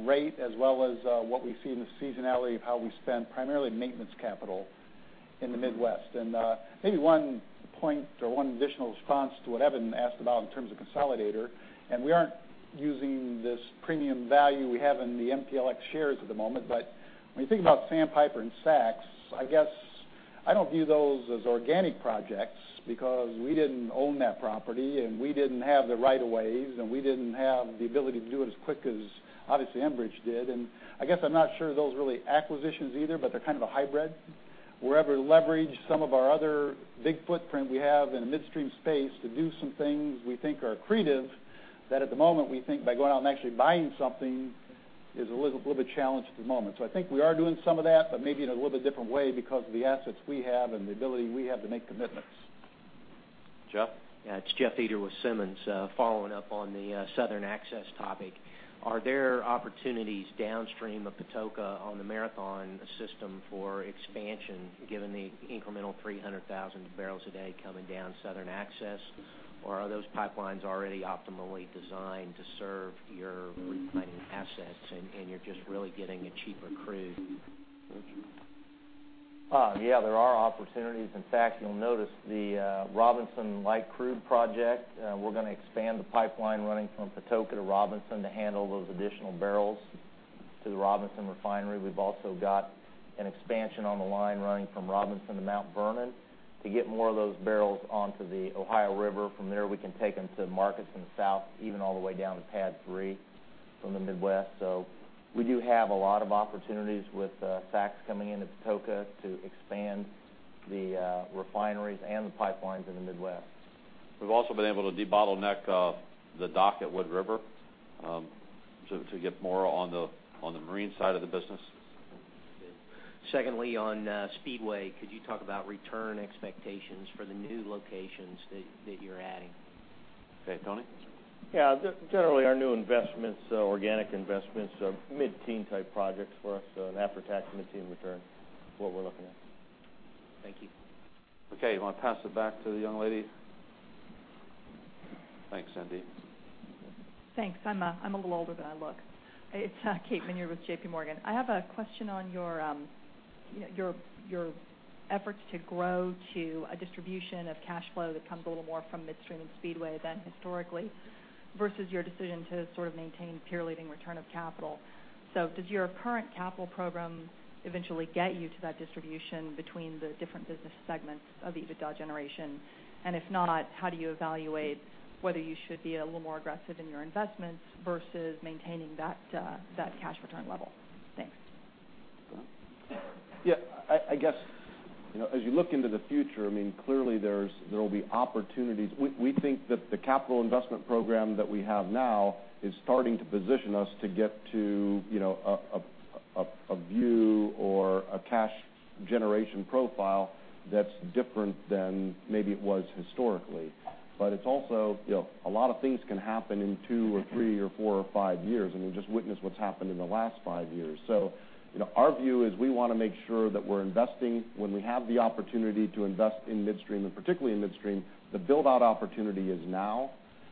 rate as well as what we see in the seasonality of how we spend primarily maintenance capital in the Midwest. Maybe one point or one additional response to what Evan asked about in terms of consolidator, and we aren't using this premium value we have in the MPLX shares at the moment. When you think about Sandpiper and Southern Access Extension, I guess I don't view those as organic projects because we didn't own that property, and we didn't have the right of ways, and we didn't have the ability to do it as quick as obviously Enbridge did. I guess I'm not sure those are really acquisitions either, but they're kind of a hybrid. We're able to leverage some of our other big footprint we have in the midstream space to do some things we think are accretive that at the moment we think by going out and actually buying something is a little bit challenged at the moment. I think we are doing some of that, but maybe in a little bit different way because of the assets we have and the ability we have to make commitments. Jeff? Yeah, it's Jeff Eder with Simmons & Company. Following up on the Southern Access topic, are there opportunities downstream of Patoka on the Marathon system for expansion given the incremental 300,000 barrels a day coming down Southern Access? Or are those pipelines already optimally designed to serve your refining assets and you're just really getting a cheaper crude? Rich? Yeah, there are opportunities. In fact, you'll notice the Robinson light crude project. We're going to expand the pipeline running from Patoka to Robinson to handle those additional barrels to the Robinson Refinery. We've also got an expansion on the line running from Robinson to Mount Vernon to get more of those barrels onto the Ohio River. From there, we can take them to markets in the South, even all the way down to PADD III from the Midwest. We do have a lot of opportunities with Southern Access coming into Patoka to expand the refineries and the pipelines in the Midwest. We've also been able to debottleneck the dock at Wood River to get more on the marine side of the business. Good. Secondly, on Speedway, could you talk about return expectations for the new locations that you're adding? Okay, Tony? Yeah. Generally, our new investments, organic investments are mid-teen type projects for us. An after-tax mid-teen return is what we're looking at. Thank you. Okay. You want to pass it back to the young lady? Thanks, Cindy. Thanks. I'm a little older than I look. It's Kate Minyard with JPMorgan. I have a question on your efforts to grow to a distribution of cash flow that comes a little more from midstream and Speedway than historically versus your decision to sort of maintain peer leading return of capital. Does your current capital program eventually get you to that distribution between the different business segments of EBITDA generation? If not, how do you evaluate whether you should be a little more aggressive in your investments versus maintaining that cash return level? Thanks. Don? Yeah. I guess, as you look into the future, clearly there will be opportunities. We think that the capital investment program that we have now is starting to position us to get to a view or a cash generation profile that's different than maybe it was historically. It's also a lot of things can happen in two or three or four or five years, and we've just witnessed what's happened in the last five years. Our view is we want to make sure that we're investing when we have the opportunity to invest in midstream, and particularly in midstream. The build-out opportunity is now,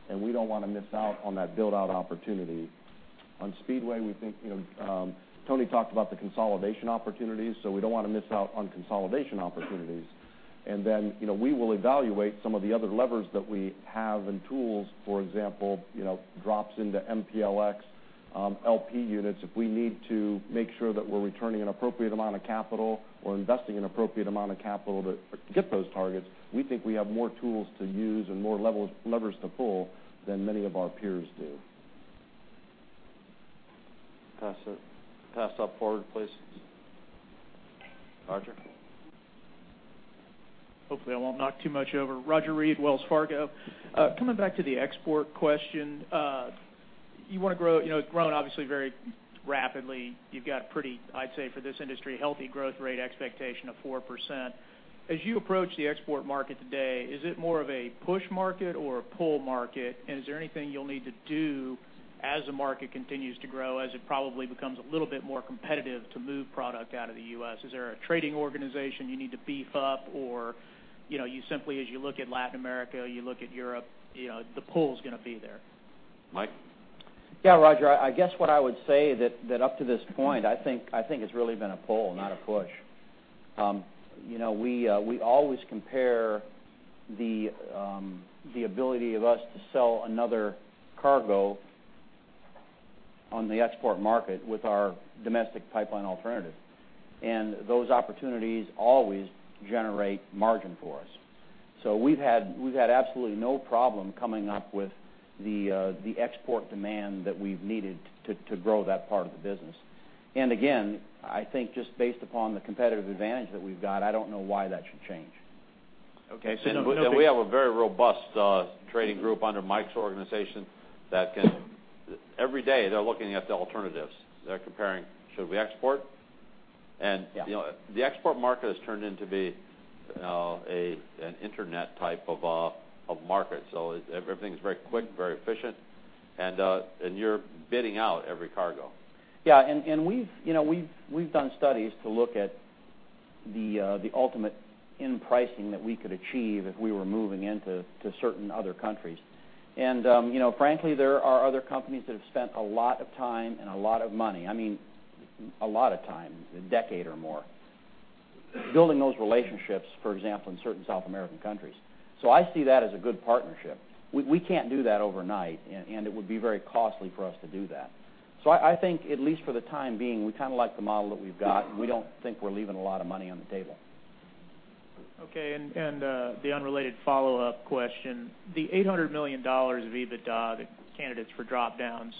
and we don't want to miss out on that build-out opportunity. On Speedway, Tony talked about the consolidation opportunities, we don't want to miss out on consolidation opportunities. We will evaluate some of the other levers that we have and tools, for example, drops into MPLX LP units if we need to make sure that we're returning an appropriate amount of capital or investing an appropriate amount of capital to get those targets. We think we have more tools to use and more levers to pull than many of our peers do. Pass up forward, please. Roger? Hopefully I won't knock too much over. Roger Read, Wells Fargo. Coming back to the export question. It's grown obviously very rapidly. You've got pretty, I'd say for this industry, healthy growth rate expectation of 4%. As you approach the export market today, is it more of a push market or a pull market? Is there anything you'll need to do as the market continues to grow, as it probably becomes a little bit more competitive to move product out of the U.S.? Is there a trading organization you need to beef up or you simply as you look at Latin America, you look at Europe, the pull is going to be there? Mike? Yeah, Roger, I guess what I would say that up to this point, I think it's really been a pull, not a push. We always compare the ability of us to sell another cargo on the export market with our domestic pipeline alternative. Those opportunities always generate margin for us. We've had absolutely no problem coming up with the export demand that we've needed to grow that part of the business. Again, I think just based upon the competitive advantage that we've got, I don't know why that should change. Okay. We have a very robust trading group under Mike's organization. Every day, they're looking at the alternatives. They're comparing, should we export? Yeah. The export market has turned in to be an internet type of market. Everything's very quick, very efficient, and you're bidding out every cargo. Yeah. We've done studies to look at the ultimate end pricing that we could achieve if we were moving into certain other countries. Frankly, there are other companies that have spent a lot of time and a lot of money, I mean a lot of time, a decade or more, building those relationships, for example, in certain South American countries. I see that as a good partnership. We can't do that overnight, and it would be very costly for us to do that. I think at least for the time being, we like the model that we've got. We don't think we're leaving a lot of money on the table. Okay, the unrelated follow-up question, the $800 million of EBITDA, the candidates for drop-downs.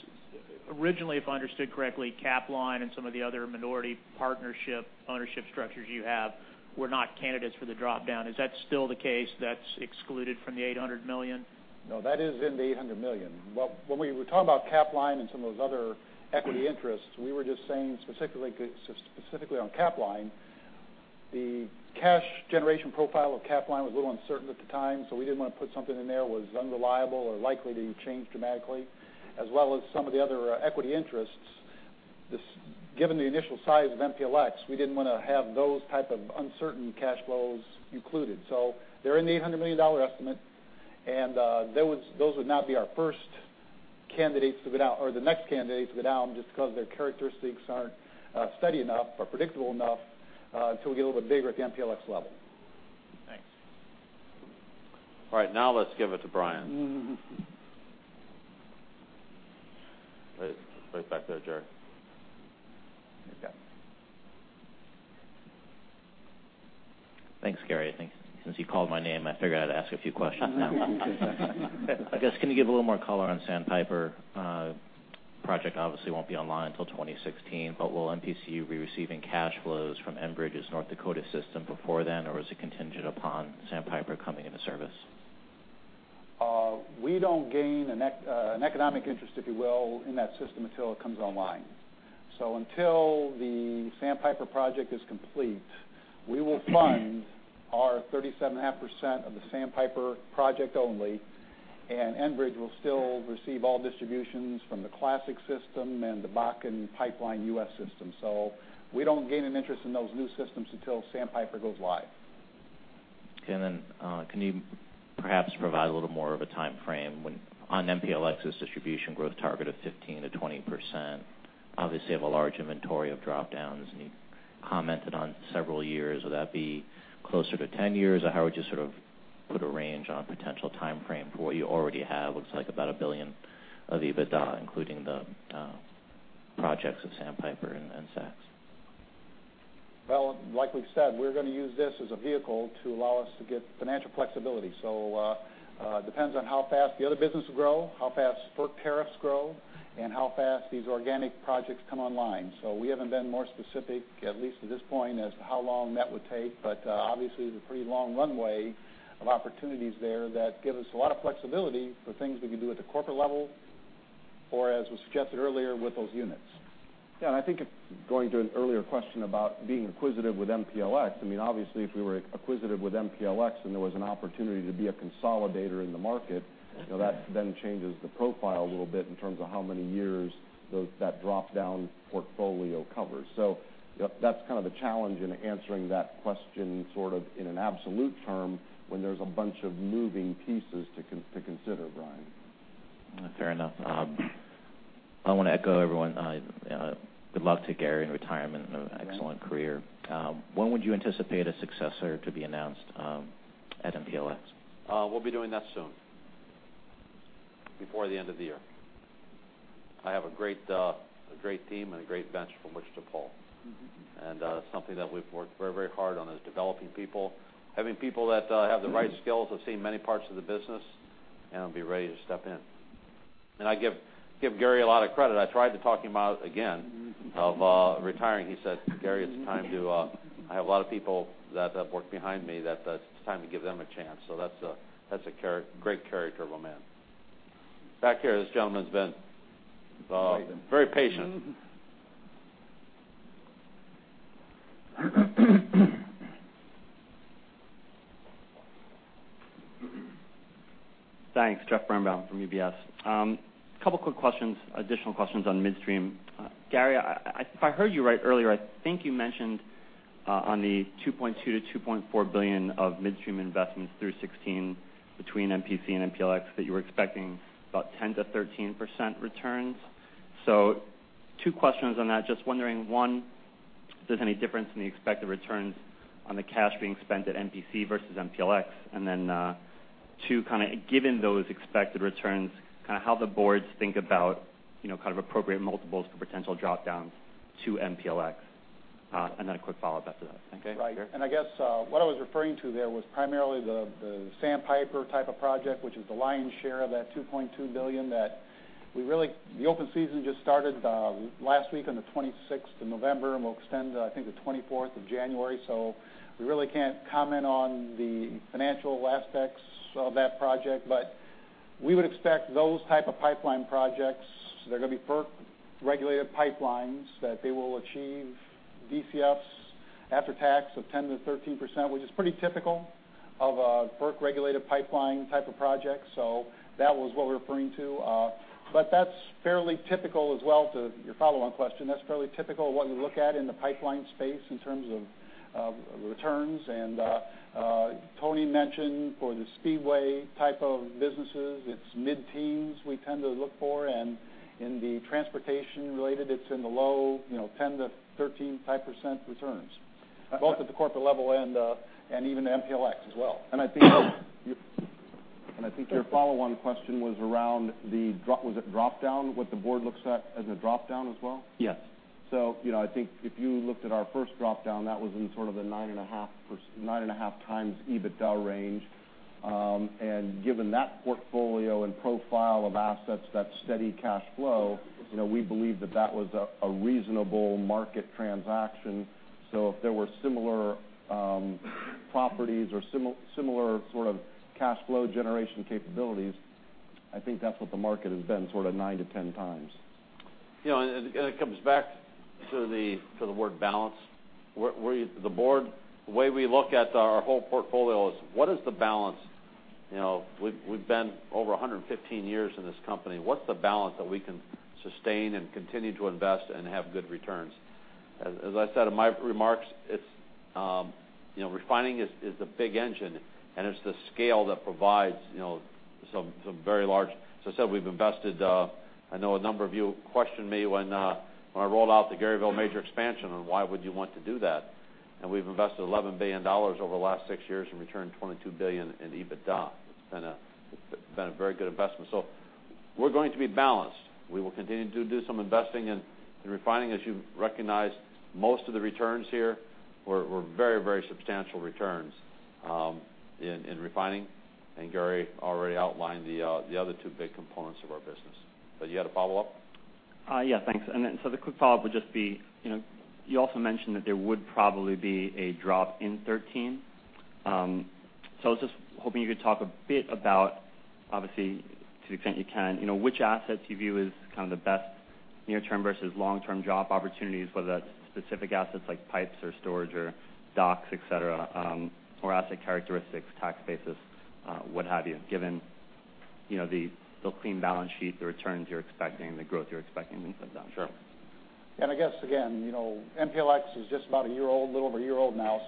Originally, if I understood correctly, Capline and some of the other minority partnership ownership structures you have were not candidates for the drop-down. Is that still the case? That's excluded from the $800 million? No, that is in the $800 million. When we were talking about Capline and some of those other equity interests, we were just saying specifically on Capline, the cash generation profile of Capline was a little uncertain at the time, we didn't want to put something in there was unreliable or likely to change dramatically. As well as some of the other equity interests. Given the initial size of MPLX, we didn't want to have those type of uncertain cash flows included. They're in the $800 million estimate, and those would not be our first candidates to go down or the next candidates to go down just because their characteristics aren't steady enough or predictable enough until we get a little bit bigger at the MPLX level. Thanks. All right. Let's give it to Brian. Right back there, Garry. He's got it. Thanks, Gary. I think since you called my name, I figured I'd ask a few questions now. Can you give a little more color on Sandpiper? Project obviously won't be online until 2016, will MPC be receiving cash flows from Enbridge's North Dakota system before then, or is it contingent upon Sandpiper coming into service? We don't gain an economic interest, if you will, in that system until it comes online. Until the Sandpiper project is complete, we will fund our 37.5% of the Sandpiper project only, and Enbridge will still receive all distributions from the classic system and the Bakken Pipeline System US system. We don't gain an interest in those new systems until Sandpiper goes live. Okay. Can you perhaps provide a little more of a timeframe on MPLX's distribution growth target of 15%-20%? Obviously, you have a large inventory of drop-downs, and you commented on several years. Would that be closer to 10 years, or how would you sort of put a range on potential timeframe for what you already have? Looks like about $1 billion of EBITDA, including the projects of Sandpiper and SAX. Well, like we've said, we're going to use this as a vehicle to allow us to get financial flexibility. Depends on how fast the other business will grow, how fast FERC tariffs grow, and how fast these organic projects come online. We haven't been more specific, at least to this point, as to how long that would take. Obviously, there's a pretty long runway of opportunities there that give us a lot of flexibility for things we can do at the corporate level or, as was suggested earlier, with those units. Yeah, I think going to an earlier question about being acquisitive with MPLX, obviously if we were acquisitive with MPLX and there was an opportunity to be a consolidator in the market, that then changes the profile a little bit in terms of how many years that drop-down portfolio covers. That's kind of a challenge in answering that question sort of in an absolute term when there's a bunch of moving pieces to consider, Brian. Fair enough. I want to echo everyone. Good luck to Gary in retirement and an excellent career. When would you anticipate a successor to be announced at MPLX? We'll be doing that soon. Before the end of the year. I have a great team and a great bench from which to pull. Something that we've worked very hard on is developing people, having people that have the right skills, have seen many parts of the business, and will be ready to step in. I give Gary Heminger a lot of credit. I tried to talk him out again of retiring. He said, "Gary, I have a lot of people that have worked behind me, that it's time to give them a chance." That's a great character of a man. Back here, this gentleman's been very patient. Thanks. Jeffrey Birnbaum from UBS. Couple quick questions, additional questions on midstream. Gary Heminger, if I heard you right earlier, I think you mentioned On the $2.2 billion-$2.4 billion of midstream investments through 2016 between MPC and MPLX that you were expecting about 10%-13% returns. Two questions on that. Just wondering, one, if there's any difference in the expected returns on the cash being spent at MPC versus MPLX, and then two, given those expected returns, how the boards think about appropriate multiples for potential drop downs to MPLX. A quick follow up after that. Okay. Garry Peiffer? Right. I guess what I was referring to there was primarily the Sandpiper type of project, which is the lion's share of that $2.2 billion that the open season just started last week on the 26th of November, and we'll extend to, I think, the 24th of January. We really can't comment on the financial aspects of that project. We would expect those type of pipeline projects, they're going to be FERC-regulated pipelines, that they will achieve DCFs after tax of 10%-13%, which is pretty typical of a FERC-regulated pipeline type of project. That was what we're referring to. To your follow-on question, that's fairly typical of what you look at in the pipeline space in terms of returns. Anthony R. Kenney mentioned for the Speedway type of businesses, it's mid-teens we tend to look for. In the transportation related, it's in the low 10% to 13%-type returns, both at the corporate level and even MPLX as well. I think your follow-on question was around the-- Was it drop down? What the board looks at as a drop down as well? Yes. I think if you looked at our first drop down, that was in sort of the 9.5 times EBITDA range. Given that portfolio and profile of assets, that steady cash flow, we believe that that was a reasonable market transaction. If there were similar properties or similar sort of cash flow generation capabilities, I think that's what the market has been, sort of 9 to 10 times. It comes back to the word balance. The board, the way we look at our whole portfolio is what is the balance? We've been over 115 years in this company. What's the balance that we can sustain and continue to invest and have good returns? As I said in my remarks, refining is the big engine, and it's the scale that provides some very large-- As I said, we've invested-- I know a number of you questioned me when I rolled out the Garyville Major Expansion on why would you want to do that. We've invested $11 billion over the last six years and returned $22 billion in EBITDA. It's been a very good investment. We're going to be balanced. We will continue to do some investing in refining. As you recognized, most of the returns here were very substantial returns in refining. Gary already outlined the other two big components of our business. You had a follow-up? Yeah, thanks. The quick follow-up would just be, you also mentioned that there would probably be a drop in 2013. I was just hoping you could talk a bit about, obviously, to the extent you can, which assets you view as kind of the best near-term versus long-term drop opportunities, whether that's specific assets like pipes or storage or docks, et cetera, or asset characteristics, tax basis, what have you, given the clean balance sheet, the returns you're expecting, the growth you're expecting and things like that. Sure. I guess, again, MPLX is just about a year old, a little over a year old now.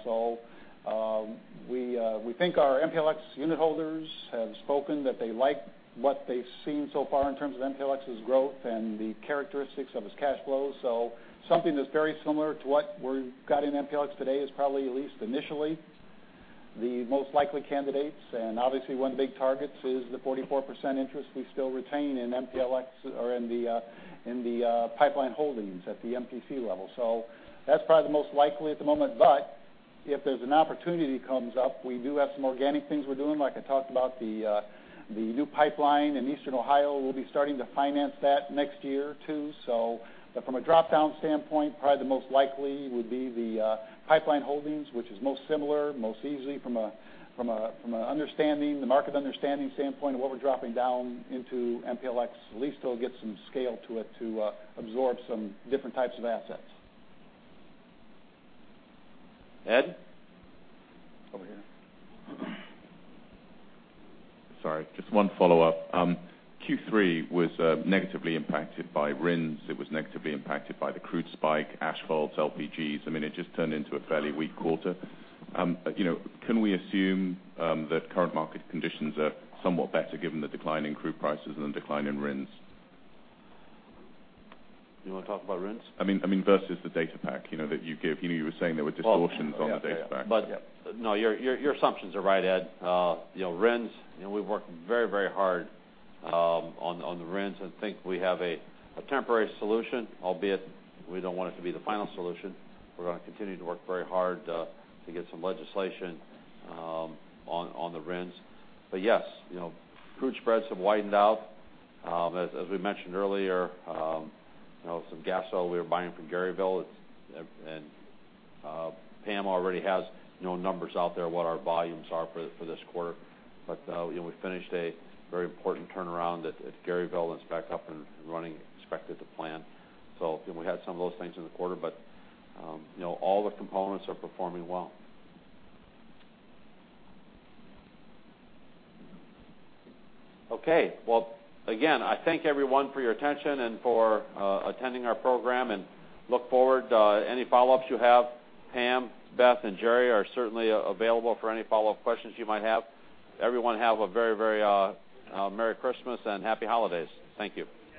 We think our MPLX unit holders have spoken that they like what they've seen so far in terms of MPLX's growth and the characteristics of its cash flow. Something that's very similar to what we've got in MPLX today is probably, at least initially, the most likely candidates. Obviously, one of the big targets is the 44% interest we still retain in the pipeline holdings at the MPC level. That's probably the most likely at the moment. If there's an opportunity comes up, we do have some organic things we're doing. Like I talked about the new pipeline in Eastern Ohio. We'll be starting to finance that next year too. From a drop-down standpoint, probably the most likely would be the pipeline holdings, which is most similar, most easy from a market understanding standpoint of what we're dropping down into MPLX. At least it'll get some scale to it to absorb some different types of assets. Ed? Over here. Sorry, just one follow-up. Q3 was negatively impacted by RINs. It was negatively impacted by the crude spike, asphalts, LPGs. It just turned into a fairly weak quarter. Can we assume that current market conditions are somewhat better given the decline in crude prices and the decline in RINs? You want to talk about RINs? I mean versus the data pack that you gave. You were saying there were distortions on the data pack. Yeah. No, your assumptions are right, Ed. RINs, we've worked very hard on the RINs and think we have a temporary solution, albeit we don't want it to be the final solution. We're going to continue to work very hard to get some legislation on the RINs. Yes, crude spreads have widened out. As we mentioned earlier, some gas oil we were buying from Garyville, and Pam already has numbers out there what our volumes are for this quarter. We finished a very important turnaround at Garyville, and it's back up and running as expected to plan. We had some of those things in the quarter, but all the components are performing well. Okay. Well, again, I thank everyone for your attention and for attending our program and look forward any follow-ups you have. Pam, Beth, and Gary are certainly available for any follow-up questions you might have. Everyone have a very merry Christmas and happy holidays. Thank you